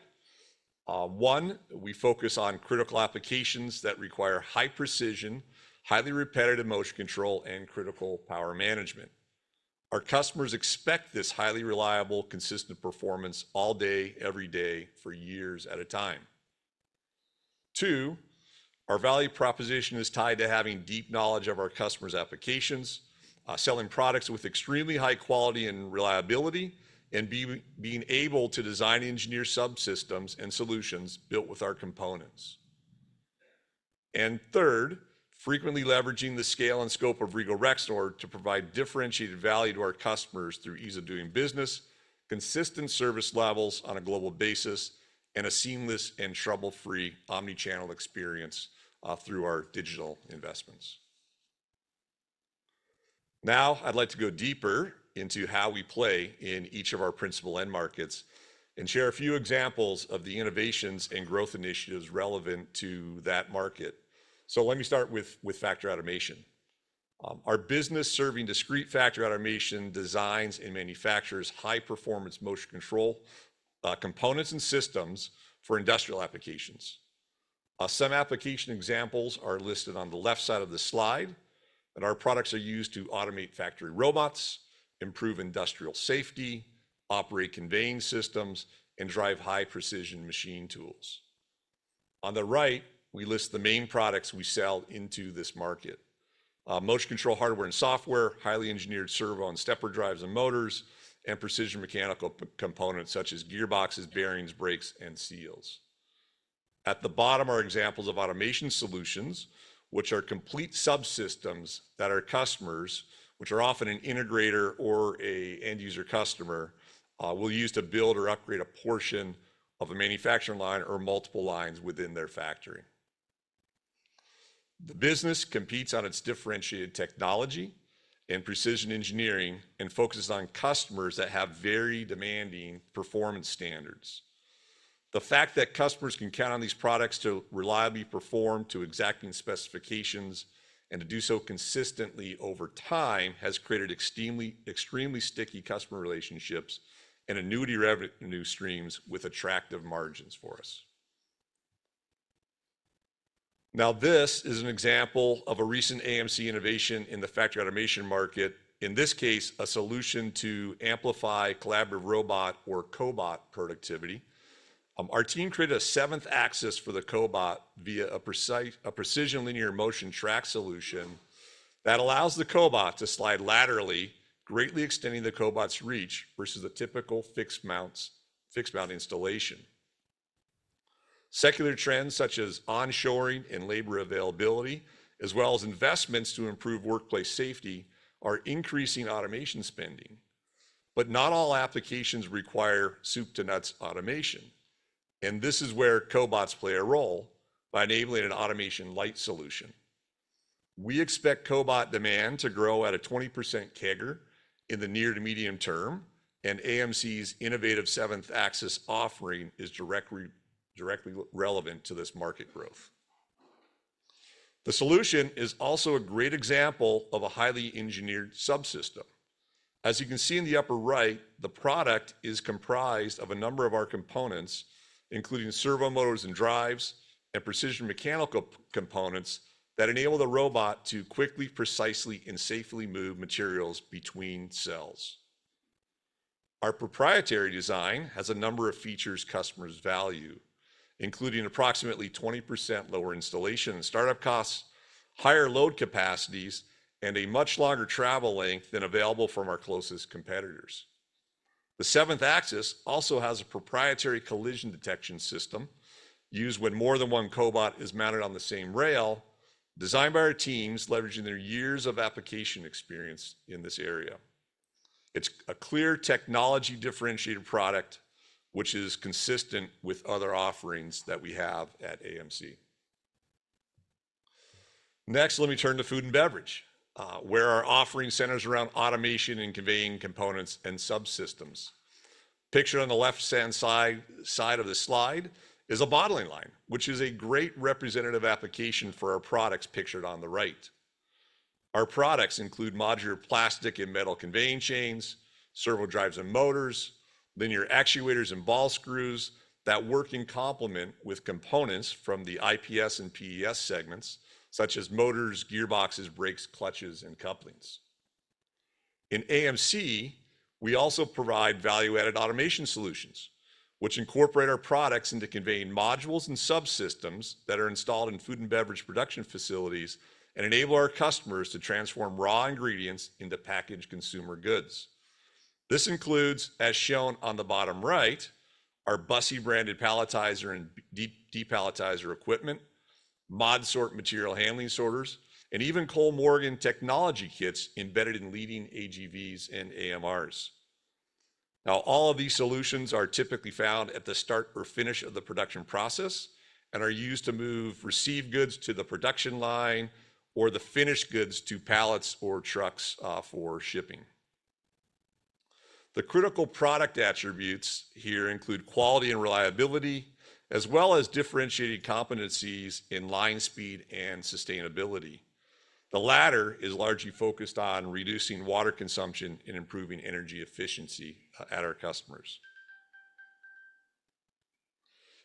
One, we focus on critical applications that require high precision, highly repetitive motion control, and critical power management. Our customers expect this highly reliable, consistent performance all day, every day, for years at a time. Two, our value proposition is tied to having deep knowledge of our customers' applications, selling products with extremely high quality and reliability, and being able to design engineered subsystems and solutions built with our components. And third, frequently leveraging the scale and scope of Regal Rexnord to provide differentiated value to our customers through ease of doing business, consistent service levels on a global basis, and a seamless and trouble-free omnichannel experience through our digital investments. Now, I'd like to go deeper into how we play in each of our principal end markets and share a few examples of the innovations and growth initiatives relevant to that market. So let me start with factory automation. Our business serving discrete factory automation designs and manufactures high-performance motion control components and systems for industrial applications. Some application examples are listed on the left side of the slide, and our products are used to automate factory robots, improve industrial safety, operate conveying systems, and drive high-precision machine tools. On the right, we list the main products we sell into this market: motion control hardware and software, highly engineered servo and stepper drives and motors, and precision mechanical components such as gearboxes, bearings, brakes, and seals. At the bottom are examples of automation solutions, which are complete subsystems that our customers, which are often an integrator or an end user customer, will use to build or upgrade a portion of a manufacturing line or multiple lines within their factory. The business competes on its differentiated technology and precision engineering and focuses on customers that have very demanding performance standards. The fact that customers can count on these products to reliably perform to exacting specifications and to do so consistently over time has created extremely sticky customer relationships and annuity revenue streams with attractive margins for us. Now, this is an example of a recent AMC innovation in the factory automation market, in this case, a solution to amplify collaborative robot or cobot productivity. Our team created a seventh axis for the cobot via a precision linear motion track solution that allows the cobot to slide laterally, greatly extending the cobot's reach versus the typical fixed mount installation. Secular trends such as onshoring and labor availability, as well as investments to improve workplace safety, are increasing automation spending. But not all applications require soup-to-nuts automation. And this is where cobots play a role by enabling an automation light solution. We expect cobot demand to grow at a 20% CAGR in the near to medium term, and AMC's innovative seventh axis offering is directly relevant to this market growth. The solution is also a great example of a highly engineered subsystem. As you can see in the upper right, the product is comprised of a number of our components, including servo motors and drives and precision mechanical components that enable the robot to quickly, precisely, and safely move materials between cells. Our proprietary design has a number of features customers value, including approximately 20% lower installation and startup costs, higher load capacities, and a much longer travel length than available from our closest competitors. The seventh axis also has a proprietary collision detection system used when more than one cobot is mounted on the same rail, designed by our teams leveraging their years of application experience in this area. It's a clear technology differentiated product, which is consistent with other offerings that we have at AMC. Next, let me turn to food and beverage, where our offering centers around automation and conveying components and subsystems. Pictured on the left-hand side of the slide is a bottling line, which is a great representative application for our products pictured on the right. Our products include modular plastic and metal conveying chains, servo drives and motors, linear actuators and ball screws that work in complement with components from the IPS and PES segments, such as motors, gearboxes, brakes, clutches, and couplings. In AMC, we also provide value-added automation solutions, which incorporate our products into conveying modules and subsystems that are installed in food and beverage production facilities and enable our customers to transform raw ingredients into packaged consumer goods. This includes, as shown on the bottom right, our Busse branded palletizer and depalletizer equipment, ModSort material handling sorters, and even Kollmorgen technology kits embedded in leading AGVs and AMRs. Now, all of these solutions are typically found at the start or finish of the production process and are used to move received goods to the production line or the finished goods to pallets or trucks for shipping. The critical product attributes here include quality and reliability, as well as differentiated competencies in line speed and sustainability. The latter is largely focused on reducing water consumption and improving energy efficiency at our customers.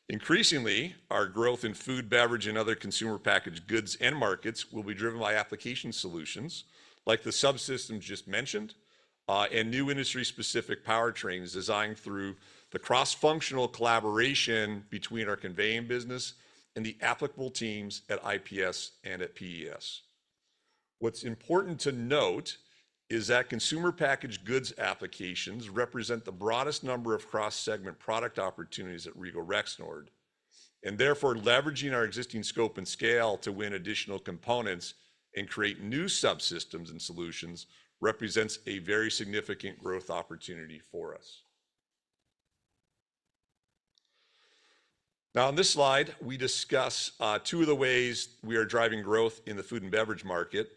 Increasingly, our growth in food, beverage, and other consumer packaged goods and markets will be driven by application solutions like the subsystems just mentioned and new industry-specific powertrains designed through the cross-functional collaboration between our conveying business and the applicable teams at IPS and at PES. What's important to note is that consumer packaged goods applications represent the broadest number of cross-segment product opportunities at Regal Rexnord. And therefore, leveraging our existing scope and scale to win additional components and create new subsystems and solutions represents a very significant growth opportunity for us. Now, on this slide, we discuss two of the ways we are driving growth in the food and beverage market.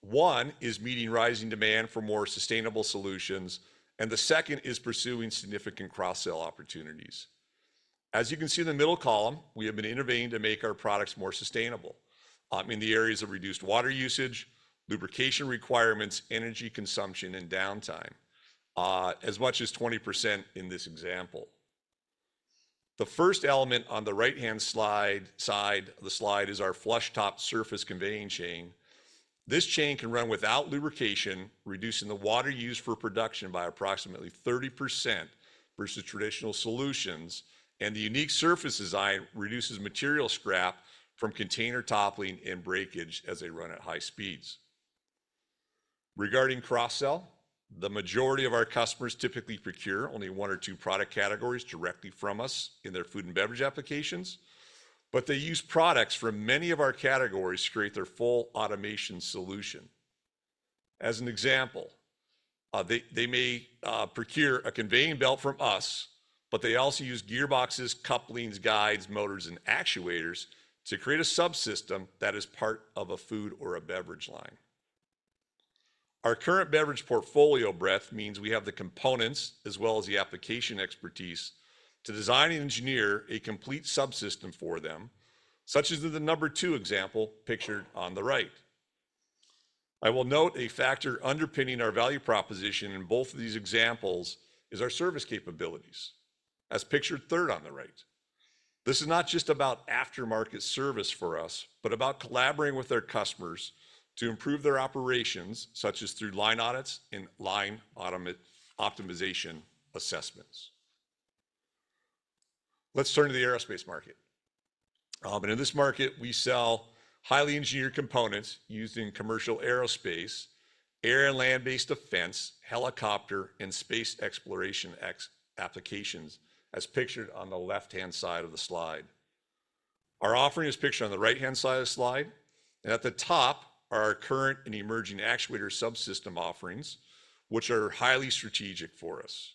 One is meeting rising demand for more sustainable solutions, and the second is pursuing significant cross-sell opportunities. As you can see in the middle column, we have been intervening to make our products more sustainable in the areas of reduced water usage, lubrication requirements, energy consumption, and downtime, as much as 20% in this example. The first element on the right-hand side of the slide is our flush-top surface conveying chain. This chain can run without lubrication, reducing the water used for production by approximately 30% versus traditional solutions, and the unique surface design reduces material scrap from container toppling and breakage as they run at high speeds. Regarding cross-sell, the majority of our customers typically procure only one or two product categories directly from us in their food and beverage applications, but they use products from many of our categories to create their full automation solution. As an example, they may procure a conveyor belt from us, but they also use gearboxes, couplings, guides, motors, and actuators to create a subsystem that is part of a food or a beverage line. Our current beverage portfolio breadth means we have the components as well as the application expertise to design and engineer a complete subsystem for them, such as the number two example pictured on the right. I will note a factor underpinning our value proposition in both of these examples is our service capabilities, as pictured third on the right. This is not just about aftermarket service for us, but about collaborating with our customers to improve their operations, such as through line audits and line optimization assessments. Let's turn to the aerospace market. In this market, we sell highly engineered components used in commercial aerospace, air and land-based defense, helicopter, and space exploration applications, as pictured on the left-hand side of the slide. Our offering is pictured on the right-hand side of the slide, and at the top are our current and emerging actuator subsystem offerings, which are highly strategic for us.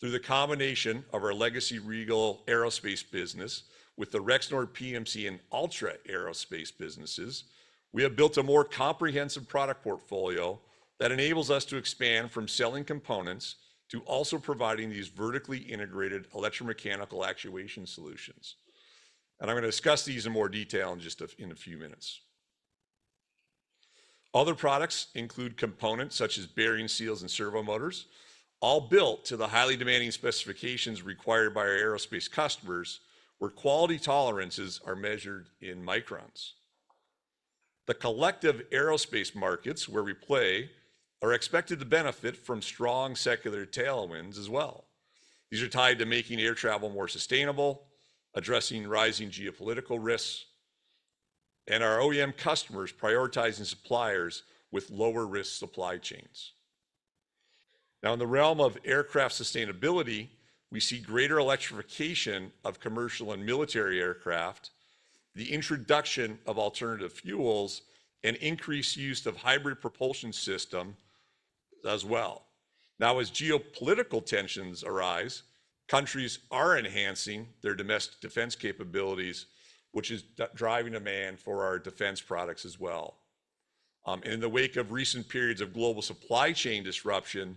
Through the combination of our legacy Regal aerospace business with the Rexnord PMC and Altra aerospace businesses, we have built a more comprehensive product portfolio that enables us to expand from selling components to also providing these vertically integrated electromechanical actuation solutions. And I'm going to discuss these in more detail in just a few minutes. Other products include components such as bearings, seals, and servo motors, all built to the highly demanding specifications required by our aerospace customers, where quality tolerances are measured in microns. The collective aerospace markets where we play are expected to benefit from strong secular tailwinds as well. These are tied to making air travel more sustainable, addressing rising geopolitical risks, and our OEM customers prioritizing suppliers with lower-risk supply chains. Now, in the realm of aircraft sustainability, we see greater electrification of commercial and military aircraft, the introduction of alternative fuels, and increased use of hybrid propulsion systems as well. Now, as geopolitical tensions arise, countries are enhancing their domestic defense capabilities, which is driving demand for our defense products as well. And in the wake of recent periods of global supply chain disruption,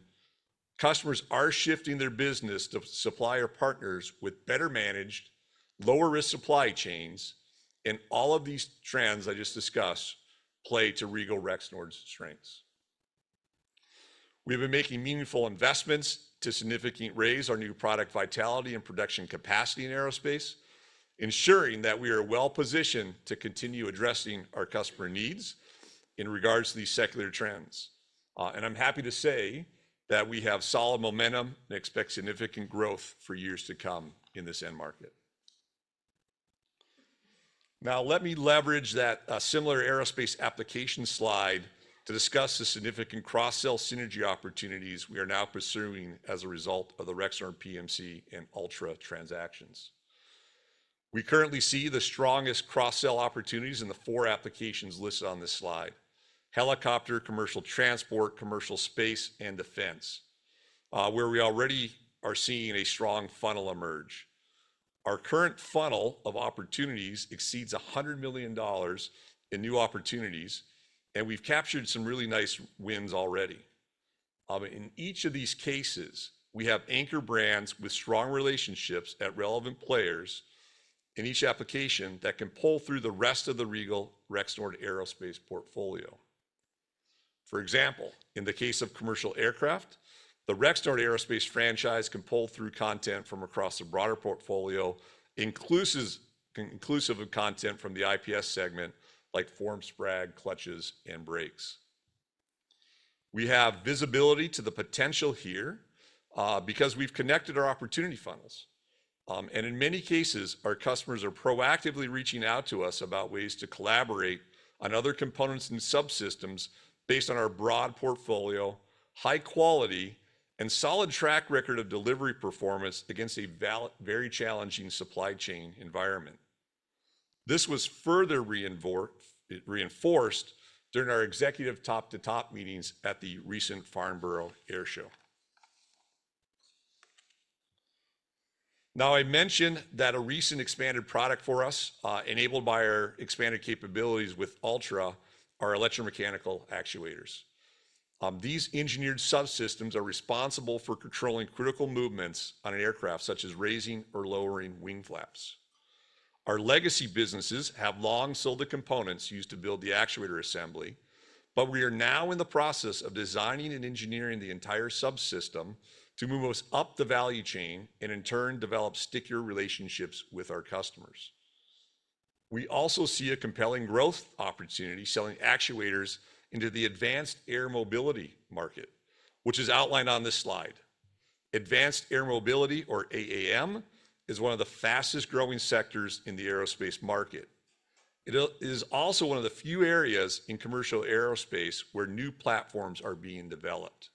customers are shifting their business to supply our partners with better-managed, lower-risk supply chains, and all of these trends I just discussed play to Regal Rexnord's strengths. We have been making meaningful investments to significantly raise our new product vitality and production capacity in aerospace, ensuring that we are well-positioned to continue addressing our customer needs in regards to these secular trends. And I'm happy to say that we have solid momentum and expect significant growth for years to come in this end market. Now, let me leverage that similar aerospace application slide to discuss the significant cross-sell synergy opportunities we are now pursuing as a result of the Rexnord PMC and Altra transactions. We currently see the strongest cross-sell opportunities in the four applications listed on this slide: helicopter, commercial transport, commercial space, and defense, where we already are seeing a strong funnel emerge. Our current funnel of opportunities exceeds $100 million in new opportunities, and we've captured some really nice wins already. In each of these cases, we have anchor brands with strong relationships at relevant players in each application that can pull through the rest of the Regal Rexnord aerospace portfolio. For example, in the case of commercial aircraft, the Rexnord aerospace franchise can pull through content from across the broader portfolio, inclusive of content from the IPS segment, like gears, brakes, clutches, and brakes. We have visibility to the potential here because we've connected our opportunity funnels. And in many cases, our customers are proactively reaching out to us about ways to collaborate on other components and subsystems based on our broad portfolio, high quality, and solid track record of delivery performance against a very challenging supply chain environment. This was further reinforced during our executive top-to-top meetings at the recent Farnborough Air Show. Now, I mentioned that a recent expanded product for us, enabled by our expanded capabilities with Altra, are electromechanical actuators. These engineered subsystems are responsible for controlling critical movements on an aircraft, such as raising or lowering wing flaps. Our legacy businesses have long sold the components used to build the actuator assembly, but we are now in the process of designing and engineering the entire subsystem to move us up the value chain and, in turn, develop stickier relationships with our customers. We also see a compelling growth opportunity selling actuators into the advanced air mobility market, which is outlined on this slide. Advanced Air Mobility, or AAM, is one of the fastest-growing sectors in the aerospace market. It is also one of the few areas in commercial aerospace where new platforms are being developed.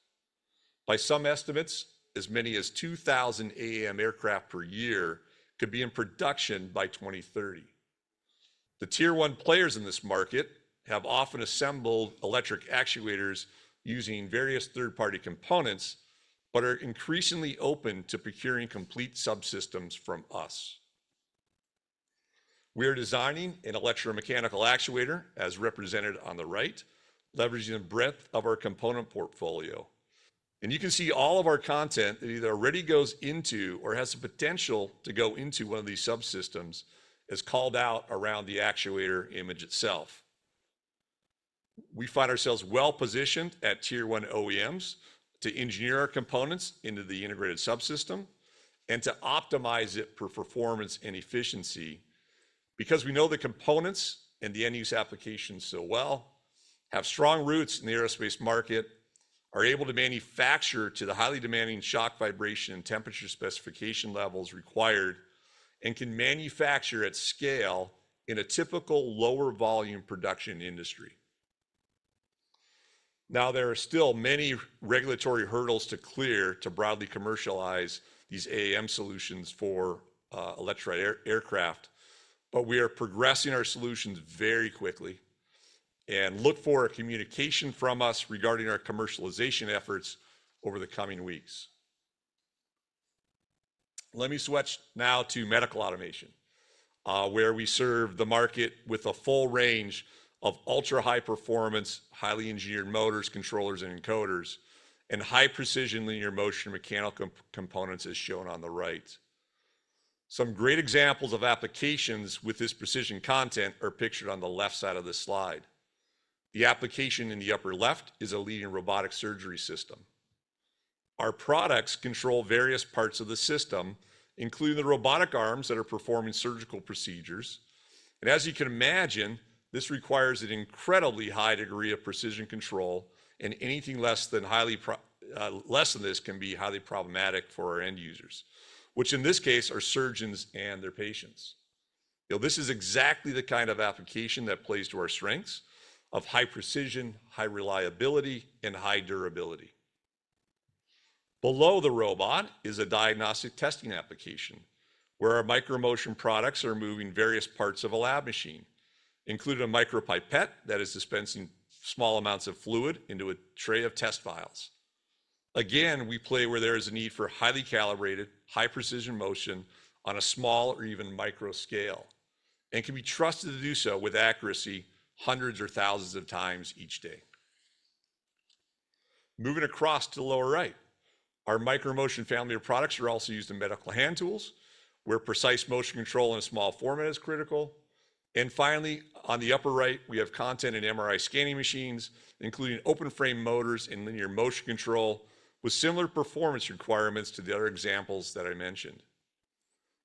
By some estimates, as many as 2,000 AAM aircraft per year could be in production by 2030. The tier-one players in this market have often assembled electric actuators using various third-party components but are increasingly open to procuring complete subsystems from us. We are designing an electromechanical actuator, as represented on the right, leveraging the breadth of our component portfolio, and you can see all of our content that either already goes into or has the potential to go into one of these subsystems is called out around the actuator image itself. We find ourselves well-positioned at tier-one OEMs to engineer our components into the integrated subsystem and to optimize it for performance and efficiency because we know the components and the end-use applications so well, have strong roots in the aerospace market, are able to manufacture to the highly demanding shock, vibration, and temperature specification levels required, and can manufacture at scale in a typical lower-volume production industry. Now, there are still many regulatory hurdles to clear to broadly commercialize these AAM solutions for electric aircraft, but we are progressing our solutions very quickly and look forward to communication from us regarding our commercialization efforts over the coming weeks. Let me switch now to medical automation, where we serve the market with a full range of ultra-high-performance, highly engineered motors, controllers, and encoders, and high-precision linear motion mechanical components, as shown on the right. Some great examples of applications with this precision content are pictured on the left side of the slide. The application in the upper left is a leading robotic surgery system. Our products control various parts of the system, including the robotic arms that are performing surgical procedures. And as you can imagine, this requires an incredibly high degree of precision control, and anything less than this can be highly problematic for our end users, which in this case are surgeons and their patients. This is exactly the kind of application that plays to our strengths of high precision, high reliability, and high durability. Below the robot is a diagnostic testing application where our micro-motion products are moving various parts of a lab machine, including a micropipette that is dispensing small amounts of fluid into a tray of test vials. Again, we play where there is a need for highly calibrated, high-precision motion on a small or even micro scale and can be trusted to do so with accuracy hundreds or thousands of times each day. Moving across to the lower right, our micro-motion family of products are also used in medical hand tools where precise motion control in a small format is critical, and finally, on the upper right, we have CT and MRI scanning machines, including open-frame motors and linear motion control with similar performance requirements to the other examples that I mentioned.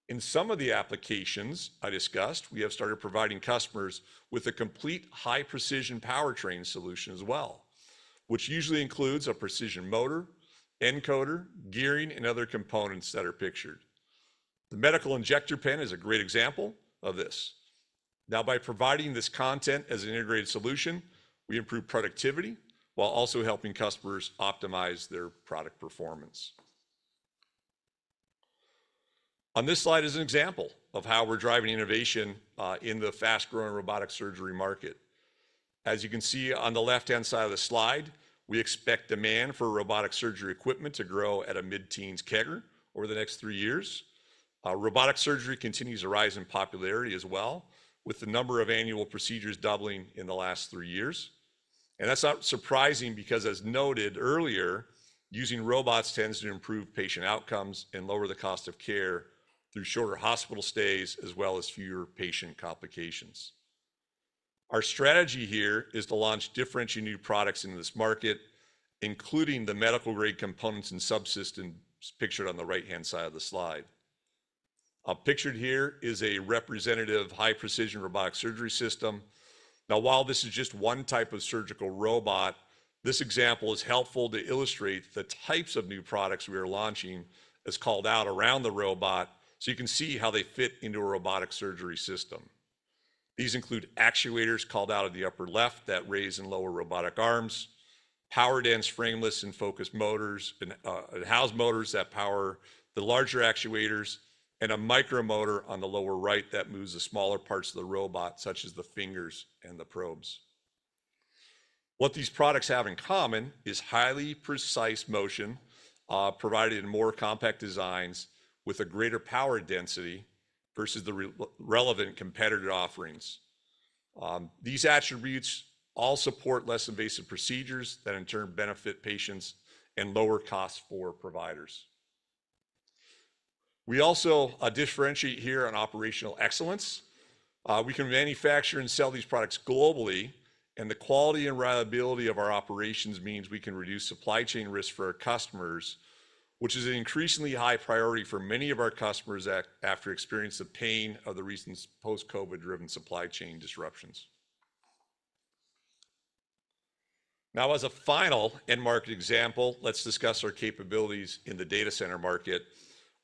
In some of the applications I discussed, we have started providing customers with a complete high-precision powertrain solution as well, which usually includes a precision motor, encoder, gearing, and other components that are pictured. The medical injector pen is a great example of this. Now, by providing this component as an integrated solution, we improve productivity while also helping customers optimize their product performance. On this slide is an example of how we're driving innovation in the fast-growing robotic surgery market. As you can see on the left-hand side of the slide, we expect demand for robotic surgery equipment to grow at a mid-teens CAGR over the next three years. Robotic surgery continues to rise in popularity as well, with the number of annual procedures doubling in the last three years. And that's not surprising because, as noted earlier, using robots tends to improve patient outcomes and lower the cost of care through shorter hospital stays as well as fewer patient complications. Our strategy here is to launch different new products into this market, including the medical-grade components and subsystems pictured on the right-hand side of the slide. Pictured here is a representative high-precision robotic surgery system. Now, while this is just one type of surgical robot, this example is helpful to illustrate the types of new products we are launching as called out around the robot so you can see how they fit into a robotic surgery system. These include actuators called out in the upper left that raise and lower robotic arms, power-dense frameless and housed motors, and housed motors that power the larger actuators, and a micromotor on the lower right that moves the smaller parts of the robot, such as the fingers and the probes. What these products have in common is highly precise motion provided in more compact designs with a greater power density versus the relevant competitive offerings. These attributes all support less invasive procedures that, in turn, benefit patients and lower costs for providers. We also differentiate here on operational excellence. We can manufacture and sell these products globally, and the quality and reliability of our operations means we can reduce supply chain risk for our customers, which is an increasingly high priority for many of our customers after experiencing the pain of the recent post-COVID-driven supply chain disruptions. Now, as a final end market example, let's discuss our capabilities in the data center market,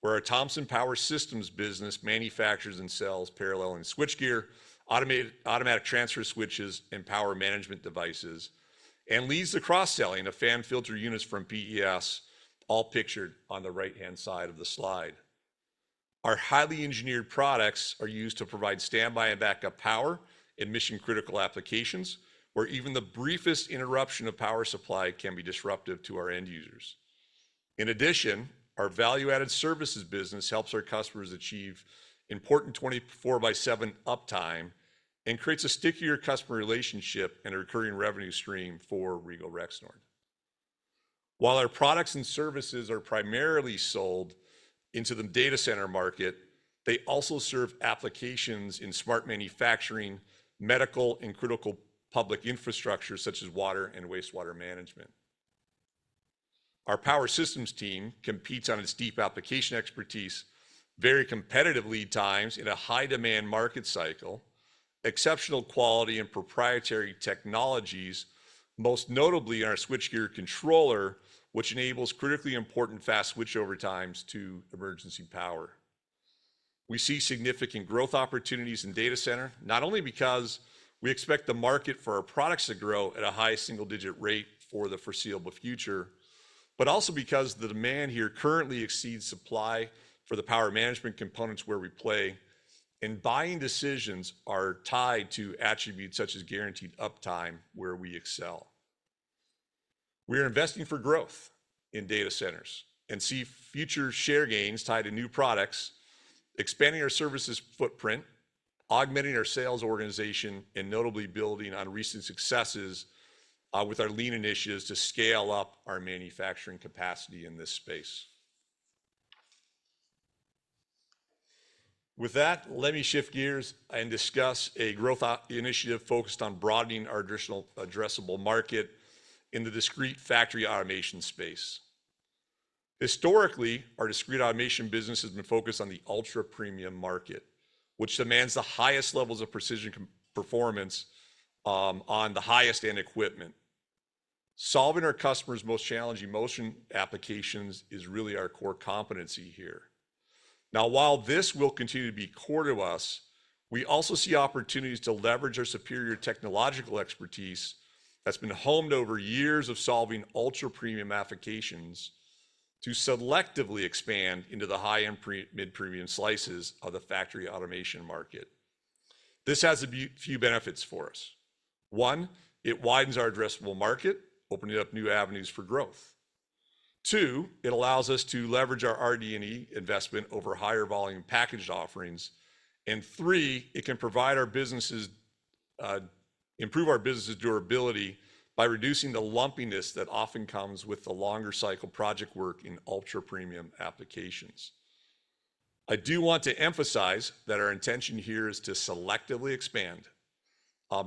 where our Thomson Power Systems business manufactures and sells paralleling switchgear, automatic transfer switches, and power management devices, and leads the cross-selling of fan filter units from PES, all pictured on the right-hand side of the slide. Our highly engineered products are used to provide standby and backup power in mission-critical applications where even the briefest interruption of power supply can be disruptive to our end users. In addition, our value-added services business helps our customers achieve important 24/7 uptime and creates a stickier customer relationship and a recurring revenue stream for Regal Rexnord. While our products and services are primarily sold into the data center market, they also serve applications in smart manufacturing, medical, and critical public infrastructure such as water and wastewater management. Our power systems team competes on its deep application expertise very competitively at times in a high-demand market cycle, exceptional quality and proprietary technologies, most notably in our switchgear controller, which enables critically important fast switchover times to emergency power. We see significant growth opportunities in data center, not only because we expect the market for our products to grow at a high single-digit rate for the foreseeable future, but also because the demand here currently exceeds supply for the power management components where we play, and buying decisions are tied to attributes such as guaranteed uptime where we excel. We are investing for growth in data centers and see future share gains tied to new products, expanding our services footprint, augmenting our sales organization, and notably building on recent successes with our lean initiatives to scale up our manufacturing capacity in this space. With that, let me shift gears and discuss a growth initiative focused on broadening our addressable market in the discrete factory automation space. Historically, our discrete automation business has been focused on the ultra-premium market, which demands the highest levels of precision performance on the highest-end equipment. Solving our customers' most challenging motion applications is really our core competency here. Now, while this will continue to be core to us, we also see opportunities to leverage our superior technological expertise that's been honed over years of solving ultra-premium applications to selectively expand into the high-end mid-premium slices of the factory automation market. This has a few benefits for us. One, it widens our addressable market, opening up new avenues for growth. Two, it allows us to leverage our RD&E investment over higher volume packaged offerings. And three, it can improve our business's durability by reducing the lumpiness that often comes with the longer-cycle project work in ultra-premium applications. I do want to emphasize that our intention here is to selectively expand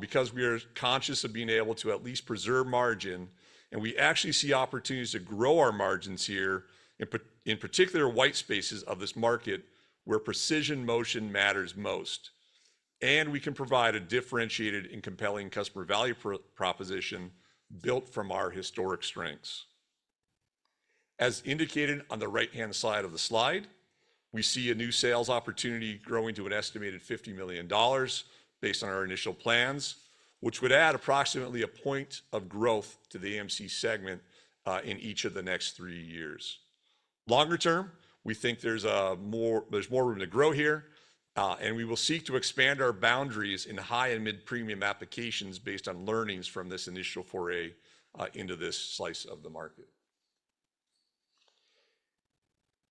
because we are conscious of being able to at least preserve margin, and we actually see opportunities to grow our margins here, in particular white spaces of this market where precision motion matters most, and we can provide a differentiated and compelling customer value proposition built from our historic strengths. As indicated on the right-hand side of the slide, we see a new sales opportunity growing to an estimated $50 million based on our initial plans, which would add approximately a point of growth to the AMC segment in each of the next three years. Longer term, we think there's more room to grow here, and we will seek to expand our boundaries in high and mid-premium applications based on learnings from this initial foray into this slice of the market.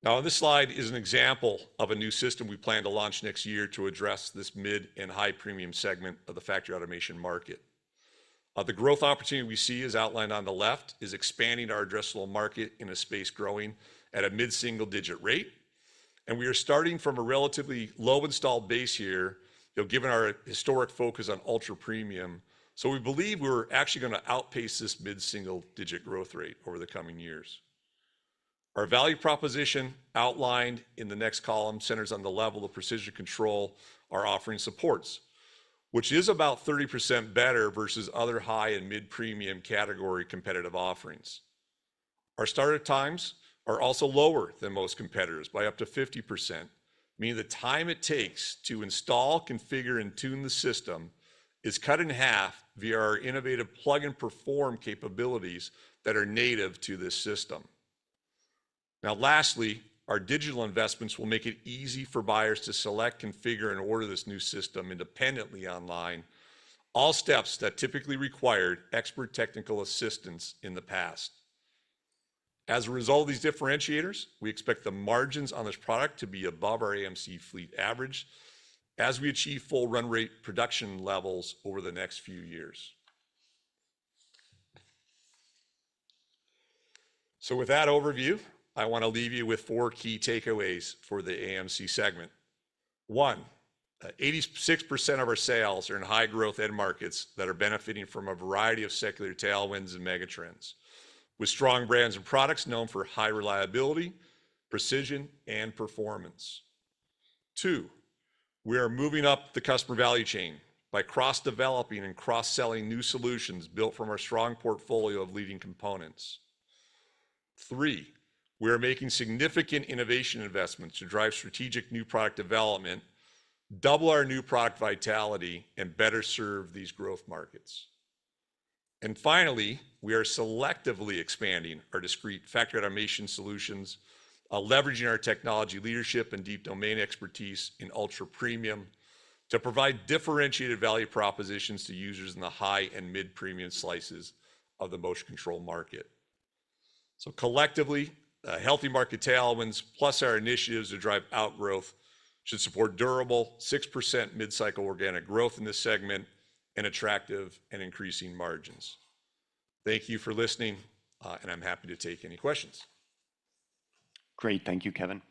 Now, on this slide is an example of a new system we plan to launch next year to address this mid- and high-premium segment of the factory automation market. The growth opportunity we see is outlined on the left, is expanding our addressable market in a space growing at a mid-single-digit rate, and we are starting from a relatively low-installed base here, given our historic focus on ultra-premium, so we believe we're actually going to outpace this mid-single-digit growth rate over the coming years. Our value proposition outlined in the next column centers on the level of precision control our offering supports, which is about 30% better versus other high- and mid-premium category competitive offerings. Our startup times are also lower than most competitors by up to 50%, meaning the time it takes to install, configure, and tune the system is cut in half via our innovative plug-and-perform capabilities that are native to this system. Now, lastly, our digital investments will make it easy for buyers to select, configure, and order this new system independently online, all steps that typically required expert technical assistance in the past. As a result of these differentiators, we expect the margins on this product to be above our AMC fleet average as we achieve full run-rate production levels over the next few years. So with that overview, I want to leave you with four key takeaways for the AMC segment. One, 86% of our sales are in high-growth end markets that are benefiting from a variety of secular tailwinds and megatrends, with strong brands and products known for high reliability, precision, and performance. Two, we are moving up the customer value chain by cross-developing and cross-selling new solutions built from our strong portfolio of leading components. Three, we are making significant innovation investments to drive strategic new product development, double our new product vitality, and better serve these growth markets. And finally, we are selectively expanding our discrete factory automation solutions, leveraging our technology leadership and deep domain expertise in ultra-premium to provide differentiated value propositions to users in the high and mid-premium slices of the motion control market. So collectively, healthy market tailwinds plus our initiatives to drive outgrowth should support durable 6% mid-cycle organic growth in this segment and attractive and increasing margins. Thank you for listening, and I'm happy to take any questions. Great. Thank you, Kevin.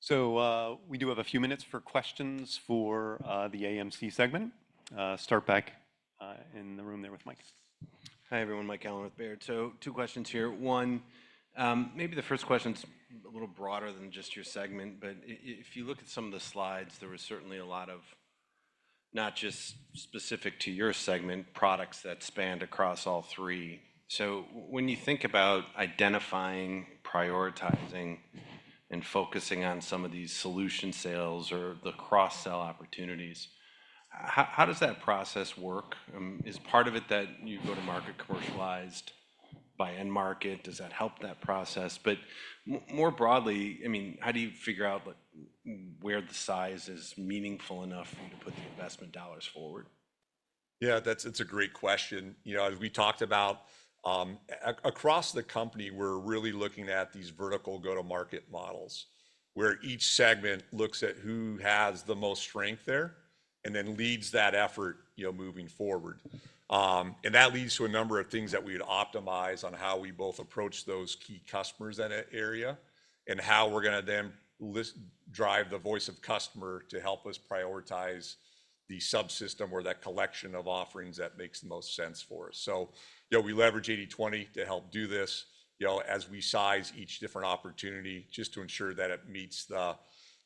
So we do have a few minutes for questions for the AMC segment. Start back in the room there with Mike. Hi everyone, Mike Halloran with Baird. So two questions here. One, maybe the first question's a little broader than just your segment, but if you look at some of the slides, there was certainly a lot of not just specific to your segment products that spanned across all three. So when you think about identifying, prioritizing, and focusing on some of these solution sales or the cross-sell opportunities, how does that process work? Is part of it that you go to market commercialized by end market? Does that help that process? But more broadly, I mean, how do you figure out where the size is meaningful enough for you to put the investment dollars forward? Yeah, that's a great question. As we talked about, across the company, we're really looking at these vertical go-to-market models where each segment looks at who has the most strength there and then leads that effort moving forward, and that leads to a number of things that we would optimize on how we both approach those key customers in that area and how we're going to then drive the voice of customer to help us prioritize the subsystem or that collection of offerings that makes the most sense for us, so we leverage 80/20 to help do this as we size each different opportunity just to ensure that it meets the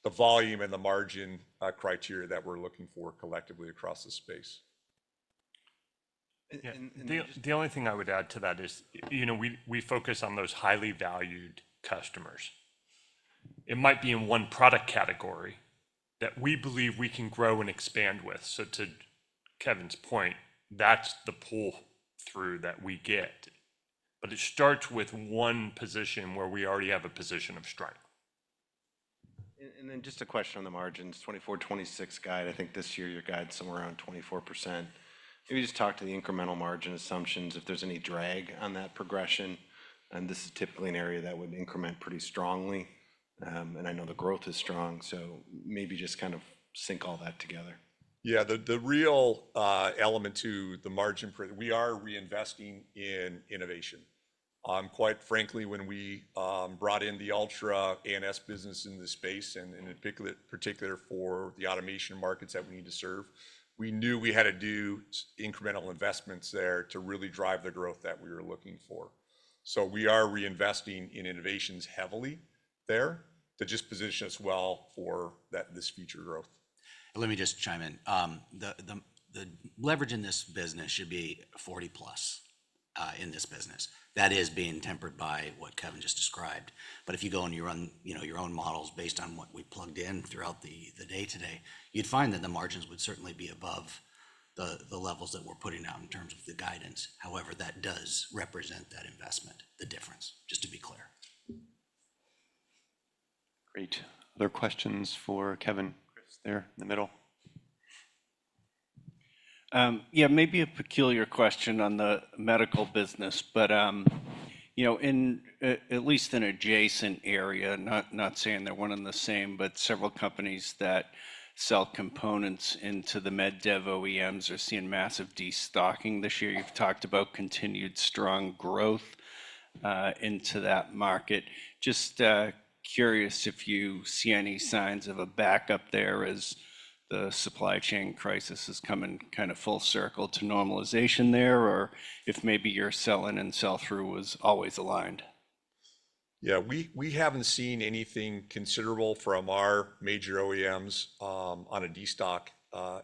volume and the margin criteria that we're looking for collectively across the space. The only thing I would add to that is we focus on those highly valued customers. It might be in one product category that we believe we can grow and expand with. So to Kevin's point, that's the pull-through that we get. But it starts with one position where we already have a position of strength. And then, just a question on the margins, 24/26 guide. I think this year your guide's somewhere around 24%. Maybe just talk to the incremental margin assumptions if there's any drag on that progression. And this is typically an area that would increment pretty strongly. And I know the growth is strong, so maybe just kind of sync all that together. Yeah, the real element to the margin is that we are reinvesting in innovation. Quite frankly, when we brought in the Altra's business in this space, and in particular for the automation markets that we need to serve, we knew we had to do incremental investments there to really drive the growth that we were looking for. So we are reinvesting in innovations heavily there to just position us well for this future growth. Let me just chime in. The leverage in this business should be 40+ in this business. That is being tempered by what Kevin just described. But if you go and you run your own models based on what we plugged in throughout the day today, you'd find that the margins would certainly be above the levels that we're putting out in terms of the guidance. However, that does represent that investment, the difference, just to be clear. Great. Other questions for Kevin there in the middle? Yeah, maybe a peculiar question on the medical business, but at least in an adjacent area, not saying they're one and the same, but several companies that sell components into the med dev OEMs are seeing massive destocking this year. You've talked about continued strong growth into that market. Just curious if you see any signs of a backup there as the supply chain crisis is coming kind of full circle to normalization there, or if maybe your sell-in and sell-through was always aligned. Yeah, we haven't seen anything considerable from our major OEMs on a destock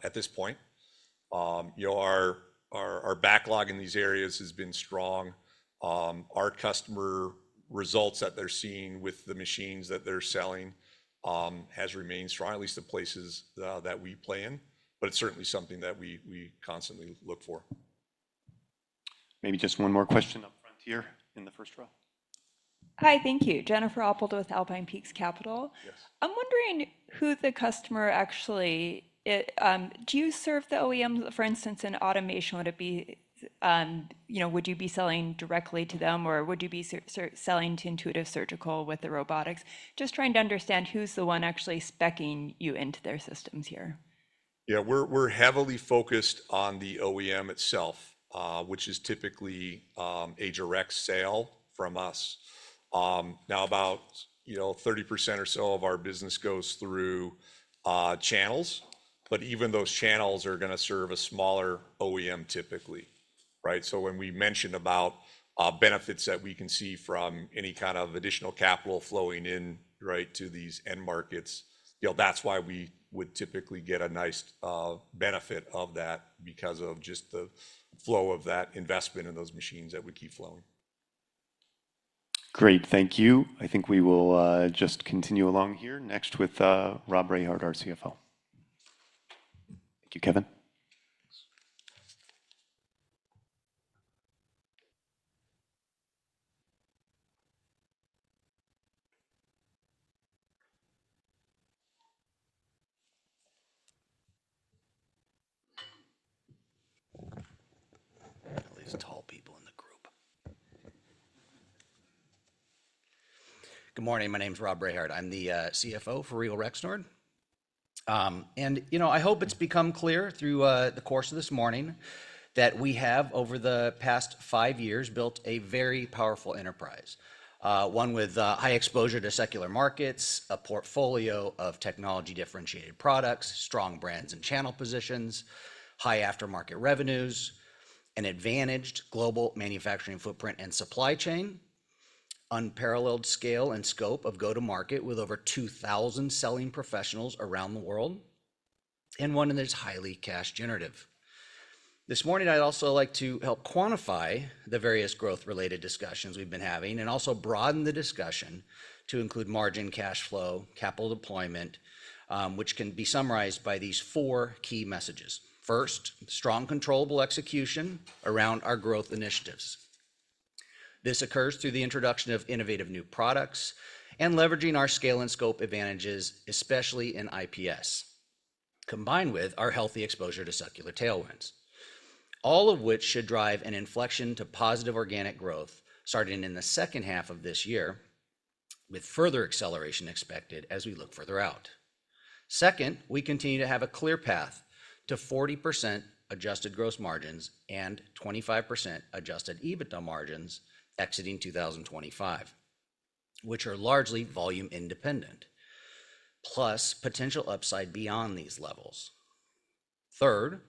at this point. Our backlog in these areas has been strong. Our customer results that they're seeing with the machines that they're selling has remained strong, at least the places that we play in. But it's certainly something that we constantly look for. Maybe just one more question up front here in the first row. Hi, thank you. Jennifer Eppel with Alpine Peaks Capital. I'm wondering who the customer actually do you serve the OEMs? For instance, in automation, would you be selling directly to them, or would you be selling to Intuitive Surgical with the robotics? Just trying to understand who's the one actually spec'ing you into their systems here. Yeah, we're heavily focused on the OEM itself, which is typically a direct sale from us. Now, about 30% or so of our business goes through channels, but even those channels are going to serve a smaller OEM typically. So when we mention about benefits that we can see from any kind of additional capital flowing into these end markets, that's why we would typically get a nice benefit of that because of just the flow of that investment in those machines that we keep flowing. Great, thank you. I think we will just continue along here next with Rob Rehard, our CFO. Thank you, Kevin. There are at least tall people in the group. Good morning. My name's Rob Rehard. I'm the CFO for Regal Rexnord, and I hope it's become clear through the course of this morning that we have, over the past five years, built a very powerful enterprise, one with high exposure to secular markets, a portfolio of technology differentiated products, strong brands and channel positions, high aftermarket revenues, an advantaged global manufacturing footprint and supply chain, unparalleled scale and scope of go-to-market with over 2,000 selling professionals around the world, and one that is highly cash generative. This morning, I'd also like to help quantify the various growth-related discussions we've been having and also broaden the discussion to include margin, cash flow, capital deployment, which can be summarized by these four key messages. First, strong controllable execution around our growth initiatives. This occurs through the introduction of innovative new products and leveraging our scale and scope advantages, especially in IPS, combined with our healthy exposure to secular tailwinds, all of which should drive an inflection to positive organic growth starting in the second half of this year, with further acceleration expected as we look further out. Second, we continue to have a clear path to 40% adjusted gross margins and 25% adjusted EBITDA margins exiting 2025, which are largely volume independent, plus potential upside beyond these levels. Third,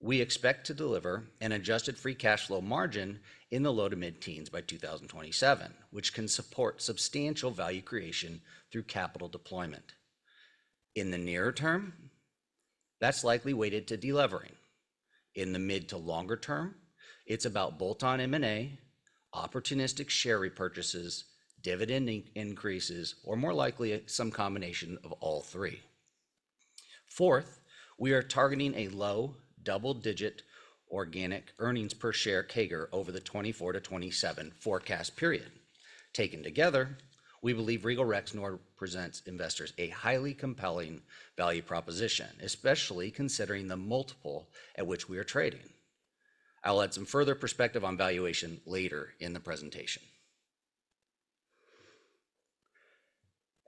we expect to deliver an adjusted free cash flow margin in the low to mid-teens by 2027, which can support substantial value creation through capital deployment. In the near term, that's likely weighted to delivering. In the mid to longer term, it's about bolt-on M&A, opportunistic share repurchases, dividend increases, or more likely some combination of all three. Fourth, we are targeting a low double-digit organic earnings per share CAGR over the 2024 to 2027 forecast period. Taken together, we believe Regal Rexnord presents investors a highly compelling value proposition, especially considering the multiple at which we are trading. I'll add some further perspective on valuation later in the presentation.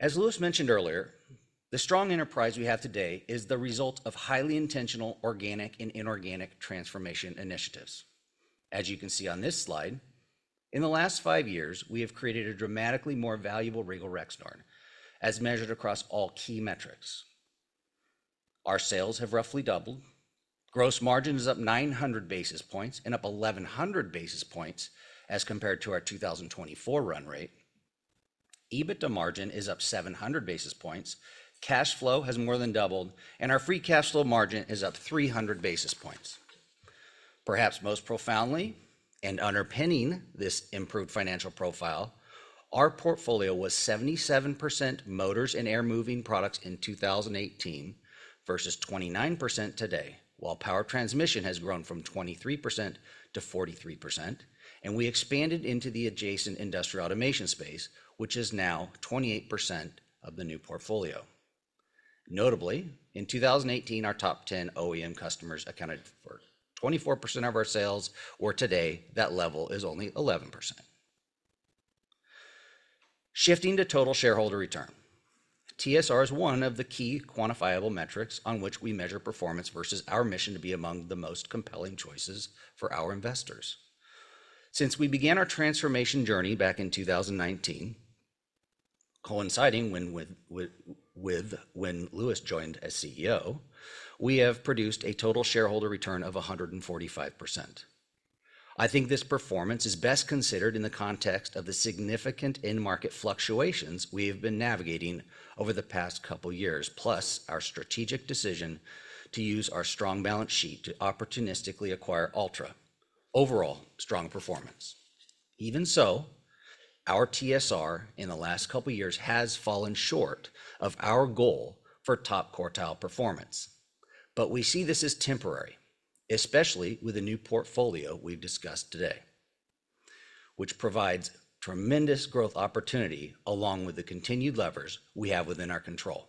As Louis mentioned earlier, the strong enterprise we have today is the result of highly intentional organic and inorganic transformation initiatives. As you can see on this slide, in the last five years, we have created a dramatically more valuable Regal Rexnord as measured across all key metrics. Our sales have roughly doubled. Gross margin is up 900 basis points and up 1,100 basis points as compared to our 2024 run rate. EBITDA margin is up 700 basis points. Cash flow has more than doubled, and our free cash flow margin is up 300 basis points. Perhaps most profoundly and underpinning this improved financial profile, our portfolio was 77% motors and air moving products in 2018 versus 29% today, while power transmission has grown from 23% to 43%, and we expanded into the adjacent industrial automation space, which is now 28% of the new portfolio. Notably, in 2018, our top 10 OEM customers accounted for 24% of our sales, where today that level is only 11%. Shifting to total shareholder return, TSR is one of the key quantifiable metrics on which we measure performance versus our mission to be among the most compelling choices for our investors. Since we began our transformation journey back in 2019, coinciding with when Louis joined as CEO, we have produced a total shareholder return of 145%. I think this performance is best considered in the context of the significant in-market fluctuations we have been navigating over the past couple of years, plus our strategic decision to use our strong balance sheet to opportunistically acquire Altra. Overall, strong performance. Even so, our TSR in the last couple of years has fallen short of our goal for top quartile performance. But we see this as temporary, especially with the new portfolio we've discussed today, which provides tremendous growth opportunity along with the continued levers we have within our control.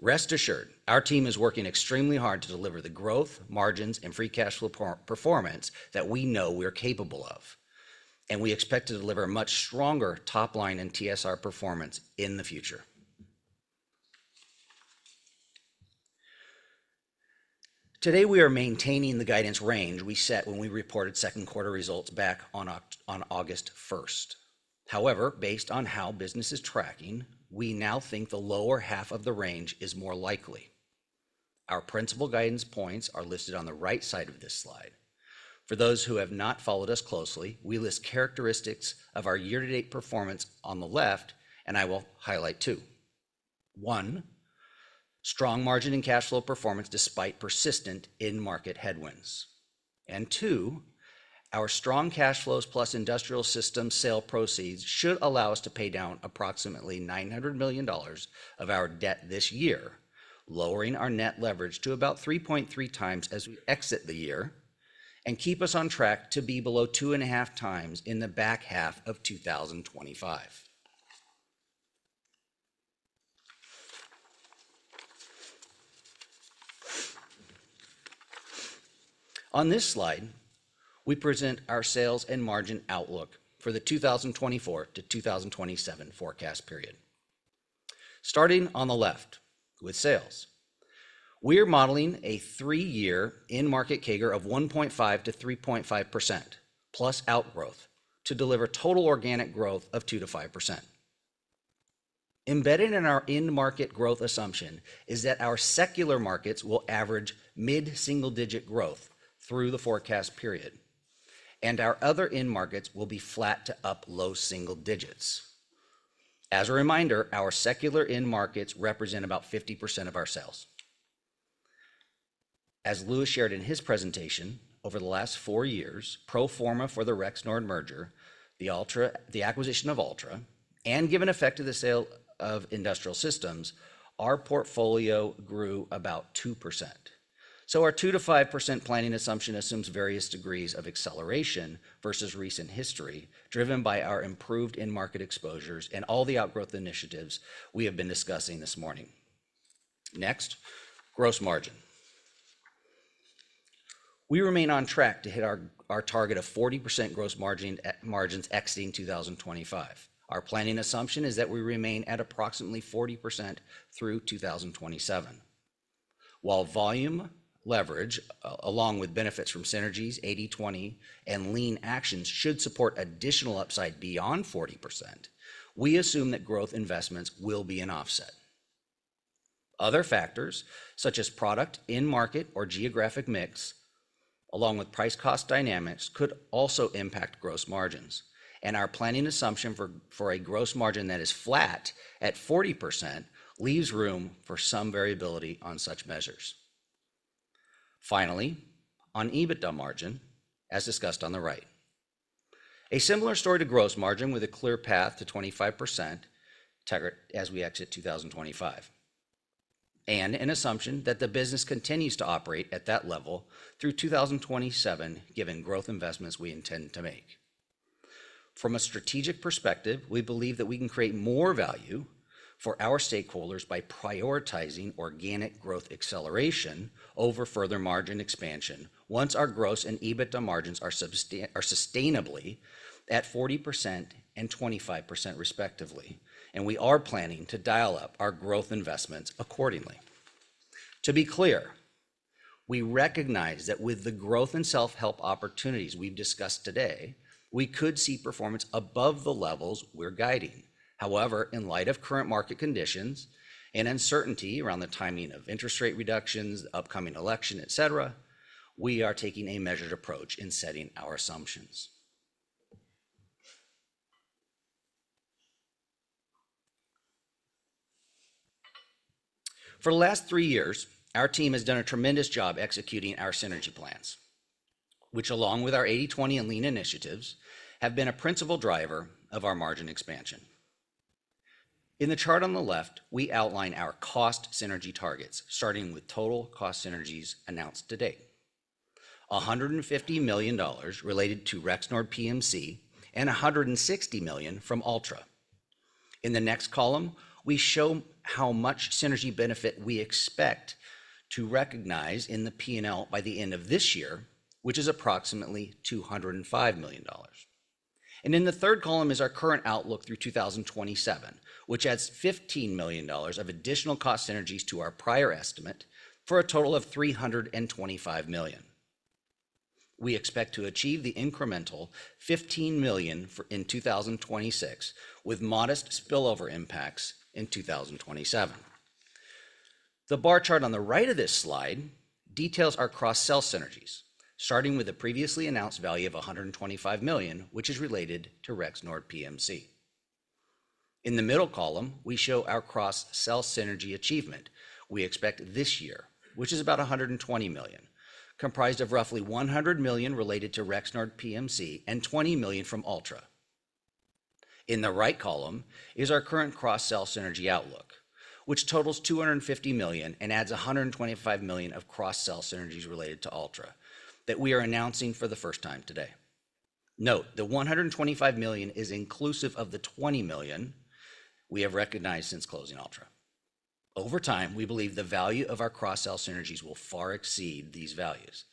Rest assured, our team is working extremely hard to deliver the growth, margins, and free cash flow performance that we know we are capable of. And we expect to deliver a much stronger top line and TSR performance in the future. Today, we are maintaining the guidance range we set when we reported second quarter results back on August 1st. However, based on how business is tracking, we now think the lower half of the range is more likely. Our principal guidance points are listed on the right side of this slide. For those who have not followed us closely, we list characteristics of our year-to-date performance on the left, and I will highlight two. One, strong margin and cash flow performance despite persistent in-market headwinds. And two, our strong cash flows plus Industrial Systems sale proceeds should allow us to pay down approximately $900 million of our debt this year, lowering our net leverage to about 3.3 times as we exit the year and keep us on track to be below two and a half times in the back half of 2025. On this slide, we present our sales and margin outlook for the 2024 to 2027 forecast period. Starting on the left with sales, we are modeling a three-year in-market CAGR of 1.5%-3.5%, plus outgrowth to deliver total organic growth of 2%-5%. Embedded in our in-market growth assumption is that our secular markets will average mid-single-digit growth through the forecast period, and our other in-markets will be flat to up low single digits. As a reminder, our secular in-markets represent about 50% of our sales. As Louis shared in his presentation, over the last four years, pro forma for the Rexnord merger, the acquisition of Altra, and given effect to the sale of Industrial Systems, our portfolio grew about 2%. Our 2%-5% planning assumption assumes various degrees of acceleration versus recent history, driven by our improved in-market exposures and all the outgrowth initiatives we have been discussing this morning. Next, gross margin. We remain on track to hit our target of 40% gross margins exiting 2025. Our planning assumption is that we remain at approximately 40% through 2027. While volume leverage, along with benefits from synergies, 80/20, and lean actions should support additional upside beyond 40%, we assume that growth investments will be an offset. Other factors, such as product, in-market, or geographic mix, along with price-cost dynamics, could also impact gross margins. Our planning assumption for a gross margin that is flat at 40% leaves room for some variability on such measures. Finally, on EBITDA margin, as discussed on the right, a similar story to gross margin with a clear path to 25% as we exit 2025, and an assumption that the business continues to operate at that level through 2027, given growth investments we intend to make. From a strategic perspective, we believe that we can create more value for our stakeholders by prioritizing organic growth acceleration over further margin expansion once our gross and EBITDA margins are sustainably at 40% and 25%, respectively. And we are planning to dial up our growth investments accordingly. To be clear, we recognize that with the growth and self-help opportunities we've discussed today, we could see performance above the levels we're guiding. However, in light of current market conditions and uncertainty around the timing of interest rate reductions, upcoming election, etc., we are taking a measured approach in setting our assumptions. For the last three years, our team has done a tremendous job executing our synergy plans, which, along with our 80/20 and lean initiatives, have been a principal driver of our margin expansion. In the chart on the left, we outline our cost synergy targets, starting with total cost synergies announced to date, $150 million related to Rexnord PMC and $160 million from Altra. In the next column, we show how much synergy benefit we expect to recognize in the P&L by the end of this year, which is approximately $205 million, and in the third column is our current outlook through 2027, which adds $15 million of additional cost synergies to our prior estimate for a total of $325 million. We expect to achieve the incremental $15 million in 2026, with modest spillover impacts in 2027. The bar chart on the right of this slide details our cross-sell synergies, starting with the previously announced value of $125 million, which is related to Rexnord PMC. In the middle column, we show our cross-sell synergy achievement we expect this year, which is about $120 million, comprised of roughly $100 million related to Rexnord PMC and $20 million from Altra. In the right column is our current cross-sell synergy outlook, which totals $250 million and adds $125 million of cross-sell synergies related to Altra that we are announcing for the first time today. Note, the $125 million is inclusive of the $20 million we have recognized since closing Altra. Over time, we believe the value of our cross-sell synergies will far exceed these values.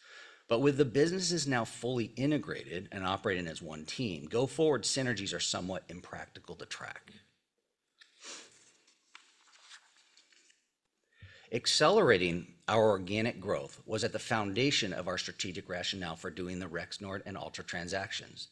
But with the businesses now fully integrated and operating as one team, go forward synergies are somewhat impractical to track. Accelerating our organic growth was at the foundation of our strategic rationale for doing the Rexnord and Altra transactions.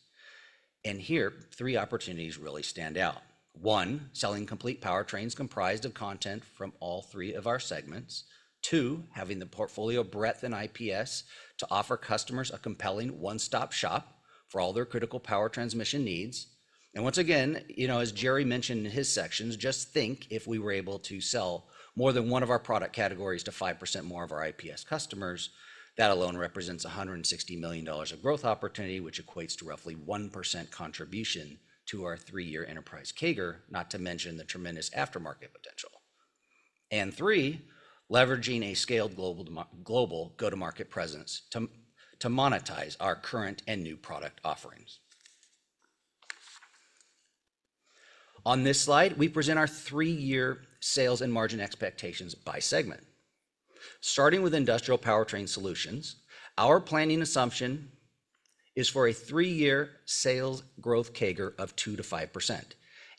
And here, three opportunities really stand out. One, selling complete power trains comprised of content from all three of our segments. Two, having the portfolio breadth and IPS to offer customers a compelling one-stop shop for all their critical power transmission needs. And once again, as Jerry mentioned in his sections, just think if we were able to sell more than one of our product categories to 5% more of our IPS customers. That alone represents $160 million of growth opportunity, which equates to roughly 1% contribution to our three-year enterprise CAGR, not to mention the tremendous aftermarket potential. And three, leveraging a scaled global go-to-market presence to monetize our current and new product offerings. On this slide, we present our three-year sales and margin expectations by segment. Starting with Industrial Powertrain Solutions, our planning assumption is for a three-year sales growth CAGR of 2-5%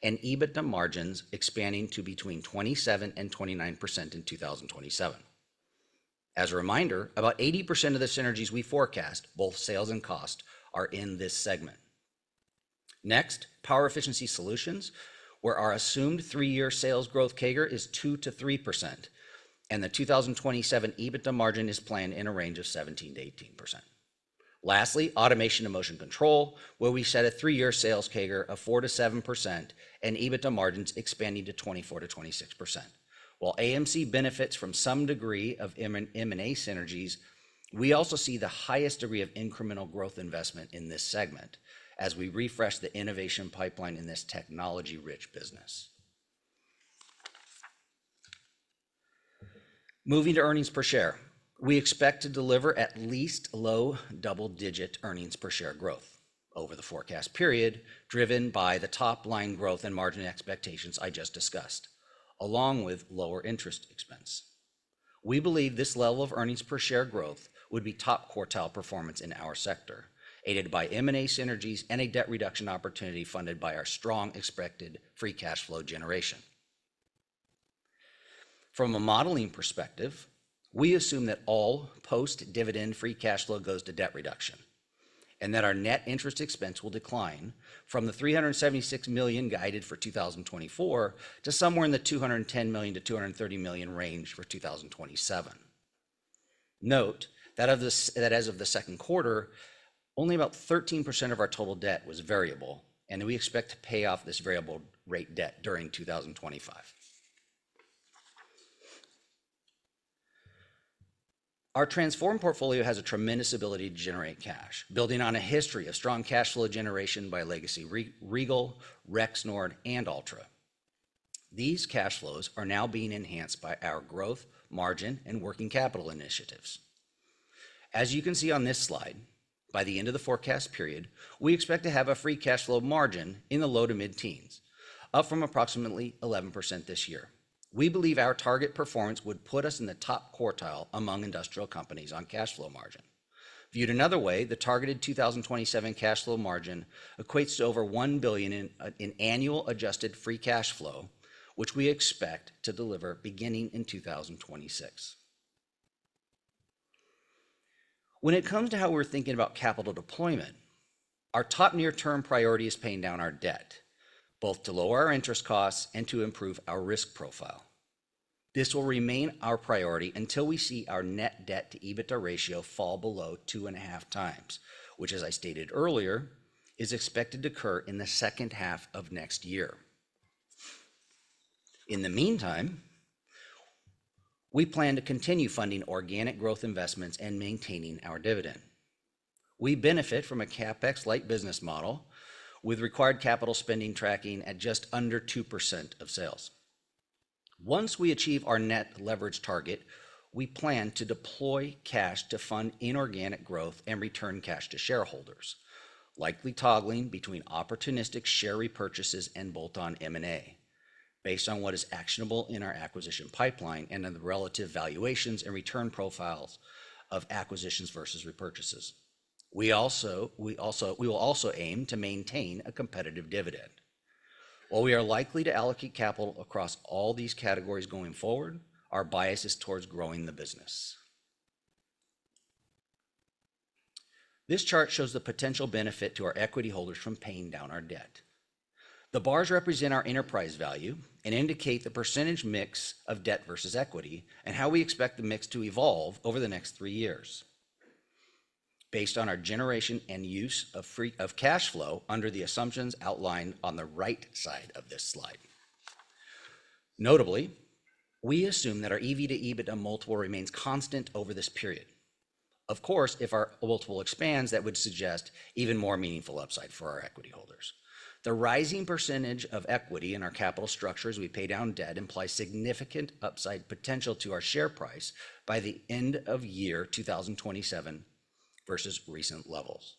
and EBITDA margins expanding to between 27% and 29% in 2027. As a reminder, about 80% of the synergies we forecast, both sales and cost, are in this segment. Next, Power Efficiency Solutions, where our assumed three-year sales growth CAGR is 2-3%, and the 2027 EBITDA margin is planned in a range of 17-18%. Lastly, Automation and Motion Control, where we set a three-year sales CAGR of 4-7% and EBITDA margins expanding to 24-26%. While AMC benefits from some degree of M&A synergies, we also see the highest degree of incremental growth investment in this segment as we refresh the innovation pipeline in this technology-rich business. Moving to earnings per share, we expect to deliver at least low double-digit earnings per share growth over the forecast period, driven by the top line growth and margin expectations I just discussed, along with lower interest expense. We believe this level of earnings per share growth would be top quartile performance in our sector, aided by M&A synergies and a debt reduction opportunity funded by our strong expected free cash flow generation. From a modeling perspective, we assume that all post-dividend free cash flow goes to debt reduction and that our net interest expense will decline from the $376 million guided for 2024 to somewhere in the $210 million-$230 million range for 2027. Note that as of the second quarter, only about 13% of our total debt was variable, and we expect to pay off this variable rate debt during 2025. Our transformed portfolio has a tremendous ability to generate cash, building on a history of strong cash flow generation by Legacy Regal, Rexnord, and Altra. These cash flows are now being enhanced by our growth, margin, and working capital initiatives. As you can see on this slide, by the end of the forecast period, we expect to have a free cash flow margin in the low to mid-teens, up from approximately 11% this year. We believe our target performance would put us in the top quartile among industrial companies on cash flow margin. Viewed another way, the targeted 2027 cash flow margin equates to over $1 billion in annual adjusted free cash flow, which we expect to deliver beginning in 2026. When it comes to how we're thinking about capital deployment, our top near-term priority is paying down our debt, both to lower our interest costs and to improve our risk profile. This will remain our priority until we see our net debt to EBITDA ratio fall below two and a half times, which, as I stated earlier, is expected to occur in the second half of next year. In the meantime, we plan to continue funding organic growth investments and maintaining our dividend. We benefit from a CapEx-like business model with required capital spending tracking at just under 2% of sales. Once we achieve our net leverage target, we plan to deploy cash to fund inorganic growth and return cash to shareholders, likely toggling between opportunistic share repurchases and bolt-on M&A based on what is actionable in our acquisition pipeline and the relative valuations and return profiles of acquisitions versus repurchases. We will also aim to maintain a competitive dividend. While we are likely to allocate capital across all these categories going forward, our bias is towards growing the business. This chart shows the potential benefit to our equity holders from paying down our debt. The bars represent our enterprise value and indicate the percentage mix of debt versus equity and how we expect the mix to evolve over the next three years based on our generation and use of cash flow under the assumptions outlined on the right side of this slide. Notably, we assume that our EV to EBITDA multiple remains constant over this period. Of course, if our multiple expands, that would suggest even more meaningful upside for our equity holders. The rising percentage of equity in our capital structures we pay down debt implies significant upside potential to our share price by the end of year 2027 versus recent levels.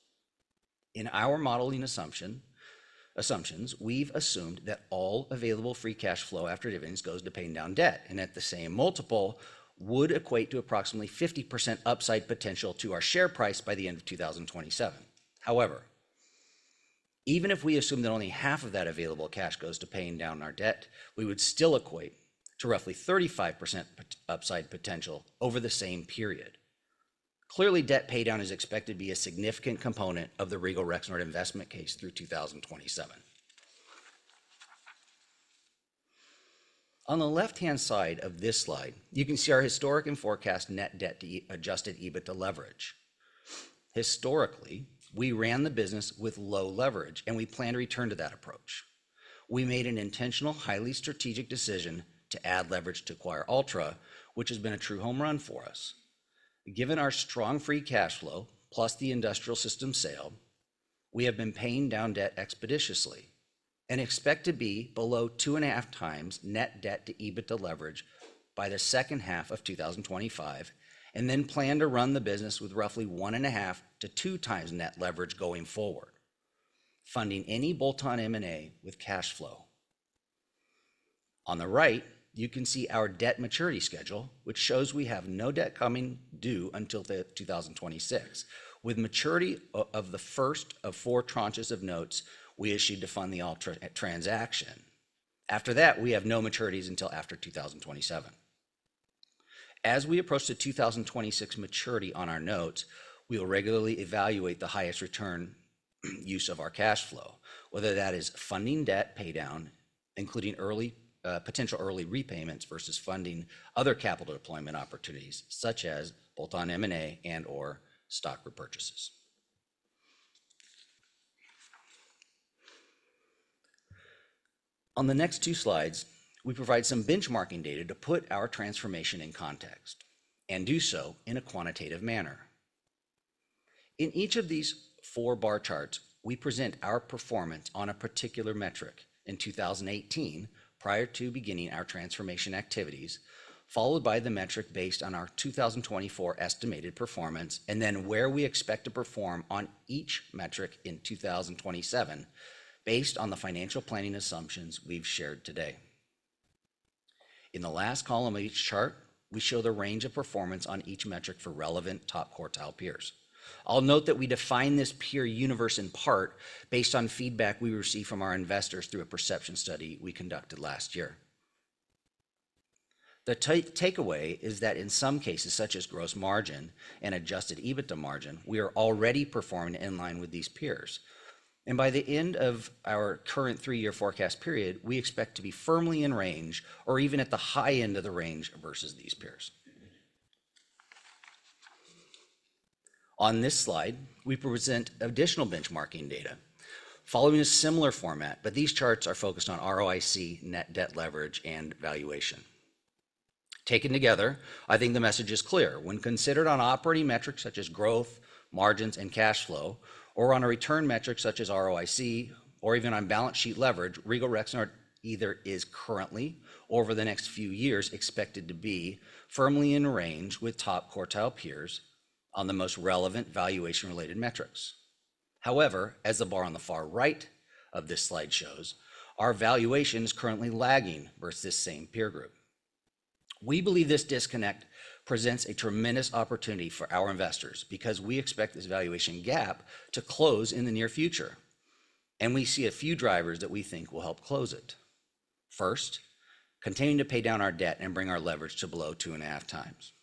In our modeling assumptions, we've assumed that all available free cash flow after dividends goes to paying down debt, and at the same multiple, would equate to approximately 50% upside potential to our share price by the end of 2027.However, even if we assume that only half of that available cash goes to paying down our debt, we would still equate to roughly 35% upside potential over the same period. Clearly, debt paydown is expected to be a significant component of the Regal Rexnord investment case through 2027. On the left-hand side of this slide, you can see our historic and forecast net debt to Adjusted EBITDA leverage. Historically, we ran the business with low leverage, and we plan to return to that approach. We made an intentional, highly strategic decision to add leverage to acquire Altra, which has been a true home run for us. Given our strong free cash flow, plus the industrial system sale, we have been paying down debt expeditiously and expect to be below two and a half times net debt to Adjusted EBITDA leverage by the second half of 2025, and then plan to run the business with roughly one and a half to two times net leverage going forward, funding any bolt-on M&A with cash flow. On the right, you can see our debt maturity schedule, which shows we have no debt coming due until 2026. With maturity of the first of four tranches of notes we issued to fund the Altra transaction. After that, we have no maturities until after 2027. As we approach the 2026 maturity on our notes, we will regularly evaluate the highest return use of our cash flow, whether that is funding debt paydown, including potential early repayments versus funding other capital deployment opportunities, such as bolt-on M&A and/or stock repurchases. On the next two slides, we provide some benchmarking data to put our transformation in context and do so in a quantitative manner. In each of these four bar charts, we present our performance on a particular metric in 2018 prior to beginning our transformation activities, followed by the metric based on our 2024 estimated performance, and then where we expect to perform on each metric in 2027 based on the financial planning assumptions we've shared today. In the last column of each chart, we show the range of performance on each metric for relevant top quartile peers. I'll note that we define this peer universe in part based on feedback we receive from our investors through a perception study we conducted last year. The takeaway is that in some cases, such as gross margin and Adjusted EBITDA margin, we are already performing in line with these peers. And by the end of our current three-year forecast period, we expect to be firmly in range or even at the high end of the range versus these peers. On this slide, we present additional benchmarking data following a similar format, but these charts are focused on ROIC, net debt leverage, and valuation. Taken together, I think the message is clear. When considered on operating metrics such as growth, margins, and cash flow, or on a return metric such as ROIC, or even on balance sheet leverage, Regal Rexnord either is currently or over the next few years expected to be firmly in range with top quartile peers on the most relevant valuation-related metrics. However, as the bar on the far right of this slide shows, our valuation is currently lagging versus this same peer group. We believe this disconnect presents a tremendous opportunity for our investors because we expect this valuation gap to close in the near future, and we see a few drivers that we think will help close it. First, continuing to pay down our debt and bring our leverage to below two and a half times.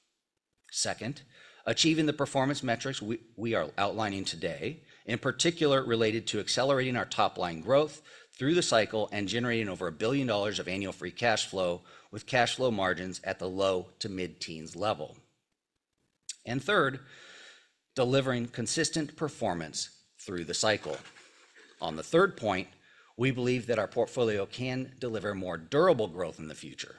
Second, achieving the performance metrics we are outlining today, in particular related to accelerating our top line growth through the cycle and generating over $1 billion of annual free cash flow with cash flow margins at the low- to mid-teens level, and third, delivering consistent performance through the cycle. On the third point, we believe that our portfolio can deliver more durable growth in the future,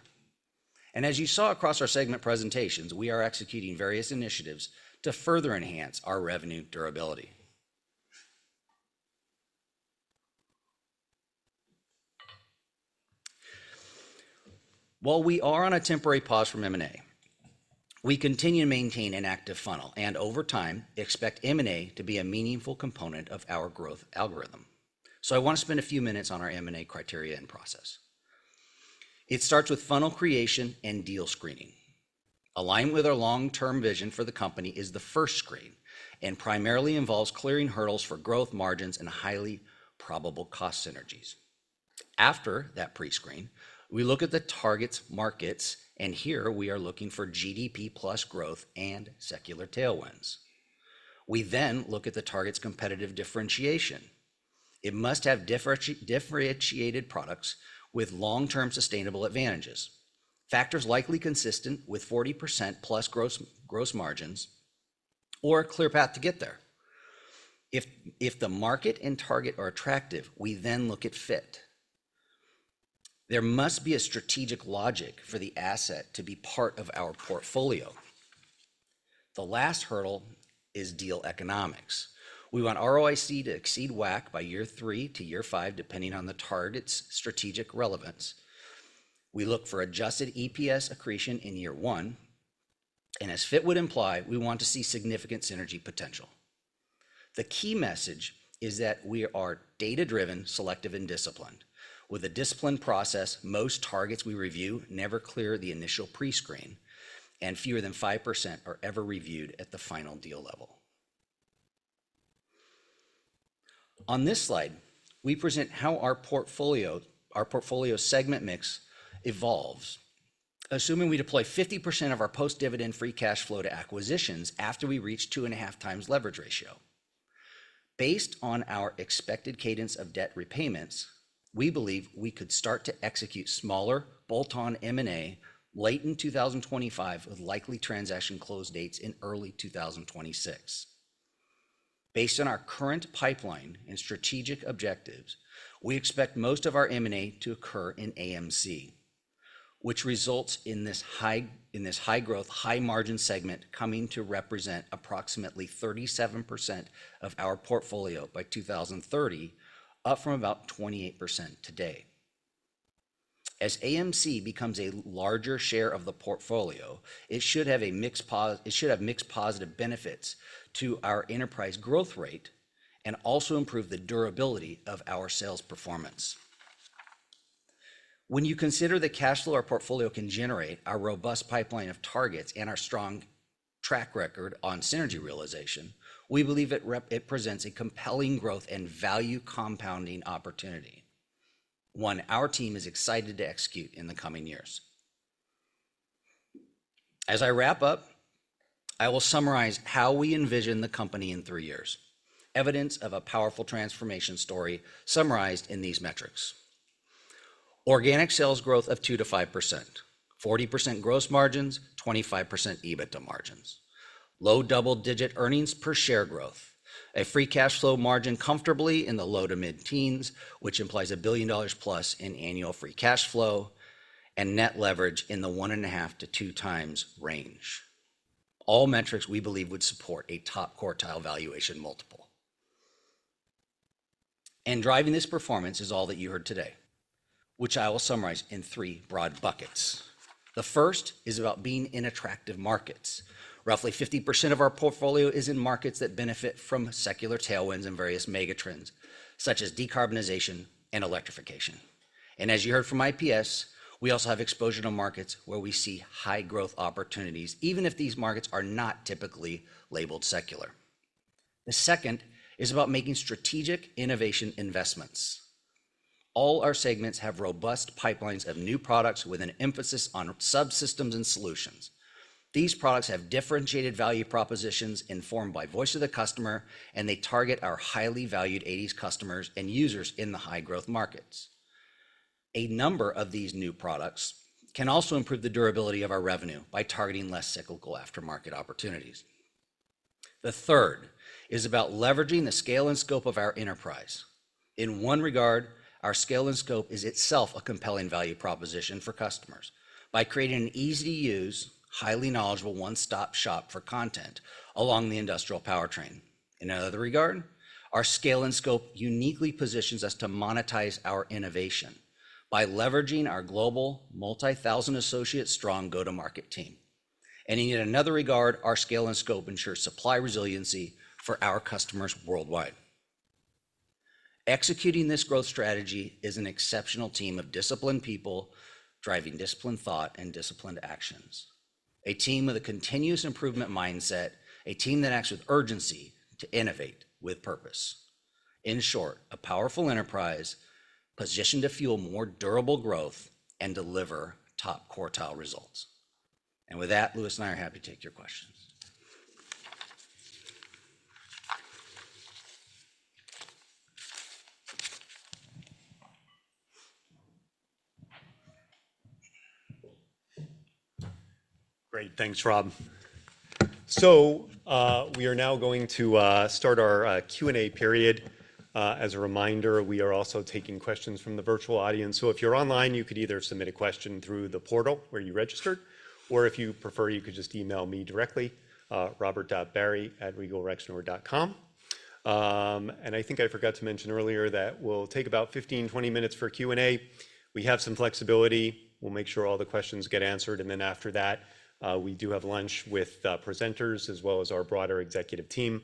and as you saw across our segment presentations, we are executing various initiatives to further enhance our revenue durability. While we are on a temporary pause from M&A, we continue to maintain an active funnel and over time expect M&A to be a meaningful component of our growth algorithm, so I want to spend a few minutes on our M&A criteria and process. It starts with funnel creation and deal screening. Aligned with our long-term vision for the company is the first screen and primarily involves clearing hurdles for growth margins and highly probable cost synergies. After that pre-screen, we look at the target's markets, and here we are looking for GDP plus growth and secular tailwinds. We then look at the target's competitive differentiation. It must have differentiated products with long-term sustainable advantages, factors likely consistent with 40%+ gross margins or a clear path to get there. If the market and target are attractive, we then look at fit. There must be a strategic logic for the asset to be part of our portfolio. The last hurdle is deal economics. We want ROIC to exceed WACC by year three to year five, depending on the target's strategic relevance. We look for adjusted EPS accretion in year one, and as fit would imply, we want to see significant synergy potential. The key message is that we are data-driven, selective, and disciplined. With a disciplined process, most targets we review never clear the initial pre-screen, and fewer than 5% are ever reviewed at the final deal level. On this slide, we present how our portfolio segment mix evolves, assuming we deploy 50% of our post-dividend free cash flow to acquisitions after we reach two and a half times leverage ratio. Based on our expected cadence of debt repayments, we believe we could start to execute smaller bolt-on M&A late in 2025 with likely transaction close dates in early 2026. Based on our current pipeline and strategic objectives, we expect most of our M&A to occur in AMC, which results in this high-growth, high-margin segment coming to represent approximately 37% of our portfolio by 2030, up from about 28% today. As AMC becomes a larger share of the portfolio, it should have mixed positive benefits to our enterprise growth rate and also improve the durability of our sales performance. When you consider the cash flow our portfolio can generate, our robust pipeline of targets, and our strong track record on synergy realization, we believe it presents a compelling growth and value compounding opportunity, one our team is excited to execute in the coming years. As I wrap up, I will summarize how we envision the company in three years. Evidence of a powerful transformation story summarized in these metrics. Organic sales growth of 2%-5%, 40% gross margins, 25% EBITDA margins, low double-digit earnings per share growth, a free cash flow margin comfortably in the low to mid-teens, which implies $1 billion+ in annual free cash flow, and net leverage in the one and a half to two times range. All metrics we believe would support a top quartile valuation multiple. And driving this performance is all that you heard today, which I will summarize in three broad buckets. The first is about being in attractive markets. Roughly 50% of our portfolio is in markets that benefit from secular tailwinds and various mega trends such as decarbonization and electrification. And as you heard from IPS, we also have exposure to markets where we see high growth opportunities, even if these markets are not typically labeled secular. The second is about making strategic innovation investments. All our segments have robust pipelines of new products with an emphasis on subsystems and solutions. These products have differentiated value propositions informed by voice of the customer, and they target our highly valued 80/20 customers and users in the high-growth markets. A number of these new products can also improve the durability of our revenue by targeting less cyclical aftermarket opportunities. The third is about leveraging the scale and scope of our enterprise. In one regard, our scale and scope is itself a compelling value proposition for customers by creating an easy-to-use, highly knowledgeable one-stop shop for components along the industrial powertrain. In another regard, our scale and scope uniquely positions us to monetize our innovation by leveraging our global multi-thousand associate strong go-to-market team, and in yet another regard, our scale and scope ensures supply resiliency for our customers worldwide. Executing this growth strategy is an exceptional team of disciplined people driving disciplined thought and disciplined actions. A team with a continuous improvement mindset, a team that acts with urgency to innovate with purpose. In short, a powerful enterprise positioned to fuel more durable growth and deliver top quartile results. And with that, Louis and I are happy to take your questions. Great. Thanks, Rob. So we are now going to start our Q&A period. As a reminder, we are also taking questions from the virtual audience. So if you're online, you could either submit a question through the portal where you registered, or if you prefer, you could just email me directly, robert.barry@regalrexnord.com. And I think I forgot to mention earlier that we'll take about 15, 20 minutes for Q&A. We have some flexibility. We'll make sure all the questions get answered. And then after that, we do have lunch with presenters as well as our broader executive team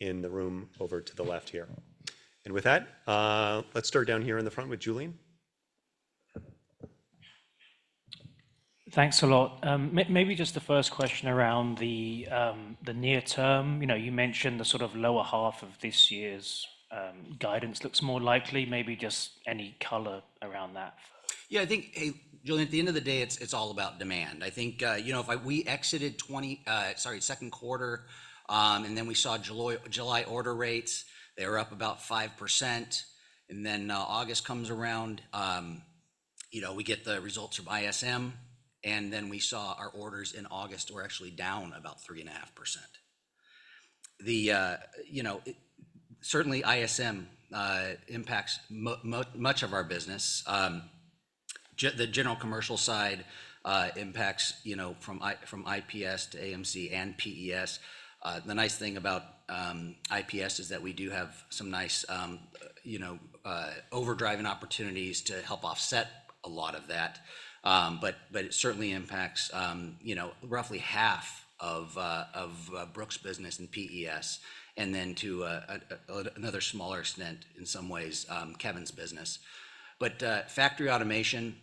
in the room over to the left here. And with that, let's start down here in the front with Julian. Thanks a lot. Maybe just the first question around the near term. You mentioned the sort of lower half of this year's guidance looks more likely. Maybe just any color around that. Yeah, I think, Julian, at the end of the day, it's all about demand. I think if we exited, sorry, second quarter, and then we saw July order rates, they were up about 5%. And then August comes around, we get the results from ISM, and then we saw our orders in August were actually down about 3.5%. Certainly, ISM impacts much of our business. The general commercial side impacts from IPS to AMC and PES. The nice thing about IPS is that we do have some nice overdriving opportunities to help offset a lot of that. But it certainly impacts roughly half of Brooke's business and PES, and then to another smaller extent, in some ways, Kevin's business. But factory automation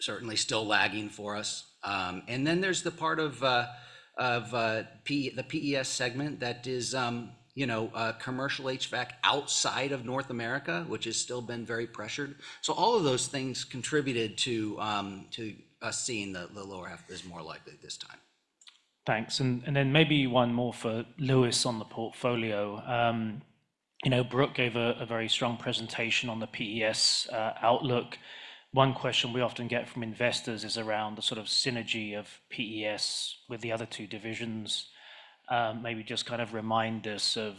certainly still lagging for us. And then there's the part of the PES segment that is commercial HVAC outside of North America, which has still been very pressured. So all of those things contributed to us seeing the lower half is more likely this time. Thanks. And then maybe one more for Louis on the portfolio. Brooke gave a very strong presentation on the PES outlook. One question we often get from investors is around the sort of synergy of PES with the other two divisions. Maybe just kind of remind us of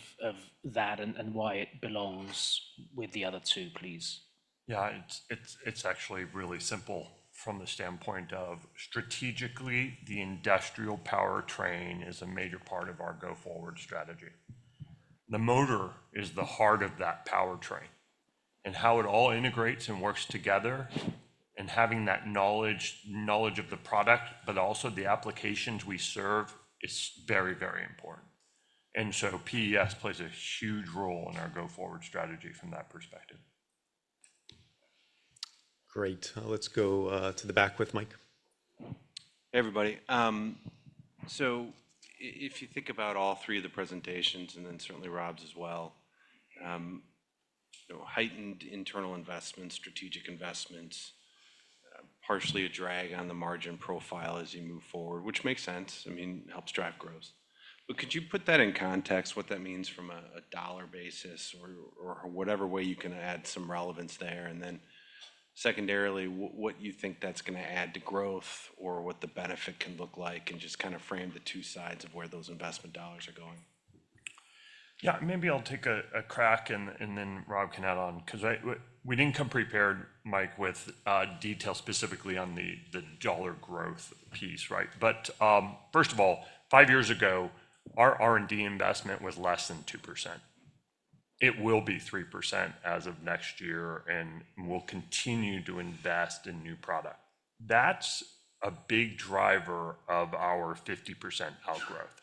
that and why it belongs with the other two, please. Yeah, it's actually really simple from the standpoint of strategically, the industrial powertrain is a major part of our go-forward strategy. The motor is the heart of that powertrain. And how it all integrates and works together and having that knowledge of the product, but also the applications we serve, is very, very important. And so PES plays a huge role in our go-forward strategy from that perspective. Great. Let's go to the back with Mike. Hey, everybody. So if you think about all three of the presentations, and then certainly Rob's as well, heightened internal investments, strategic investments, partially a drag on the margin profile as you move forward, which makes sense. I mean, it helps drive growth. But could you put that in context, what that means from a dollar basis or whatever way you can add some relevance there? And then secondarily, what you think that's going to add to growth or what the benefit can look like and just kind of frame the two sides of where those investment dollars are going? Yeah, maybe I'll take a crack and then Rob can add on because we didn't come prepared, Mike, with detail specifically on the dollar growth piece, right? But first of all, five years ago, our R&D investment was less than 2%. It will be 3% as of next year and we'll continue to invest in new product. That's a big driver of our 50% outgrowth.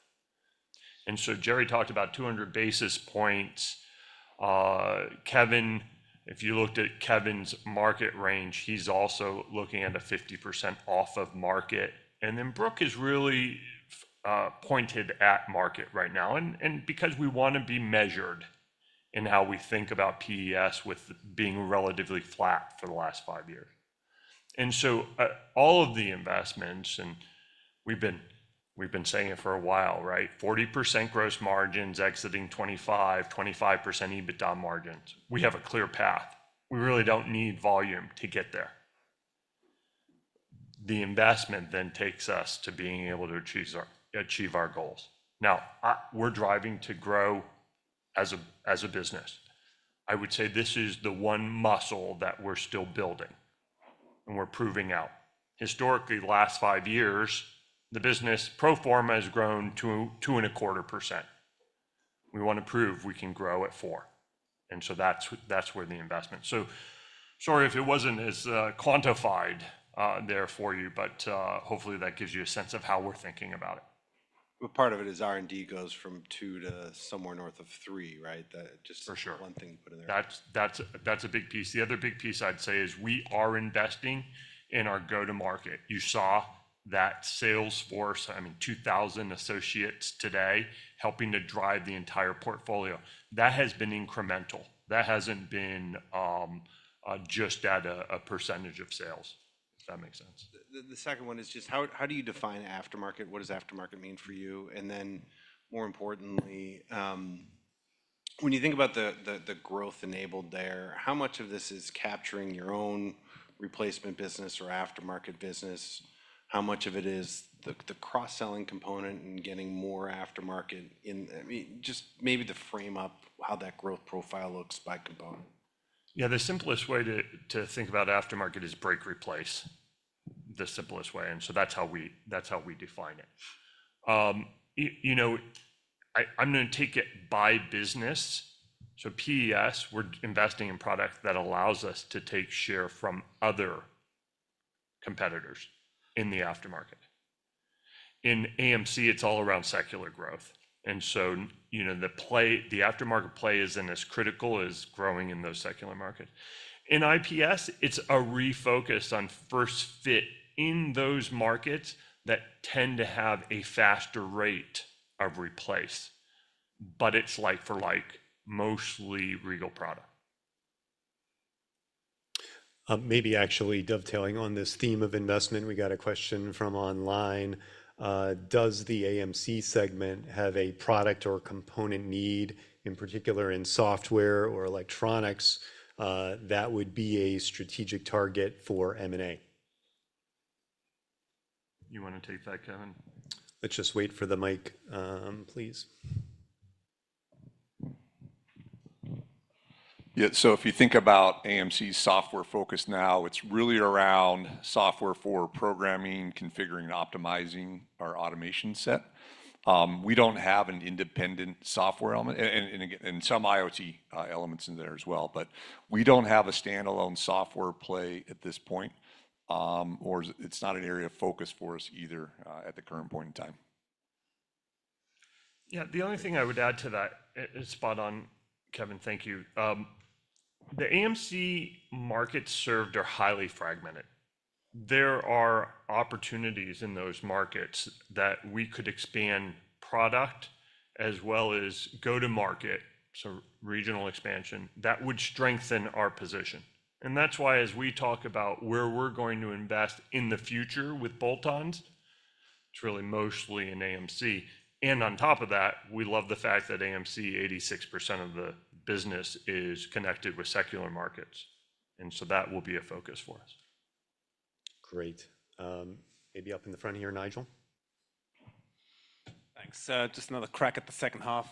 And so Jerry talked about 200 basis points. Kevin, if you looked at Kevin's market range, he's also looking at a 50% above market. And then Brooke has really pointed at market right now. And because we want to be measured in how we think about PES with being relatively flat for the last five years. And so all of the investments, and we've been saying it for a while, right? 40% gross margins exiting 2025, 25% EBITDA margins. We have a clear path. We really don't need volume to get there. The investment then takes us to being able to achieve our goals. Now, we're driving to grow as a business. I would say this is the one muscle that we're still building and we're proving out. Historically, last five years, the business pro forma has grown 2.25%. We want to prove we can grow at 4%. And so that's where the investment. So sorry if it wasn't as quantified there for you, but hopefully that gives you a sense of how we're thinking about it. But part of it is R&D goes from 2 to somewhere north of 3, right? For sure. That's just one thing to put in there. That's a big piece. The other big piece I'd say is we are investing in our go-to-market. You saw that sales force, I mean, 2,000 associates today helping to drive the entire portfolio. That has been incremental. That hasn't been just at a percentage of sales, if that makes sense. The second one is just how do you define aftermarket? What does aftermarket mean for you? And then more importantly, when you think about the growth enabled there, how much of this is capturing your own replacement business or aftermarket business? How much of it is the cross-selling component and getting more aftermarket in? I mean, just maybe to frame up how that growth profile looks by component. Yeah, the simplest way to think about aftermarket is break, replace, the simplest way. And so that's how we define it. I'm going to take it by business. So PES, we're investing in product that allows us to take share from other competitors in the aftermarket. In AMC, it's all around secular growth. And so the aftermarket play isn't as critical as growing in those secular markets. In IPS, it's a refocus on first fit in those markets that tend to have a faster rate of replace. But it's like for like mostly Regal product. Maybe actually dovetailing on this theme of investment, we got a question from online. Does the AMC segment have a product or component need, in particular in software or electronics, that would be a strategic target for M&A? You want to take that, Kevin? Let's just wait for the mic, please. Yeah, so if you think about AMC's software focus now, it's really around software for programming, configuring, and optimizing our automation set. We don't have an independent software element, and some IoT elements in there as well. But we don't have a standalone software play at this point, or it's not an area of focus for us either at the current point in time. Yeah, the only thing I would add to that is spot on, Kevin. Thank you. The AMC markets served are highly fragmented. There are opportunities in those markets that we could expand product as well as go-to-market, so regional expansion, that would strengthen our position. That's why as we talk about where we're going to invest in the future with bolt-ons, it's really mostly in AMC. And on top of that, we love the fact that AMC, 86% of the business is connected with secular markets. And so that will be a focus for us. Great. Maybe up in the front here, Nigel. Thanks. Just another crack at the second half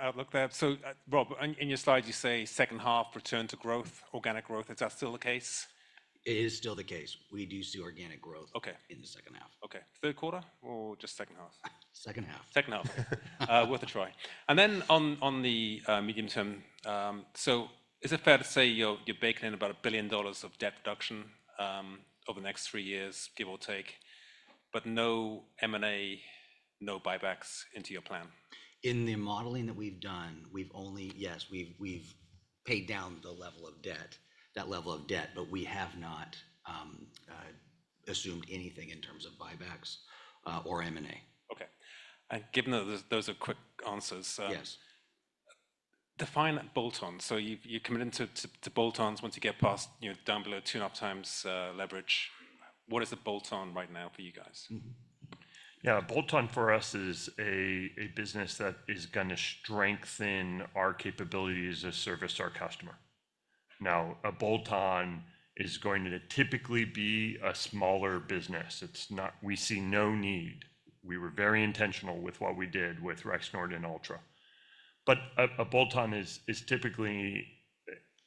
outlook there. So Rob, in your slide, you say second half return to growth, organic growth. Is that still the case? It is still the case. We do see organic growth in the second half. Okay. Third quarter or just second half? Second half. Second half. Worth a try. And then on the medium term, so is it fair to say you're baking in about $1 billion of debt reduction over the next three years, give or take, but no M&A, no buybacks into your plan? In the modeling that we've done, yes, we've paid down the level of debt, that level of debt, but we have not assumed anything in terms of buybacks or M&A. Okay. Given those are quick answers. Define bolt-on. So you're committing to bolt-ons once you get past down below two and a half times leverage. What is a bolt-on right now for you guys? Yeah, a bolt-on for us is a business that is going to strengthen our capabilities to service our customer. Now, a bolt-on is going to typically be a smaller business. We see no need. We were very intentional with what we did with Rexnord and Altra. But a bolt-on is typically,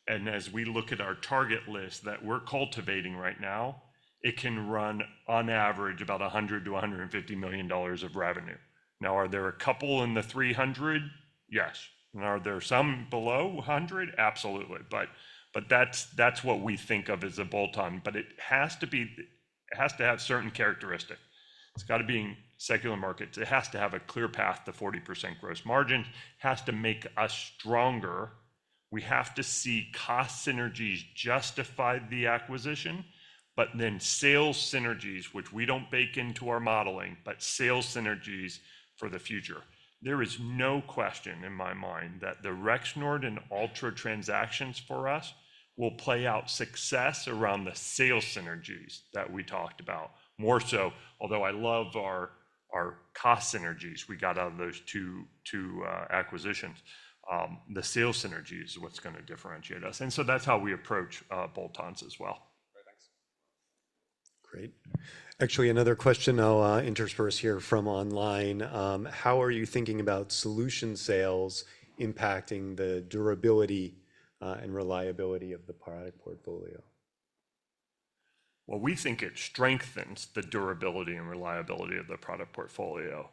and as we look at our target list that we're cultivating right now, it can run on average about $100-$150 million of revenue. Now, are there a couple in the $300 million? Yes. And are there some below 100? Absolutely. But that's what we think of as a bolt-on. But it has to have certain characteristics. It's got to be in secular markets. It has to have a clear path to 40% gross margins. It has to make us stronger. We have to see cost synergies justify the acquisition, but then sales synergies, which we don't bake into our modeling, but sales synergies for the future. There is no question in my mind that the Rexnord and Altra transactions for us will play out success around the sales synergies that we talked about. More so, although I love our cost synergies we got out of those two acquisitions, the sales synergy is what's going to differentiate us. And so that's how we approach bolt-ons as well. Great. Actually, another question I'll intersperse here from online. How are you thinking about solution sales impacting the durability and reliability of the product portfolio? Well, we think it strengthens the durability and reliability of the product portfolio.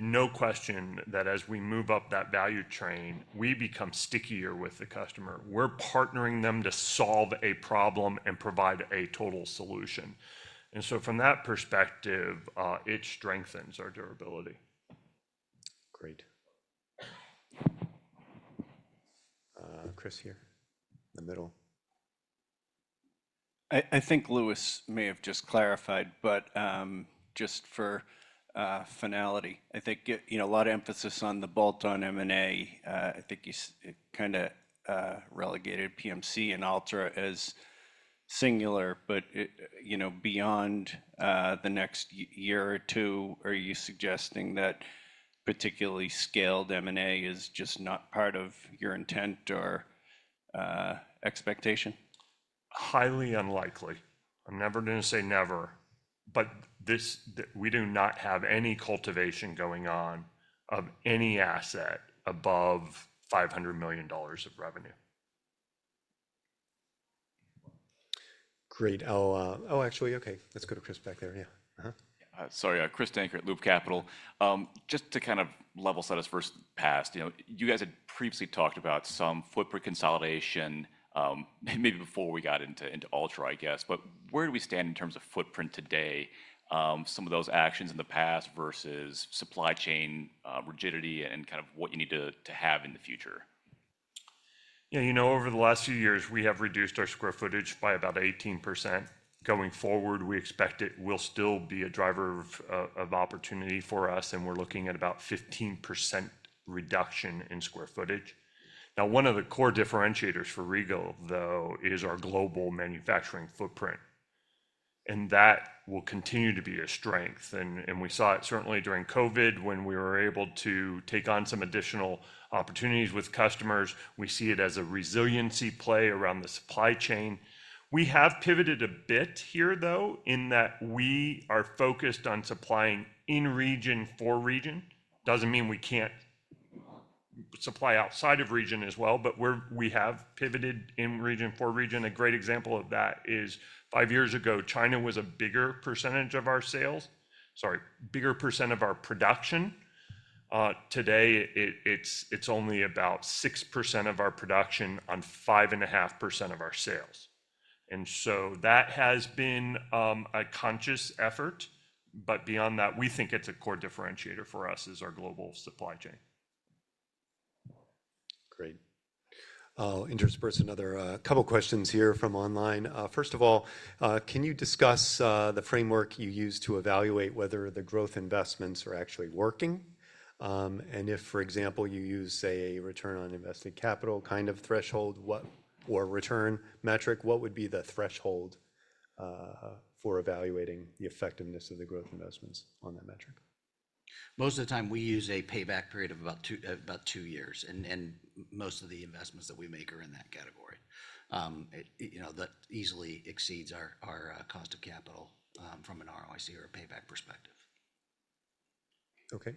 No question that as we move up that value chain, we become stickier with the customer. We're partnering them to solve a problem and provide a total solution. And so from that perspective, it strengthens our durability. Great. Chris here in the middle. I think Louis may have just clarified, but just for finality, I think a lot of emphasis on the bolt-on M&A. I think you kind of relegated PMC and Altra as singular, but beyond the next year or two, are you suggesting that particularly scaled M&A is just not part of your intent or expectation? Highly unlikely. I'm never going to say never, but we do not have any acquisition going on of any asset above $500 million of revenue. Great. Oh, actually, okay. Let's go to Chris back there. Yeah. Sorry, Chris Dankert at Loop Capital. Just to kind of level set us first off, you guys had previously talked about some footprint consolidation maybe before we got into Altra, I guess. But where do we stand in terms of footprint today? Some of those actions in the past versus supply chain rigidity and kind of what you need to have in the future. Yeah, you know, over the last few years, we have reduced our square footage by about 18%. Going forward, we expect it will still be a driver of opportunity for us, and we're looking at about 15% reduction in square footage. Now, one of the core differentiators for Regal, though, is our global manufacturing footprint, and that will continue to be a strength, and we saw it certainly during COVID when we were able to take on some additional opportunities with customers. We see it as a resiliency play around the supply chain. We have pivoted a bit here, though, in that we are focused on supplying in region for region. Doesn't mean we can't supply outside of region as well, but we have pivoted in region for region. A great example of that is five years ago, China was a bigger percentage of our sales, sorry, bigger percent of our production. Today, it's only about 6% of our production on 5.5% of our sales, and so that has been a conscious effort, but beyond that, we think it's a core differentiator for us is our global supply chain. Great. Intersperse another couple of questions here from online. First of all, can you discuss the framework you use to evaluate whether the growth investments are actually working? And if, for example, you use, say, a return on invested capital kind of threshold or return metric, what would be the threshold for evaluating the effectiveness of the growth investments on that metric? Most of the time, we use a payback period of about two years. And most of the investments that we make are in that category. That easily exceeds our cost of capital from an ROIC or a payback perspective. Okay.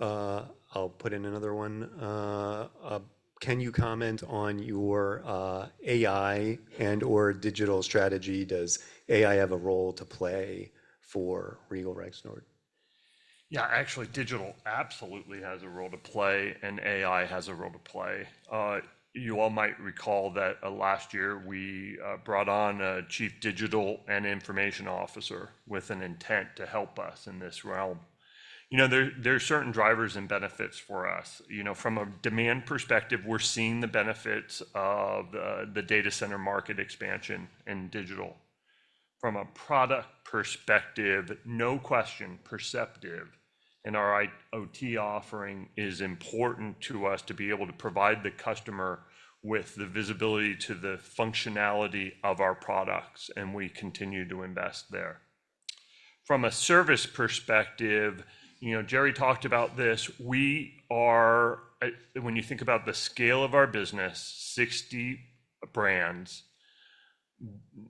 I'll put in another one. Can you comment on your AI and/or digital strategy? Does AI have a role to play for Regal Rexnord? Yeah, actually, digital absolutely has a role to play, and AI has a role to play. You all might recall that last year, we brought on a chief digital and information officer with an intent to help us in this realm. There are certain drivers and benefits for us. From a demand perspective, we're seeing the benefits of the data center market expansion in digital. From a product perspective, no question, Perceptiv in our IoT offering is important to us to be able to provide the customer with the visibility to the functionality of our products, and we continue to invest there. From a service perspective, Jerry talked about this. When you think about the scale of our business, 60 brands,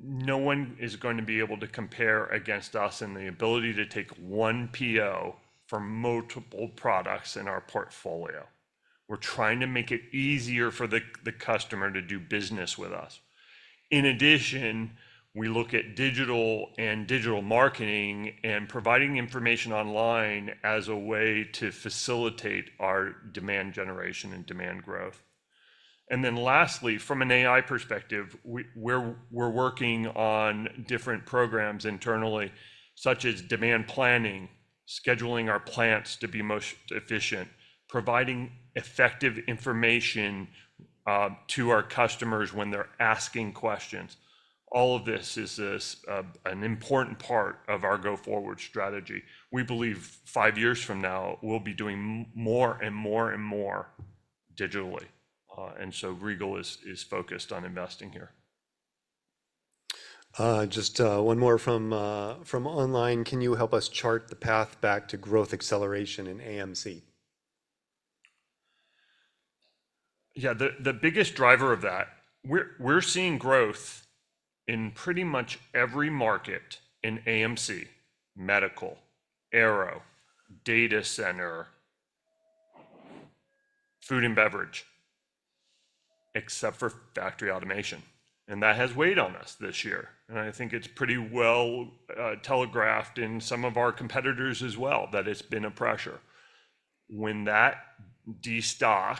no one is going to be able to compare against us in the ability to take one PO for multiple products in our portfolio. We're trying to make it easier for the customer to do business with us. In addition, we look at digital and digital marketing and providing information online as a way to facilitate our demand generation and demand growth. And then lastly, from an AI perspective, we're working on different programs internally, such as demand planning, scheduling our plants to be most efficient, providing effective information to our customers when they're asking questions. All of this is an important part of our go-forward strategy. We believe five years from now, we'll be doing more and more and more digitally. And so Regal is focused on investing here. Just one more from online. Can you help us chart the path back to growth acceleration in AMC? Yeah, the biggest driver of that, we're seeing growth in pretty much every market in AMC, medical, aero, data center, food and beverage, except for factory automation, and that has weighed on us this year. And I think it's pretty well telegraphed in some of our competitors as well that it's been a pressure. When that destock,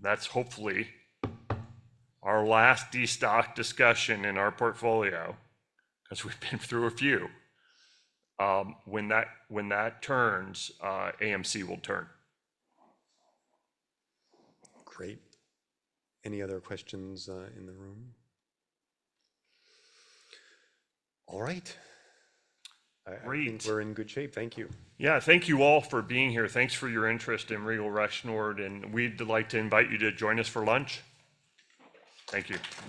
that's hopefully our last destock discussion in our portfolio, because we've been through a few. When that turns, AMC will turn. Great. Any other questions in the room? All right. Great. We're in good shape. Thank you. Yeah, thank you all for being here. Thanks for your interest in Regal Rexnord. And we'd like to invite you to join us for lunch. Thank you.